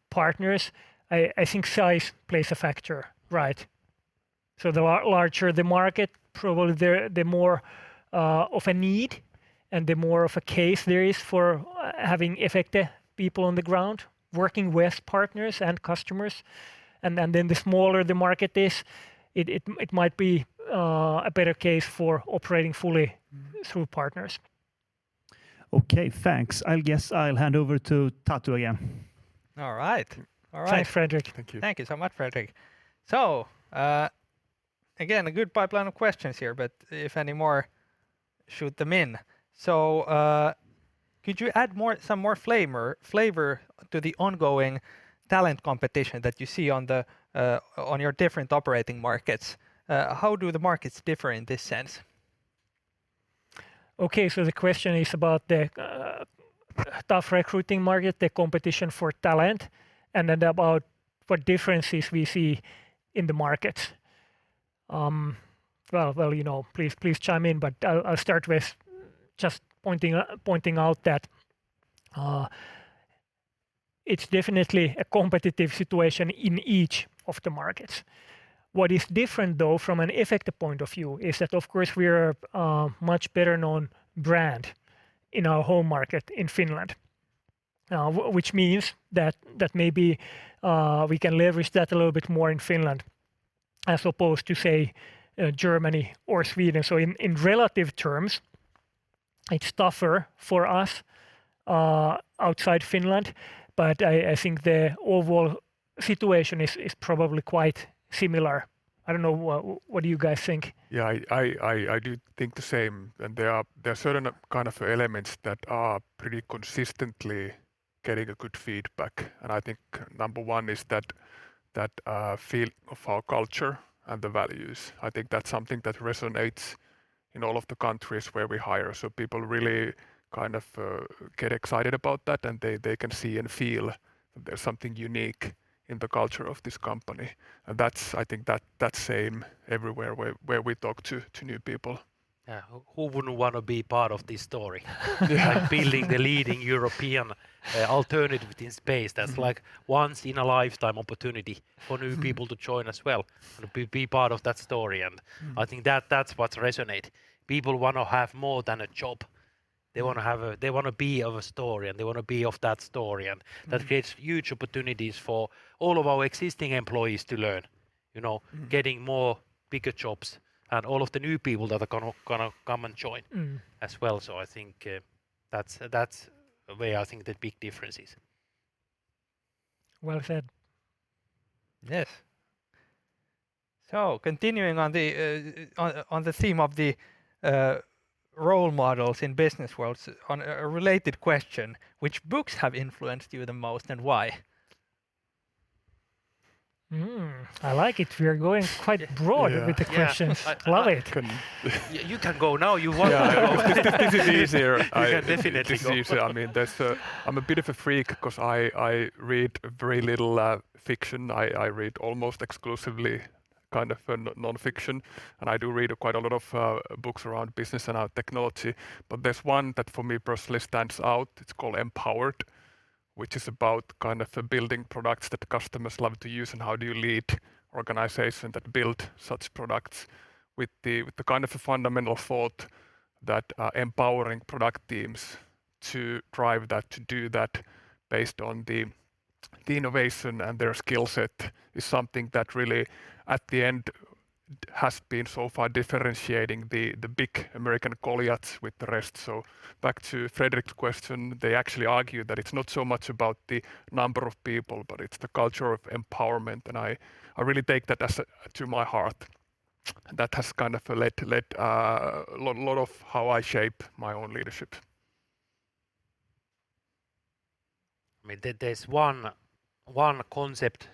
partners, I think size plays a factor, right? The larger the market, probably the more of a need and the more of a case there is for having Efecte people on the ground working with partners and customers, and then the smaller the market is, it might be a better case for operating fully through partners. Okay, thanks. I guess I'll hand over to Tatu again. All right. Thanks, Fredrik. Thank you. Thank you so much, Fredrik. Again, a good pipeline of questions here, but if any more, shoot them in. Could you add some more flavor to the ongoing talent competition that you see on your different operating markets? How do the markets differ in this sense? Okay, the question is about the tough recruiting market, the competition for talent, and then about what differences we see in the market. Well, you know, please chime in, but I'll start with just pointing out that it's definitely a competitive situation in each of the markets. What is different, though, from an Efecte point of view is that, of course, we're a much better-known brand in our home market in Finland, which means that maybe we can leverage that a little bit more in Finland as opposed to, say, Germany or Sweden. In relative terms, it's tougher for us outside Finland, but I think the overall situation is probably quite similar. I don't know. What do you guys think? Yeah, I do think the same, and there are certain kind of elements that are pretty consistently Getting a good feedback, and I think number one is that feel of our culture and the values. I think that's something that resonates in all of the countries where we hire. People really kind of get excited about that, and they can see and feel there's something unique in the culture of this company, and that's the same everywhere where we talk to new people. Yeah. Who wouldn't want to be part of this story? Building the leading European alternative in space. That's like once in a lifetime opportunity for new people to join as well, and be part of that story. I think that that's what resonate. People want to have more than a job. They want to be part of a story, and they want to be part of that story. That creates huge opportunities for all of our existing employees to learn, you know. Mm-hmm. Getting more, bigger jobs, and all of the new people that are gonna come and join. Mm... as well. I think, that's where I think the big difference is. Well said. Yes. Continuing on the theme of the role models in business world, on a related question, which books have influenced you the most, and why? I like it. We are going quite broad. Yeah. with the questions. Yeah. Love it. Good. You can go now. You want to go. Yeah. This is easier. You can definitely go. This is easier. I mean, that's. I'm a bit of a freak because I read very little fiction. I read almost exclusively kind of nonfiction, and I do read quite a lot of books around business and technology. There's one that for me personally stands out. It's called Empowered, which is about kind of building products that customers love to use and how do you lead organization that build such products with the kind of fundamental thought that empowering product teams to drive that, to do that based on the innovation and their skill set is something that really at the end has been so far differentiating the big American Goliaths with the rest. Back to Fredrik's question, they actually argue that it's not so much about the number of people, but it's the culture of empowerment, and I really take that to my heart. That has kind of led a lot of how I shape my own leadership. I mean, there's one concept.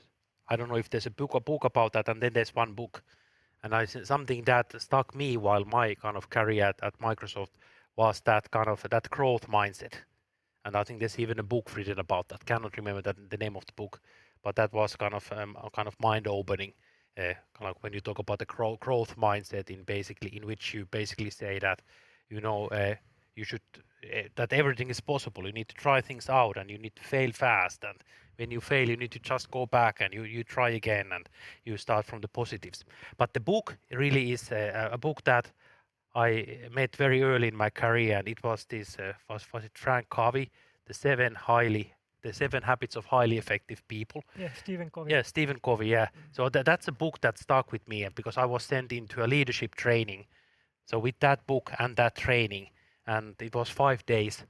I don't know if there's a book about that, and then there's one book, and something that stuck with me while my kind of career at Microsoft was that growth mindset, and I think there's even a book written about that. I cannot remember the name of the book, but that was kind of a kind of mind-opening kind of when you talk about the growth mindset in which you basically say that, you know, you should that everything is possible. You need to try things out, and you need to fail fast, and when you fail, you need to just go back, and you try again, and you start from the positives. The book really is a book that I met very early in my career, and it was this, was it Stephen Covey, The 7 Habits of Highly Effective People. Yeah, Stephen Covey. Yeah, Stephen Covey, yeah. That, that's a book that stuck with me, because I was sent into a leadership training. With that book and that training, and it was five days,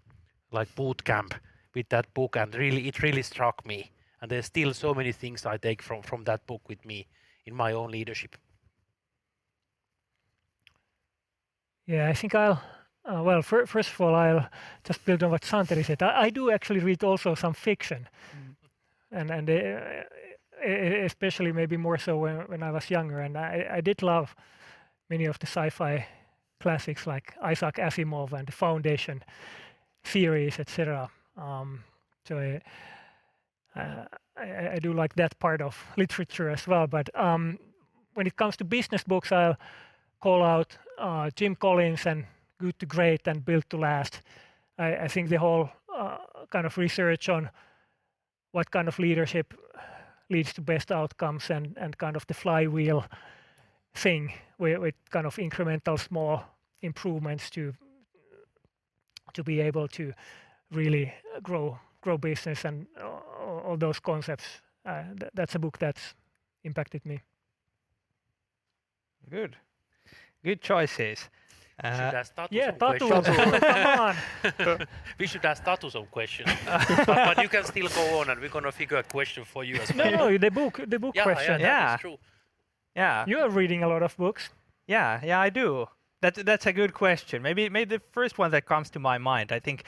like, boot camp with that book, and really, it struck me, and there's still so many things I take from that book with me in my own leadership. Yeah. Well, first of all, I'll just build on what Santeri said. I do actually read also some fiction. Mm especially maybe more so when I was younger, and I did love many of the sci-fi classics like Isaac Asimov and Foundation series, et cetera. So I do like that part of literature as well. When it comes to business books, I'll call out Jim Collins and Good to Great and Built to Last. I think the whole kind of research on what kind of leadership leads to best outcomes and kind of the flywheel thing where with kind of incremental, small improvements to be able to really grow business and all those concepts. That's a book that's impacted me. Good. Good choicesC We should ask Tatu some questions. Yeah, Tatu. Come on. We should ask Tatu some questions. You can still go on, and we're gonna figure a question for you as well. No, the book question. Yeah. Yeah. Yeah. That's true. Yeah. You are reading a lot of books. Yeah. I do. That's a good question. Maybe the first one that comes to my mind, I think,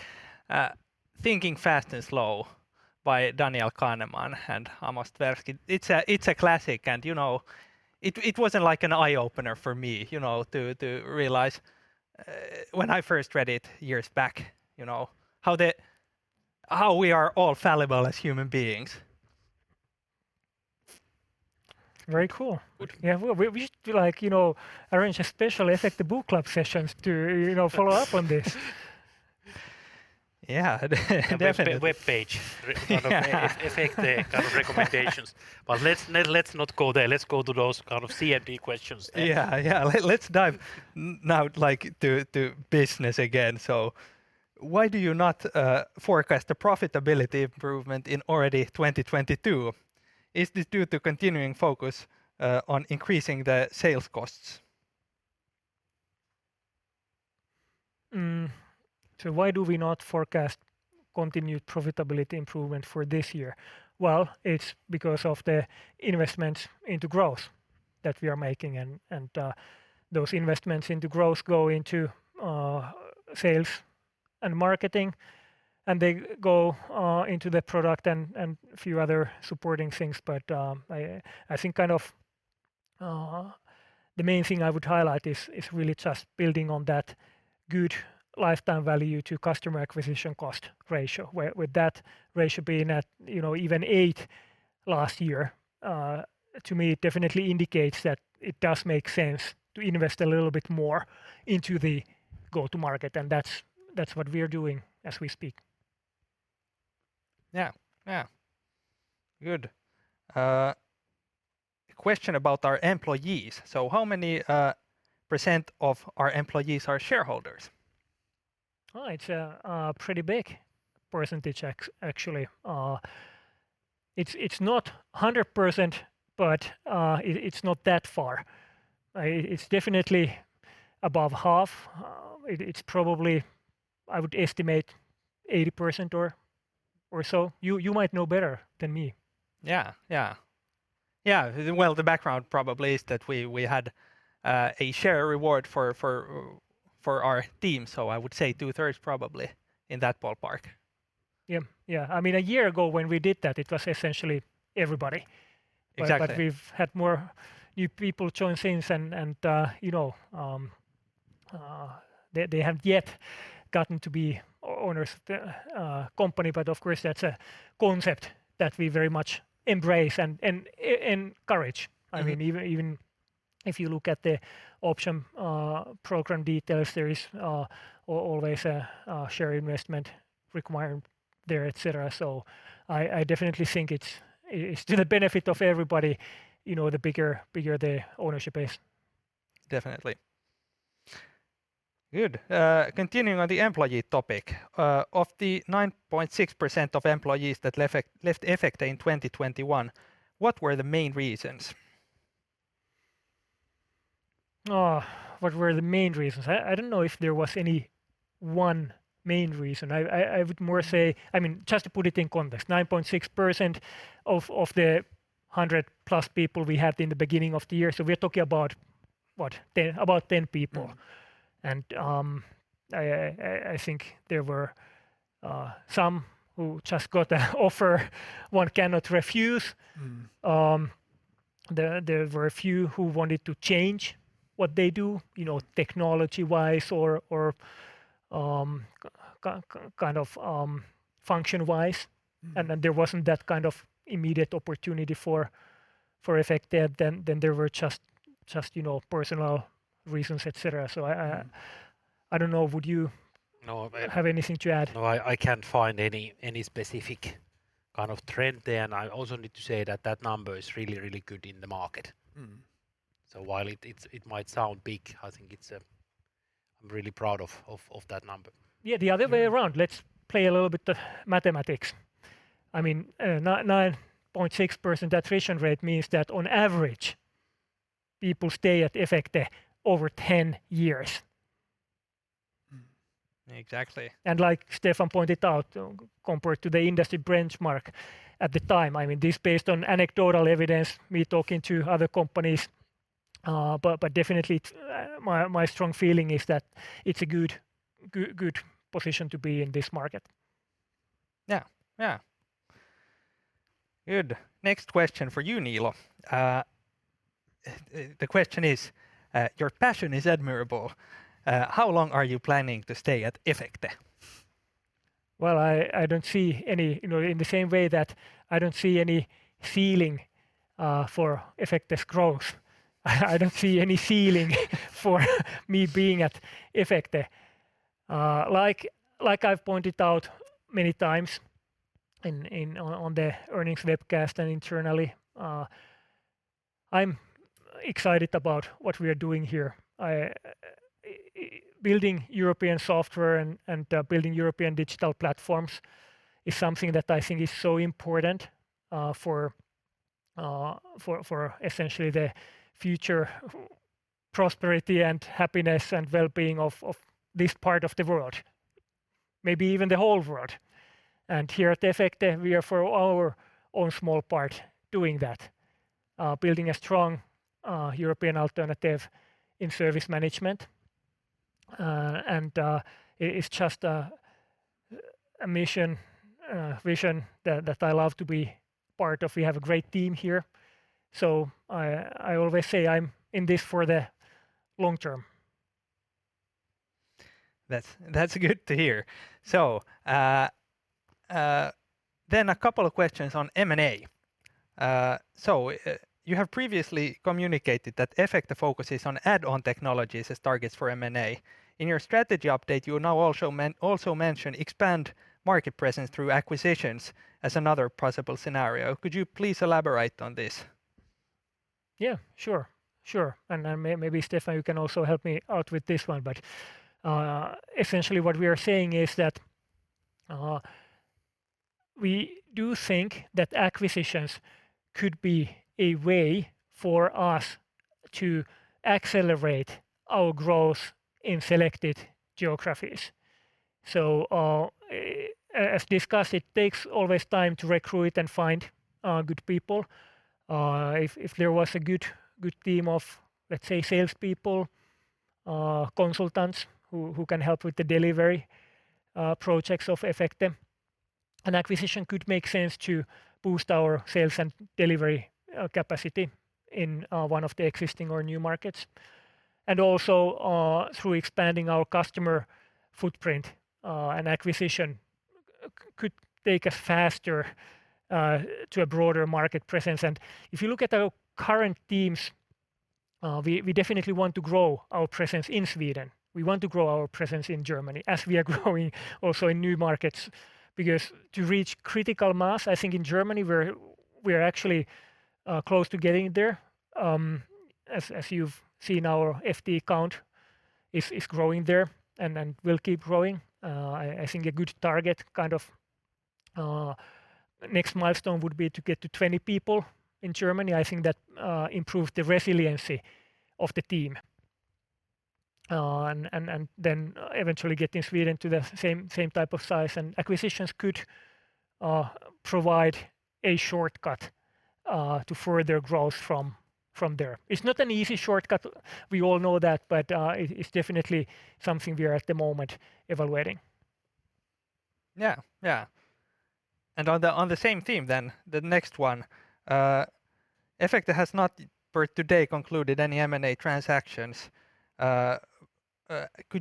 Thinking, Fast and Slow by Daniel Kahneman and Amos Tversky. It's a classic, and you know, it was like an eye-opener for me, you know, to realize when I first read it years back, you know, how we are all fallible as human beings. Very cool. Good. Yeah. We should do, like, you know, arrange a special Efecte book club sessions to, you know, follow up on this. Yeah. Definitely. A web page. Yeah. Kind of Efecte recommendations. Let's not go there. Let's go to those kind of CMDB questions. Yeah, yeah. Let's now, like, to business again. Why do you not forecast the profitability improvement in already 2022? Is this due to continuing focus on increasing the sales costs? Why do we not forecast continued profitability improvement for this year? It's because of the investments into growth that we are making and those investments into growth go into sales and marketing, and they go into the product and a few other supporting things. I think kind of the main thing I would highlight is really just building on that good lifetime value to customer acquisition cost ratio, with that ratio being at, you know, even eight last year, to me definitely indicates that it does make sense to invest a little bit more into the go-to-market, and that's what we're doing as we speak. Yeah. Yeah. Good. Question about our employees. How many % of our employees are shareholders? Oh, it's a pretty big percentage actually. It's not 100%, but it's not that far. It's definitely above half. It's probably, I would estimate 80% or so. You might know better than me. Yeah. Well, the background probably is that we had a share reward for our team. I would say two-thirds probably in that ballpark. Yeah, yeah. I mean, a year ago when we did that, it was essentially everybody. Exactly. We've had more new people join since and you know they have yet gotten to be owners of the company, but of course that's a concept that we very much embrace and encourage. Mm-hmm. I mean, even if you look at the option program details, there is always a share investment requirement there, et cetera. I definitely think it's to the benefit of everybody, you know, the bigger the ownership is. Definitely. Good. Continuing on the employee topic. Of the 9.6% of employees that left Efecte in 2021, what were the main reasons? Oh, what were the main reasons? I don't know if there was any one main reason. I would more say... I mean, just to put it in context, 9.6% of the 100 plus people we had in the beginning of the year. We're talking about, what? 10. About 10 people. Mm-hmm. I think there were some who just got the offer one cannot refuse. Mm-hmm. There were a few who wanted to change what they do, you know, technology-wise or kind of function-wise. Mm-hmm. There wasn't that kind of immediate opportunity for Efecte. There were just, you know, personal reasons, et cetera. I don't know. Would you- No Do you have anything to add? No, I can't find any specific kind of trend there, and I also need to say that that number is really good in the market. Mm-hmm. While it might sound big, I think it's. I'm really proud of that number. Yeah, the other way around. Let's play a little bit of mathematics. I mean, 9.6% attrition rate means that on average, people stay at Efecte over 10 years. Mm-hmm. Exactly. Like Steffan pointed out, compared to the industry benchmark at the time, I mean, this based on anecdotal evidence, me talking to other companies. But definitely it's my strong feeling is that it's a good position to be in this market. Yeah. Yeah. Good. Next question for you, Niilo. The question is, your passion is admirable. How long are you planning to stay at Efecte? I don't see any, you know, in the same way that I don't see any ceiling for Efecte's growth. I don't see any ceiling for me being at Efecte. Like I've pointed out many times in on the earnings webcast and internally, I'm excited about what we are doing here. Building European software and building European digital platforms is something that I think is so important for essentially the future prosperity and happiness and wellbeing of this part of the world, maybe even the whole world. Here at Efecte, we are for our own small part doing that, building a strong European alternative in service management. It's just a mission vision that I love to be part of. We have a great team here. I always say I'm in this for the long term. That's good to hear. A couple of questions on M&A. You have previously communicated that Efecte focuses on add-on technologies as targets for M&A. In your strategy update, you now also mention expand market presence through acquisitions as another possible scenario. Could you please elaborate on this? Yeah, sure. Maybe Steffan, you can also help me out with this one. Essentially what we are saying is that we do think that acquisitions could be a way for us to accelerate our growth in selected geographies. As discussed, it takes always time to recruit and find good people. If there was a good team of, let's say, salespeople, consultants who can help with the delivery projects of Efecte, an acquisition could make sense to boost our sales and delivery capacity in one of the existing or new markets. Through expanding our customer footprint, an acquisition could take us faster to a broader market presence. If you look at our current teams, we definitely want to grow our presence in Sweden. We want to grow our presence in Germany as we are growing also in new markets, because to reach critical mass. I think in Germany we're actually close to getting there. As you've seen our headcount is growing there and will keep growing. I think a good target, kind of, next milestone would be to get to 20 people in Germany. I think that improves the resiliency of the team. Then eventually get in Sweden to the same type of size. Acquisitions could provide a shortcut to further growth from there. It's not an easy shortcut, we all know that, but it is definitely something we are at the moment evaluating. Yeah. On the same theme then, the next one. Efecte has, to date, not concluded any M&A transactions. Could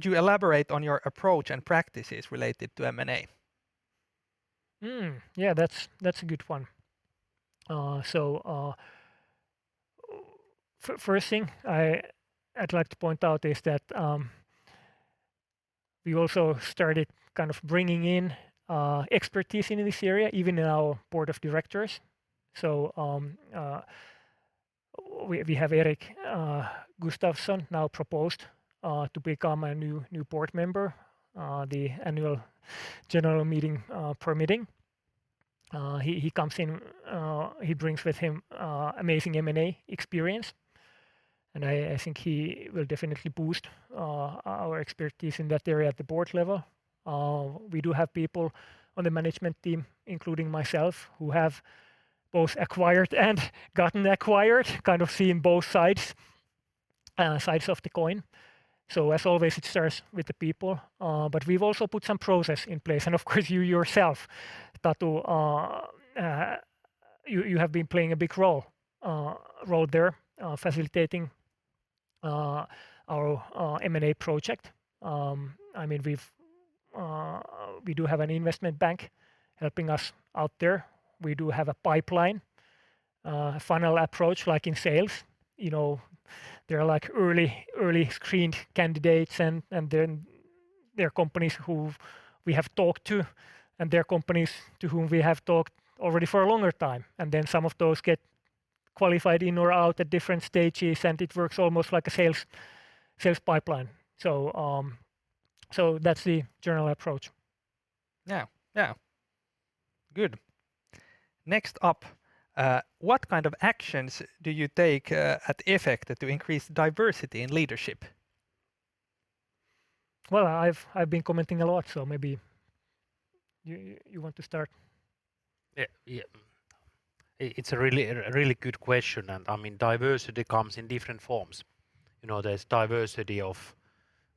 you elaborate on your approach and practices related to M&A? Yeah, that's a good one. First thing I'd like to point out is that we've also started kind of bringing in expertise in this area, even in our board of directors. We have Eric Gustavsson now proposed to become a new board member, the annual general meeting permitting. He comes in, he brings with him amazing M&A experience, and I think he will definitely boost our expertise in that area at the board level. We do have people on the management team, including myself, who have both acquired and gotten acquired, kind of seen both sides of the coin. As always, it starts with the people. We've also put some process in place. Of course you yourself, Tatu, you have been playing a big role there, facilitating our M&A project. I mean, we do have an investment bank helping us out there. We do have a pipeline, a funnel approach, like in sales. You know, there are like early screened candidates and then there are companies we've talked to, and there are companies to whom we have talked already for a longer time. Then some of those get qualified in or out at different stages, and it works almost like a sales pipeline. That's the general approach. Yeah. Yeah. Good. Next up, what kind of actions do you take at Efecte to increase diversity in leadership? Well, I've been commenting a lot, so maybe you want to start. Yeah. Yeah. It's a really good question. I mean, diversity comes in different forms. You know, there's diversity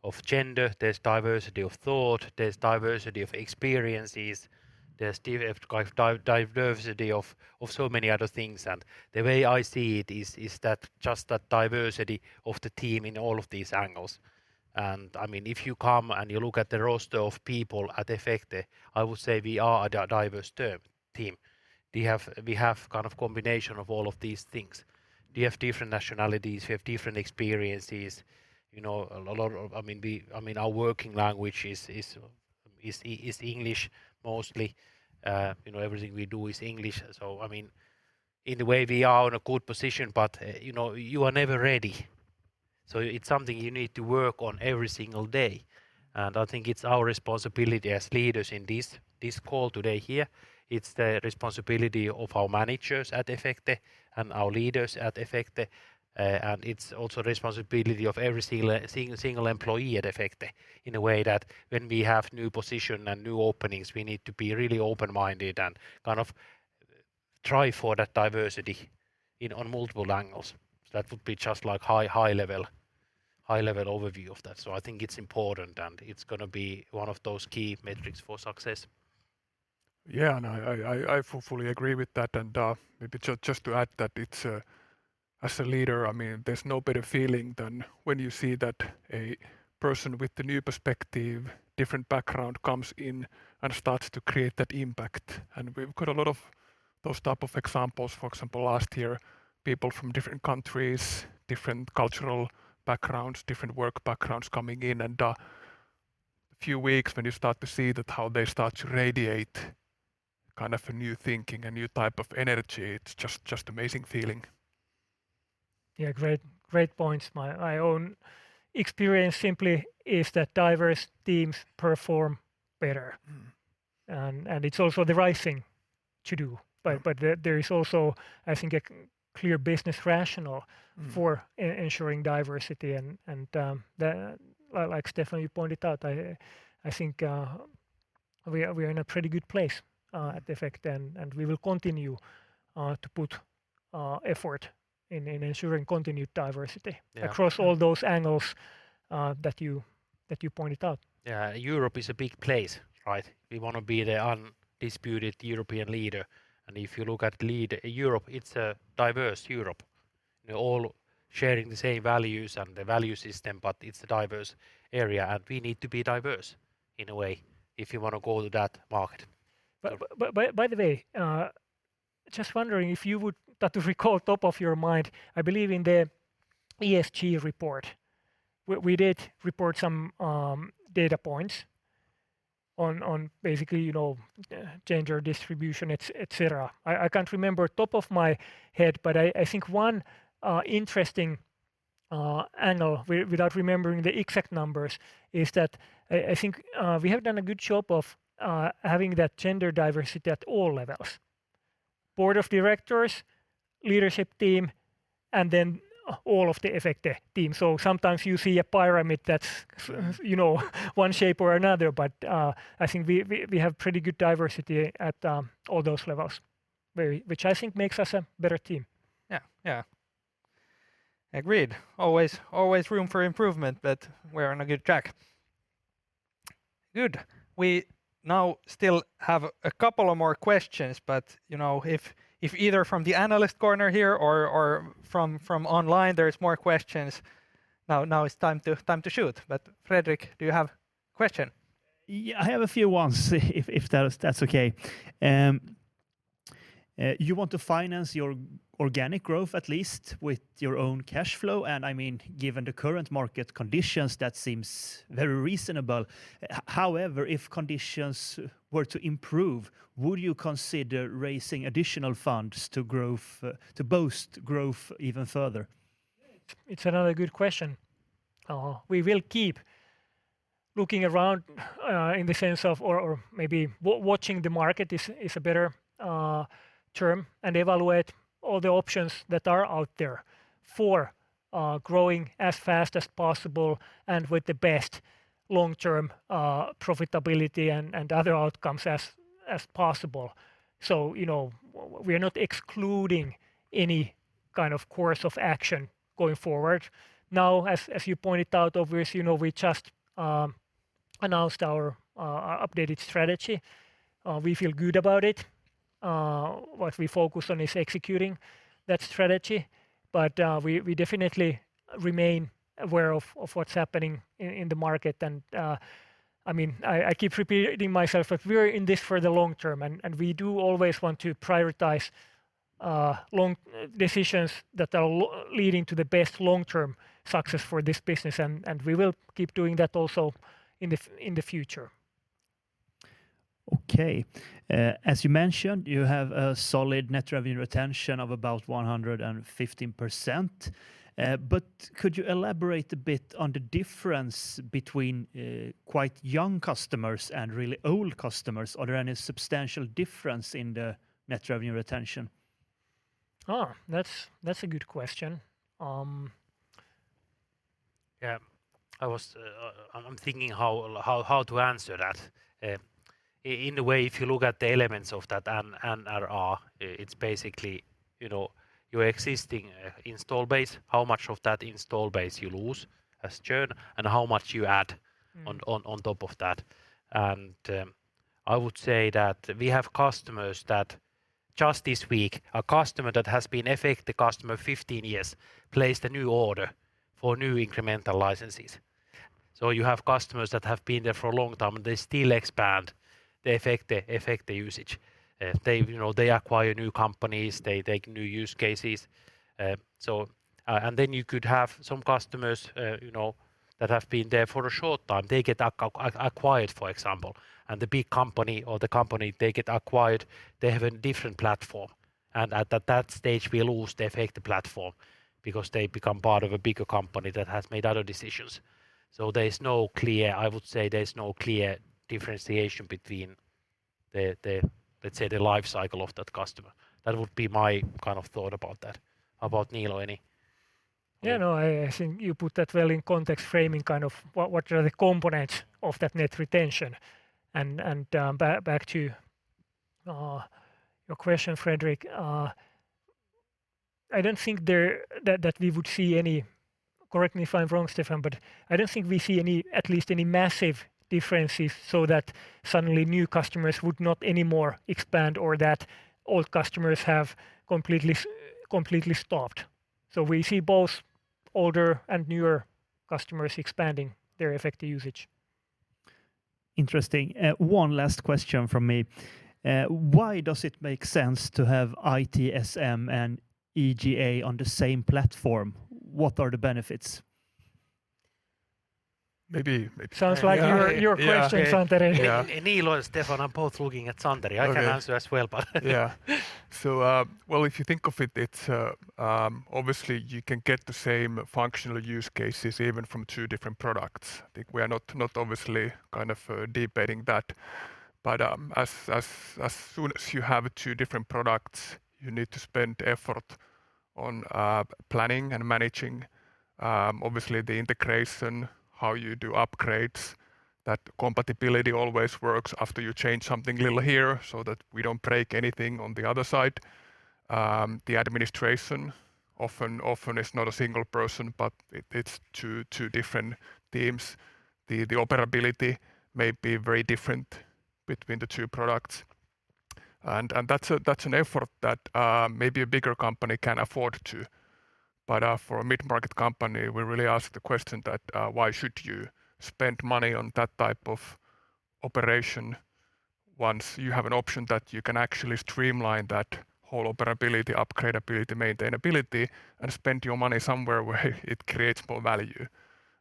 of gender, there's diversity of thought, there's diversity of experiences, there's diversity of so many other things. The way I see it is that just that diversity of the team in all of these angles. I mean, if you come and you look at the roster of people at Efecte, I would say we are a diverse team. We have kind of combination of all of these things. We have different nationalities, we have different experiences. You know, I mean, our working language is English mostly. You know, everything we do is English. I mean, in a way, we are in a good position, but, you know, you are never ready. It's something you need to work on every single day. I think it's our responsibility as leaders in this call today here. It's the responsibility of our managers at Efecte and our leaders at Efecte. And it's also responsibility of every single employee at Efecte in a way that when we have new position and new openings, we need to be really open-minded and kind of try for that diversity in, on multiple angles. That would be just like high level overview of that. I think it's important, and it's gonna be one of those key metrics for success. Yeah. No, I fully agree with that. Maybe just to add that it's, as a leader, I mean, there's no better feeling than when you see that a person with a new perspective, different background comes in and starts to create that impact. We've got a lot of those type of examples. For example, last year, people from different countries, different cultural backgrounds, different work backgrounds coming in and, a few weeks when you start to see that how they start to radiate kind of a new thinking, a new type of energy, it's just amazing feeling. Yeah, great points. My own experience simply is that diverse teams perform better. It's also the right thing to do. Right. There is also, I think, a clear business rationale. Mm-hmm for ensuring diversity and the like, Steffan, you pointed out, I think we are in a pretty good place at Efecte and we will continue to put effort in ensuring continued diversity. Yeah... across all those angles, that you pointed out. Yeah. Europe is a big place, right? We wanna be the undisputed European leader. If you look at lead Europe, it's a diverse Europe. We're all sharing the same values and the value system, but it's a diverse area, and we need to be diverse in a way if you wanna go to that market. By the way, just wondering if you would like to recall top of your mind, I believe in the ESG report, we did report some data points on basically, you know, gender distribution, et cetera. I can't remember top of my head, but I think one interesting angle without remembering the exact numbers is that I think we have done a good job of having that gender diversity at all levels, board of directors, leadership team, and then all of the Efecte team. Sometimes you see a pyramid that's, you know, one shape or another, but I think we have pretty good diversity at all those levels, which I think makes us a better team. Yeah. Agreed. Always room for improvement, but we're on a good track. Good. We now still have a couple of more questions, but, you know, if either from the analyst corner here or from online, there is more questions now is time to shoot. Fredrik, do you have question? Yeah. I have a few questions if that's okay. You want to finance your organic growth, at least with your own cash flow, and I mean, given the current market conditions, that seems very reasonable. However, if conditions were to improve, would you consider raising additional funds to boost growth even further? It's another good question. We will keep looking around in the sense of, or maybe watching the market is a better term, and evaluate all the options that are out there for growing as fast as possible and with the best long-term profitability and other outcomes as possible. You know, we are not excluding any kind of course of action going forward. Now, as you pointed out, obviously, you know, we just announced our updated strategy. We feel good about it. What we focus on is executing that strategy. We definitely remain aware of what's happening in the market. I mean, I keep repeating myself, but we are in this for the long term, and we do always want to prioritize long decisions that are leading to the best long-term success for this business. We will keep doing that also in the future. Okay. As you mentioned, you have a solid net revenue retention of about 115%, but could you elaborate a bit on the difference between quite young customers and really old customers? Are there any substantial difference in the net revenue retention? Oh, that's a good question. Yeah. I'm thinking how to answer that. In a way, if you look at the elements of that NRR, it's basically, you know, your existing installed base, how much of that installed base you lose as churn, and how much you add. Mm On top of that. I would say that we have customers that just this week a customer that has been Efecte customer 15 years placed a new order for new incremental licenses. You have customers that have been there for a long time, and they still expand the Efecte usage. You know, they acquire new companies. They take new use cases. And then you could have some customers, you know, that have been there for a short time. They get acquired, for example, and the big company or the company they get acquired they have a different platform. At that stage, we lose the Efecte platform because they become part of a bigger company that has made other decisions. There's no clear I would say there's no clear differentiation between the, let's say, the life cycle of that customer. That would be my kind of thought about that. How about Niilo, any- Yeah. No, I think you put that well in context framing kind of what are the components of that net retention. Back to your question, Fredrik, I don't think that we would see any, correct me if I'm wrong, Steffan, but I don't think we see any, at least any massive differences so that suddenly new customers would not anymore expand or that old customers have completely stopped. We see both older and newer customers expanding their Efecte usage. Interesting. One last question from me. Why does it make sense to have ITSM and IGA on the same platform? What are the benefits? Maybe. Sounds like your question, Santeri. Yeah. Niilo and Steffan are both looking at Santeri. I can answer as well, but Yeah. Well, if you think of it's obviously you can get the same functional use cases even from two different products. I think we are not obviously kind of debating that. As soon as you have two different products, you need to spend effort on planning and managing obviously the integration, how you do upgrades, that compatibility always works after you change something little here so that we don't break anything on the other side. The administration often is not a single person, but it's two different teams. The operability may be very different between the two products. That's an effort that maybe a bigger company can afford to. For a mid-market company, we really ask the question that why should you spend money on that type of operation once you have an option that you can actually streamline that whole operability, upgrade ability, maintainability, and spend your money somewhere where it creates more value?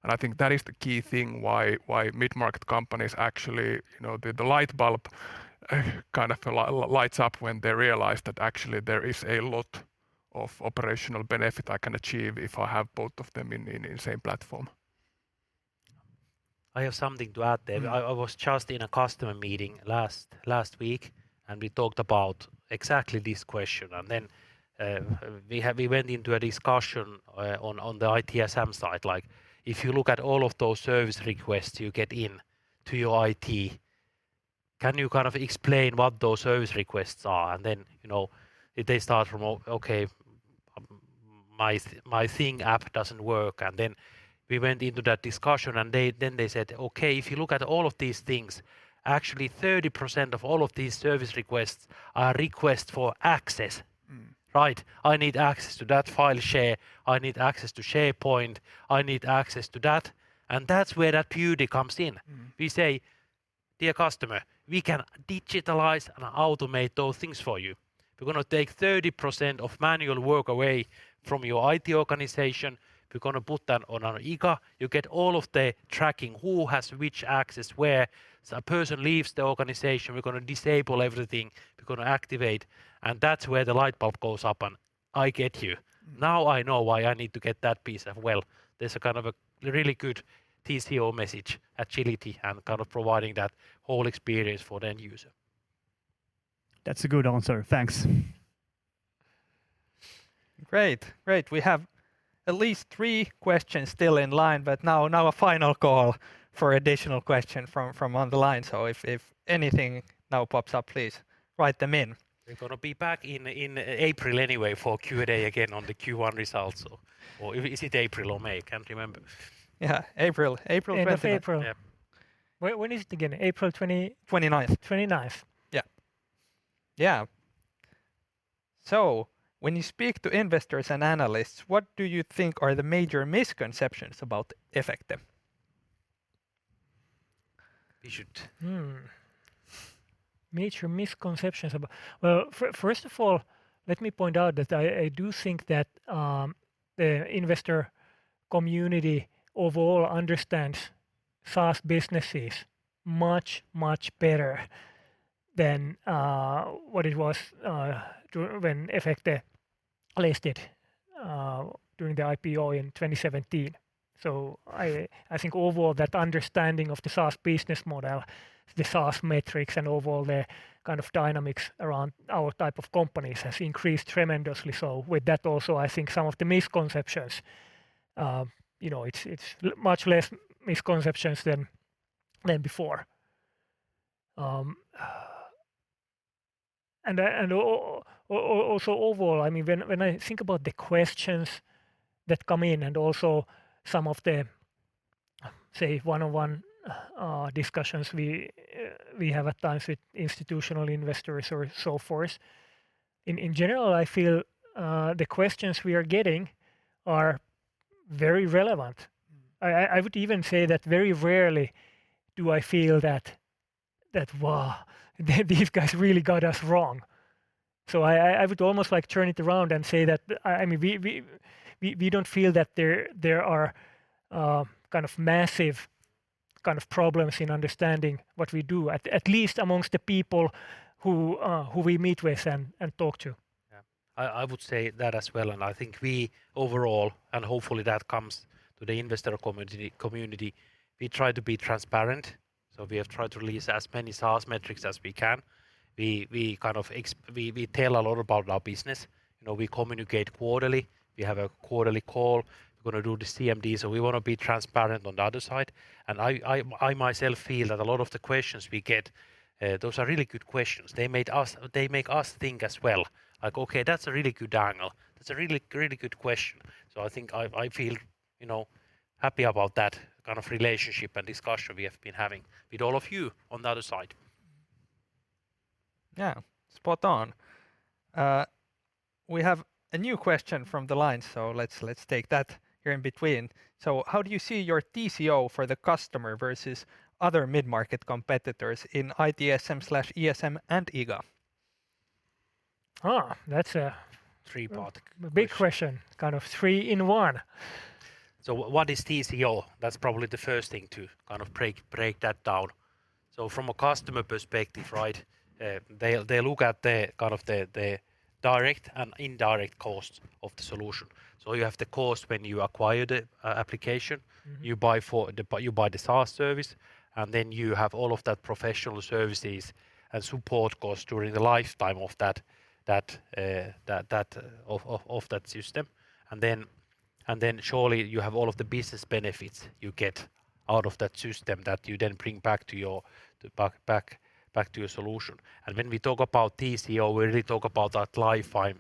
I think that is the key thing why mid-market companies actually you know, the light bulb kind of lights up when they realize that actually there is a lot of operational benefit I can achieve if I have both of them in the same platform. I have something to add there. Mm. I was just in a customer meeting last week, and we talked about exactly this question. Then we went into a discussion on the ITSM side. Like, if you look at all of those service requests you get into your IT, can you kind of explain what those service requests are? Then, you know, if they start from okay, my Teams app doesn't work, and then we went into that discussion and they said, "Okay, if you look at all of these things, actually 30% of all of these service requests are requests for access. Mm. Right? I need access to that file share, I need access to SharePoint, I need access to that, and that's where that beauty comes in. Mm-hmm. We say, "Dear customer, we can digitalize and automate those things for you. We're gonna take 30% of manual work away from your IT organization. We're gonna put that on our IGA. You get all of the tracking, who has which access where. So a person leaves the organization, we're gonna disable everything, we're gonna activate." That's where the light bulb goes up and I get you. Mm. Now I know why I need to get that piece as well. There's a kind of a really good TCO message, agility, and kind of providing that whole experience for the end user. That's a good answer. Thanks. Great. We have at least three questions still in line, but now a final call for additional question from on the line. If anything now pops up, please write them in. We're gonna be back in April anyway for Q&A again on the Q1 results or is it April or May? Can't remember. Yeah, April. April 20th. End of April. Yeah. When is it again? April 20. 29th. 29th. Yeah. Yeah. When you speak to investors and analysts, what do you think are the major misconceptions about Efecte? We should Major misconceptions about. Well, first of all, let me point out that I do think that the investor community overall understands SaaS businesses much, much better than what it was when Efecte placed it during the IPO in 2017. I think overall that understanding of the SaaS business model, the SaaS metrics, and overall the kind of dynamics around our type of companies has increased tremendously. With that also, I think some of the misconceptions, you know, it's much less misconceptions than before. Also overall, I mean, when I think about the questions that come in and also some of the, say, one-on-one discussions we have at times with institutional investors or so forth, in general, I feel the questions we are getting are very relevant. Mm. I would even say that very rarely do I feel that these guys really got us wrong. I would almost like turn it around and say that I mean, we don't feel that there are kind of massive kind of problems in understanding what we do at least amongst the people who we meet with and talk to. Yeah. I would say that as well, and I think we overall, and hopefully that comes to the investor community, we try to be transparent, so we have tried to release as many SaaS metrics as we can. We tell a lot about our business. You know, we communicate quarterly. We have a quarterly call. We're gonna do the CMD, so we wanna be transparent on the other side. I myself feel that a lot of the questions we get, those are really good questions. They made us, they make us think as well, like, "Okay, that's a really good angle. That's a really, really good question." I think I feel, you know, happy about that kind of relationship and discussion we have been having with all of you on the other side. Yeah. Spot on. We have a new question from the line, so let's take that here in between. How do you see your TCO for the customer versus other mid-market competitors in ITSM/ESM and IGA? Ah, that's a- Three-part question. Big question. Kind of three in one. What is TCO? That's probably the first thing to kind of break that down. From a customer perspective, right? They look at the kind of direct and indirect cost of the solution. You have the cost when you acquire the application. Mm. You buy the SaaS service, and then you have all of that professional services and support cost during the lifetime of that system. Surely you have all of the business benefits you get out of that system that you then bring back to your solution. When we talk about TCO, we really talk about that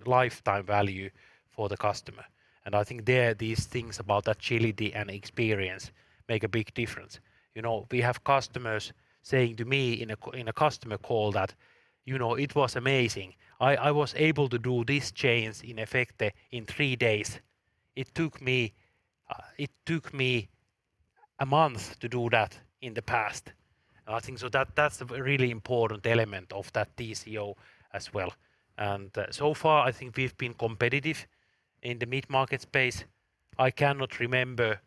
lifetime value for the customer. I think there, these things about agility and experience make a big difference. You know, we have customers saying to me in a customer call that, "You know, it was amazing. I was able to do this change in Efecte in three days. It took me a month to do that in the past." I think so that's a really important element of that TCO as well. So far, I think we've been competitive in the mid-market space. I cannot remember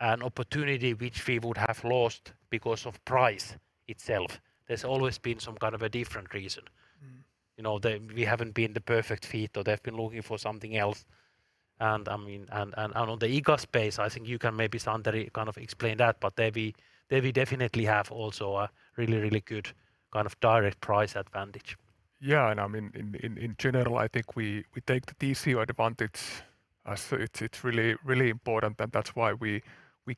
an opportunity which we would have lost because of price itself. There's always been some kind of a different reason. Mm. You know, we haven't been the perfect fit, or they've been looking for something else, and I mean on the IGA space, I think you can maybe, Santeri, kind of explain that. There we definitely have also a really, really good kind of direct price advantage. Yeah, I mean, in general, I think we take the TCO advantage as it's really important, and that's why we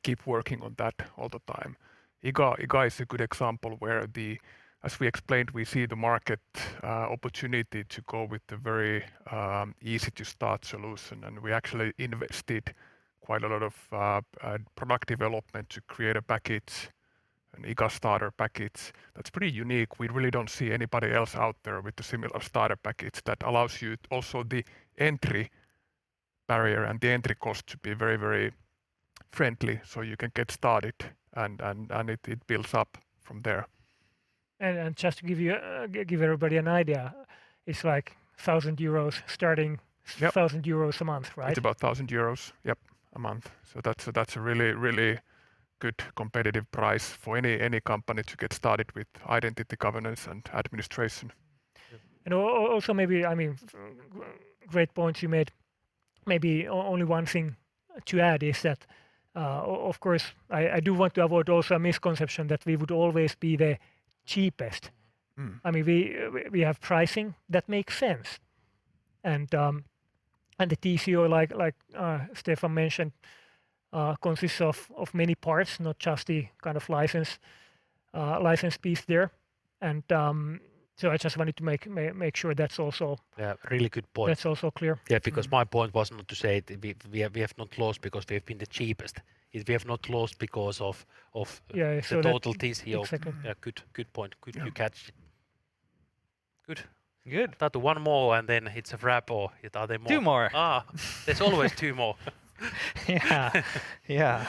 keep working on that all the time. IGA is a good example where, as we explained, we see the market opportunity to go with the very easy-to-start solution. We actually invested quite a lot of product development to create a package, an IGA Starter package, that's pretty unique. We really don't see anybody else out there with a similar starter package that allows you also the entry barrier and the entry cost to be very friendly, so you can get started and it builds up from there. Just to give everybody an idea, it's like 1,000 euros starting. Yep 1,000 euros a month, right? It's about 1,000 euros, yep, a month. That's a really, really good competitive price for any company to get started with identity governance and administration. Also maybe, I mean, great point you made. Maybe only one thing to add is that, of course, I do want to avoid also a misconception that we would always be the cheapest. Mm. I mean, we have pricing that makes sense. The TCO, like Steffan mentioned, consists of many parts, not just the kind of license piece there. I just wanted to make sure that's also- Yeah, really good point. That's also clear. Yeah, because my point was not to say we have not lost because we have been the cheapest. It's we have not lost because of. Yeah, sure. the total TCO. Exactly. Yeah, good point. Good catch. Good. Tatu, one more, and then it's a wrap, or are there more? Two more. There's always two more. Yeah. Yeah.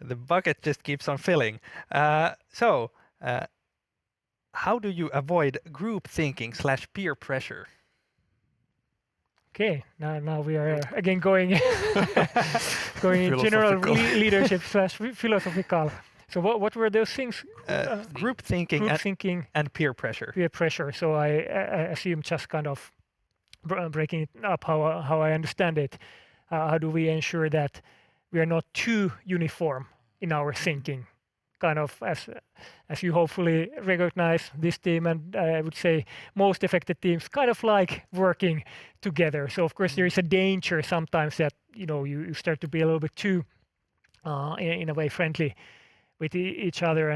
The bucket just keeps on filling. How do you avoid groupthink/peer pressure? Okay. Now we are again going general. Philosophical Leadership/philosophical. What were those things? Group thinking. Group thinking peer pressure. Peer pressure. I assume just kind of breaking it up how I understand it, how do we ensure that we are not too uniform in our thinking, kind of as you hopefully recognize this team, and I would say most effective teams kind of like working together. Of course there is a danger sometimes that, you know, you start to be a little bit too, in a way friendly with each other.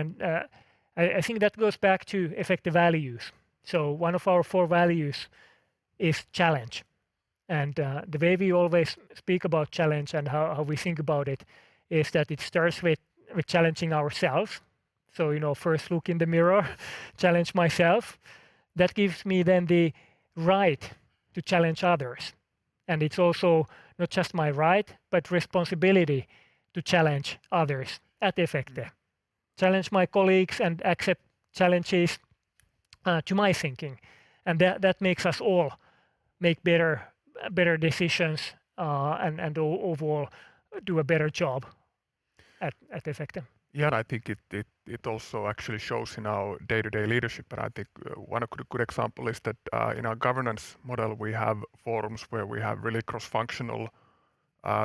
I think that goes back to Efecte values. One of our four values is challenge. The way we always speak about challenge and how we think about it is that it starts with challenging ourselves. You know, first look in the mirror, challenge myself. That gives me then the right to challenge others. It's also not just my right, but responsibility to challenge others at Efecte. Mm. Challenge my colleagues and accept challenges to my thinking, and that makes us all make better decisions, and overall do a better job at Efecte. I think it also actually shows in our day-to-day leadership, but I think one good example is that in our governance model, we have forums where we have really cross-functional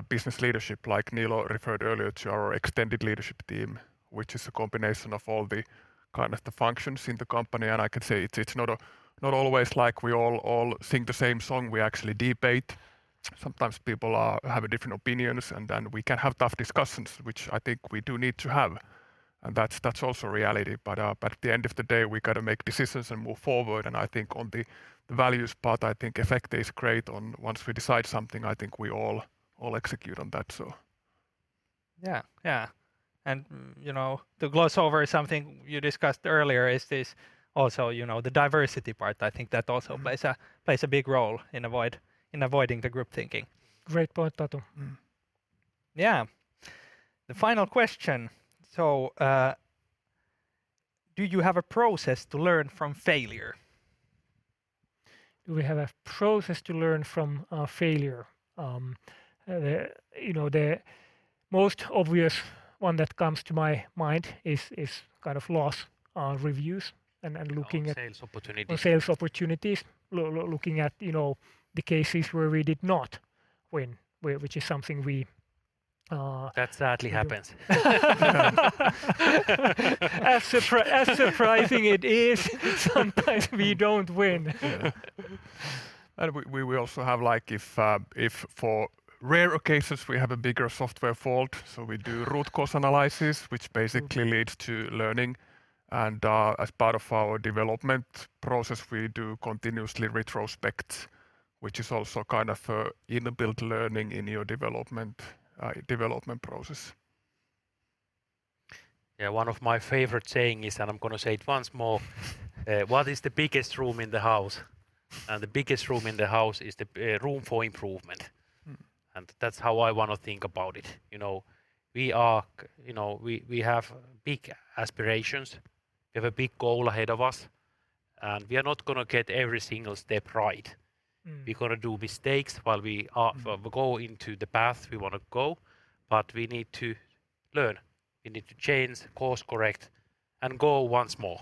business leadership, like Niilo referred earlier to our extended leadership team, which is a combination of all the kind of the functions in the company. I can say it's not always like we all sing the same song. We actually debate. Sometimes people have different opinions, and then we can have tough discussions, which I think we do need to have, and that's also reality. At the end of the day, we gotta make decisions and move forward, and I think on the values part, I think Efecte is great on once we decide something, I think we all execute on that, so. Yeah. Yeah. You know, to gloss over something you discussed earlier is this also, you know, the diversity part. I think that also plays a big role in avoiding the group thinking. Great point, Tatu. Mm. Yeah. The final question. Do you have a process to learn from failure? Do we have a process to learn from failure? You know, the most obvious one that comes to my mind is kind of loss reviews and looking at- On sales opportunities on sales opportunities. Looking at, you know, the cases where we did not win, which is something we, That sadly happens. As surprising as it is, sometimes we don't win. We will also have, like, if for rare occasions we have a bigger software fault, so we do root cause analysis. Mm-hmm... which basically leads to learning, and, as part of our development process, we do continuously retrospect, which is also kind of, inbuilt learning in your development process. Yeah. One of my favorite saying is, and I'm gonna say it once more, what is the biggest room in the house? The biggest room in the house is the room for improvement. Mm. That's how I wanna think about it. You know, we have big aspirations. We have a big goal ahead of us, and we are not gonna get every single step right. Mm. We're gonna do mistakes while we are go into the path we wanna go, but we need to learn. We need to change course correct and go once more.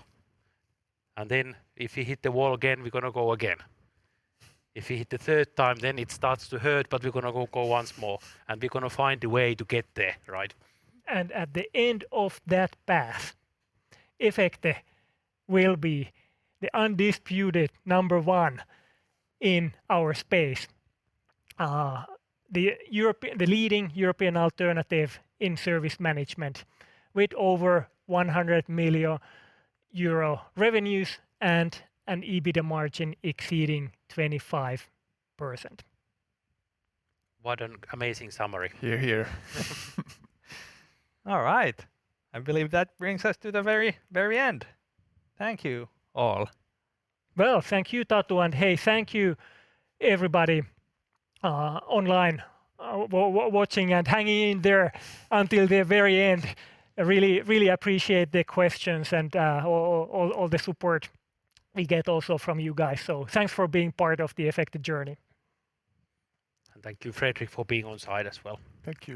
If we hit the wall again, we're gonna go again. If we hit the third time, it starts to hurt, but we're gonna go once more, and we're gonna find a way to get there, right? At the end of that path, Efecte will be the undisputed number one in our space, the leading European alternative in service management with over 100 million euro revenues and an EBITDA margin exceeding 25%. What an amazing summary. Hear, hear. All right. I believe that brings us to the very, very end. Thank you all. Well, thank you, Tatu, and hey, thank you, everybody online watching and hanging in there until the very end. I really appreciate the questions and all the support we get also from you guys. Thanks for being part of the Efecte journey. Thank you, Fredrik, for being on site as well. Thank you.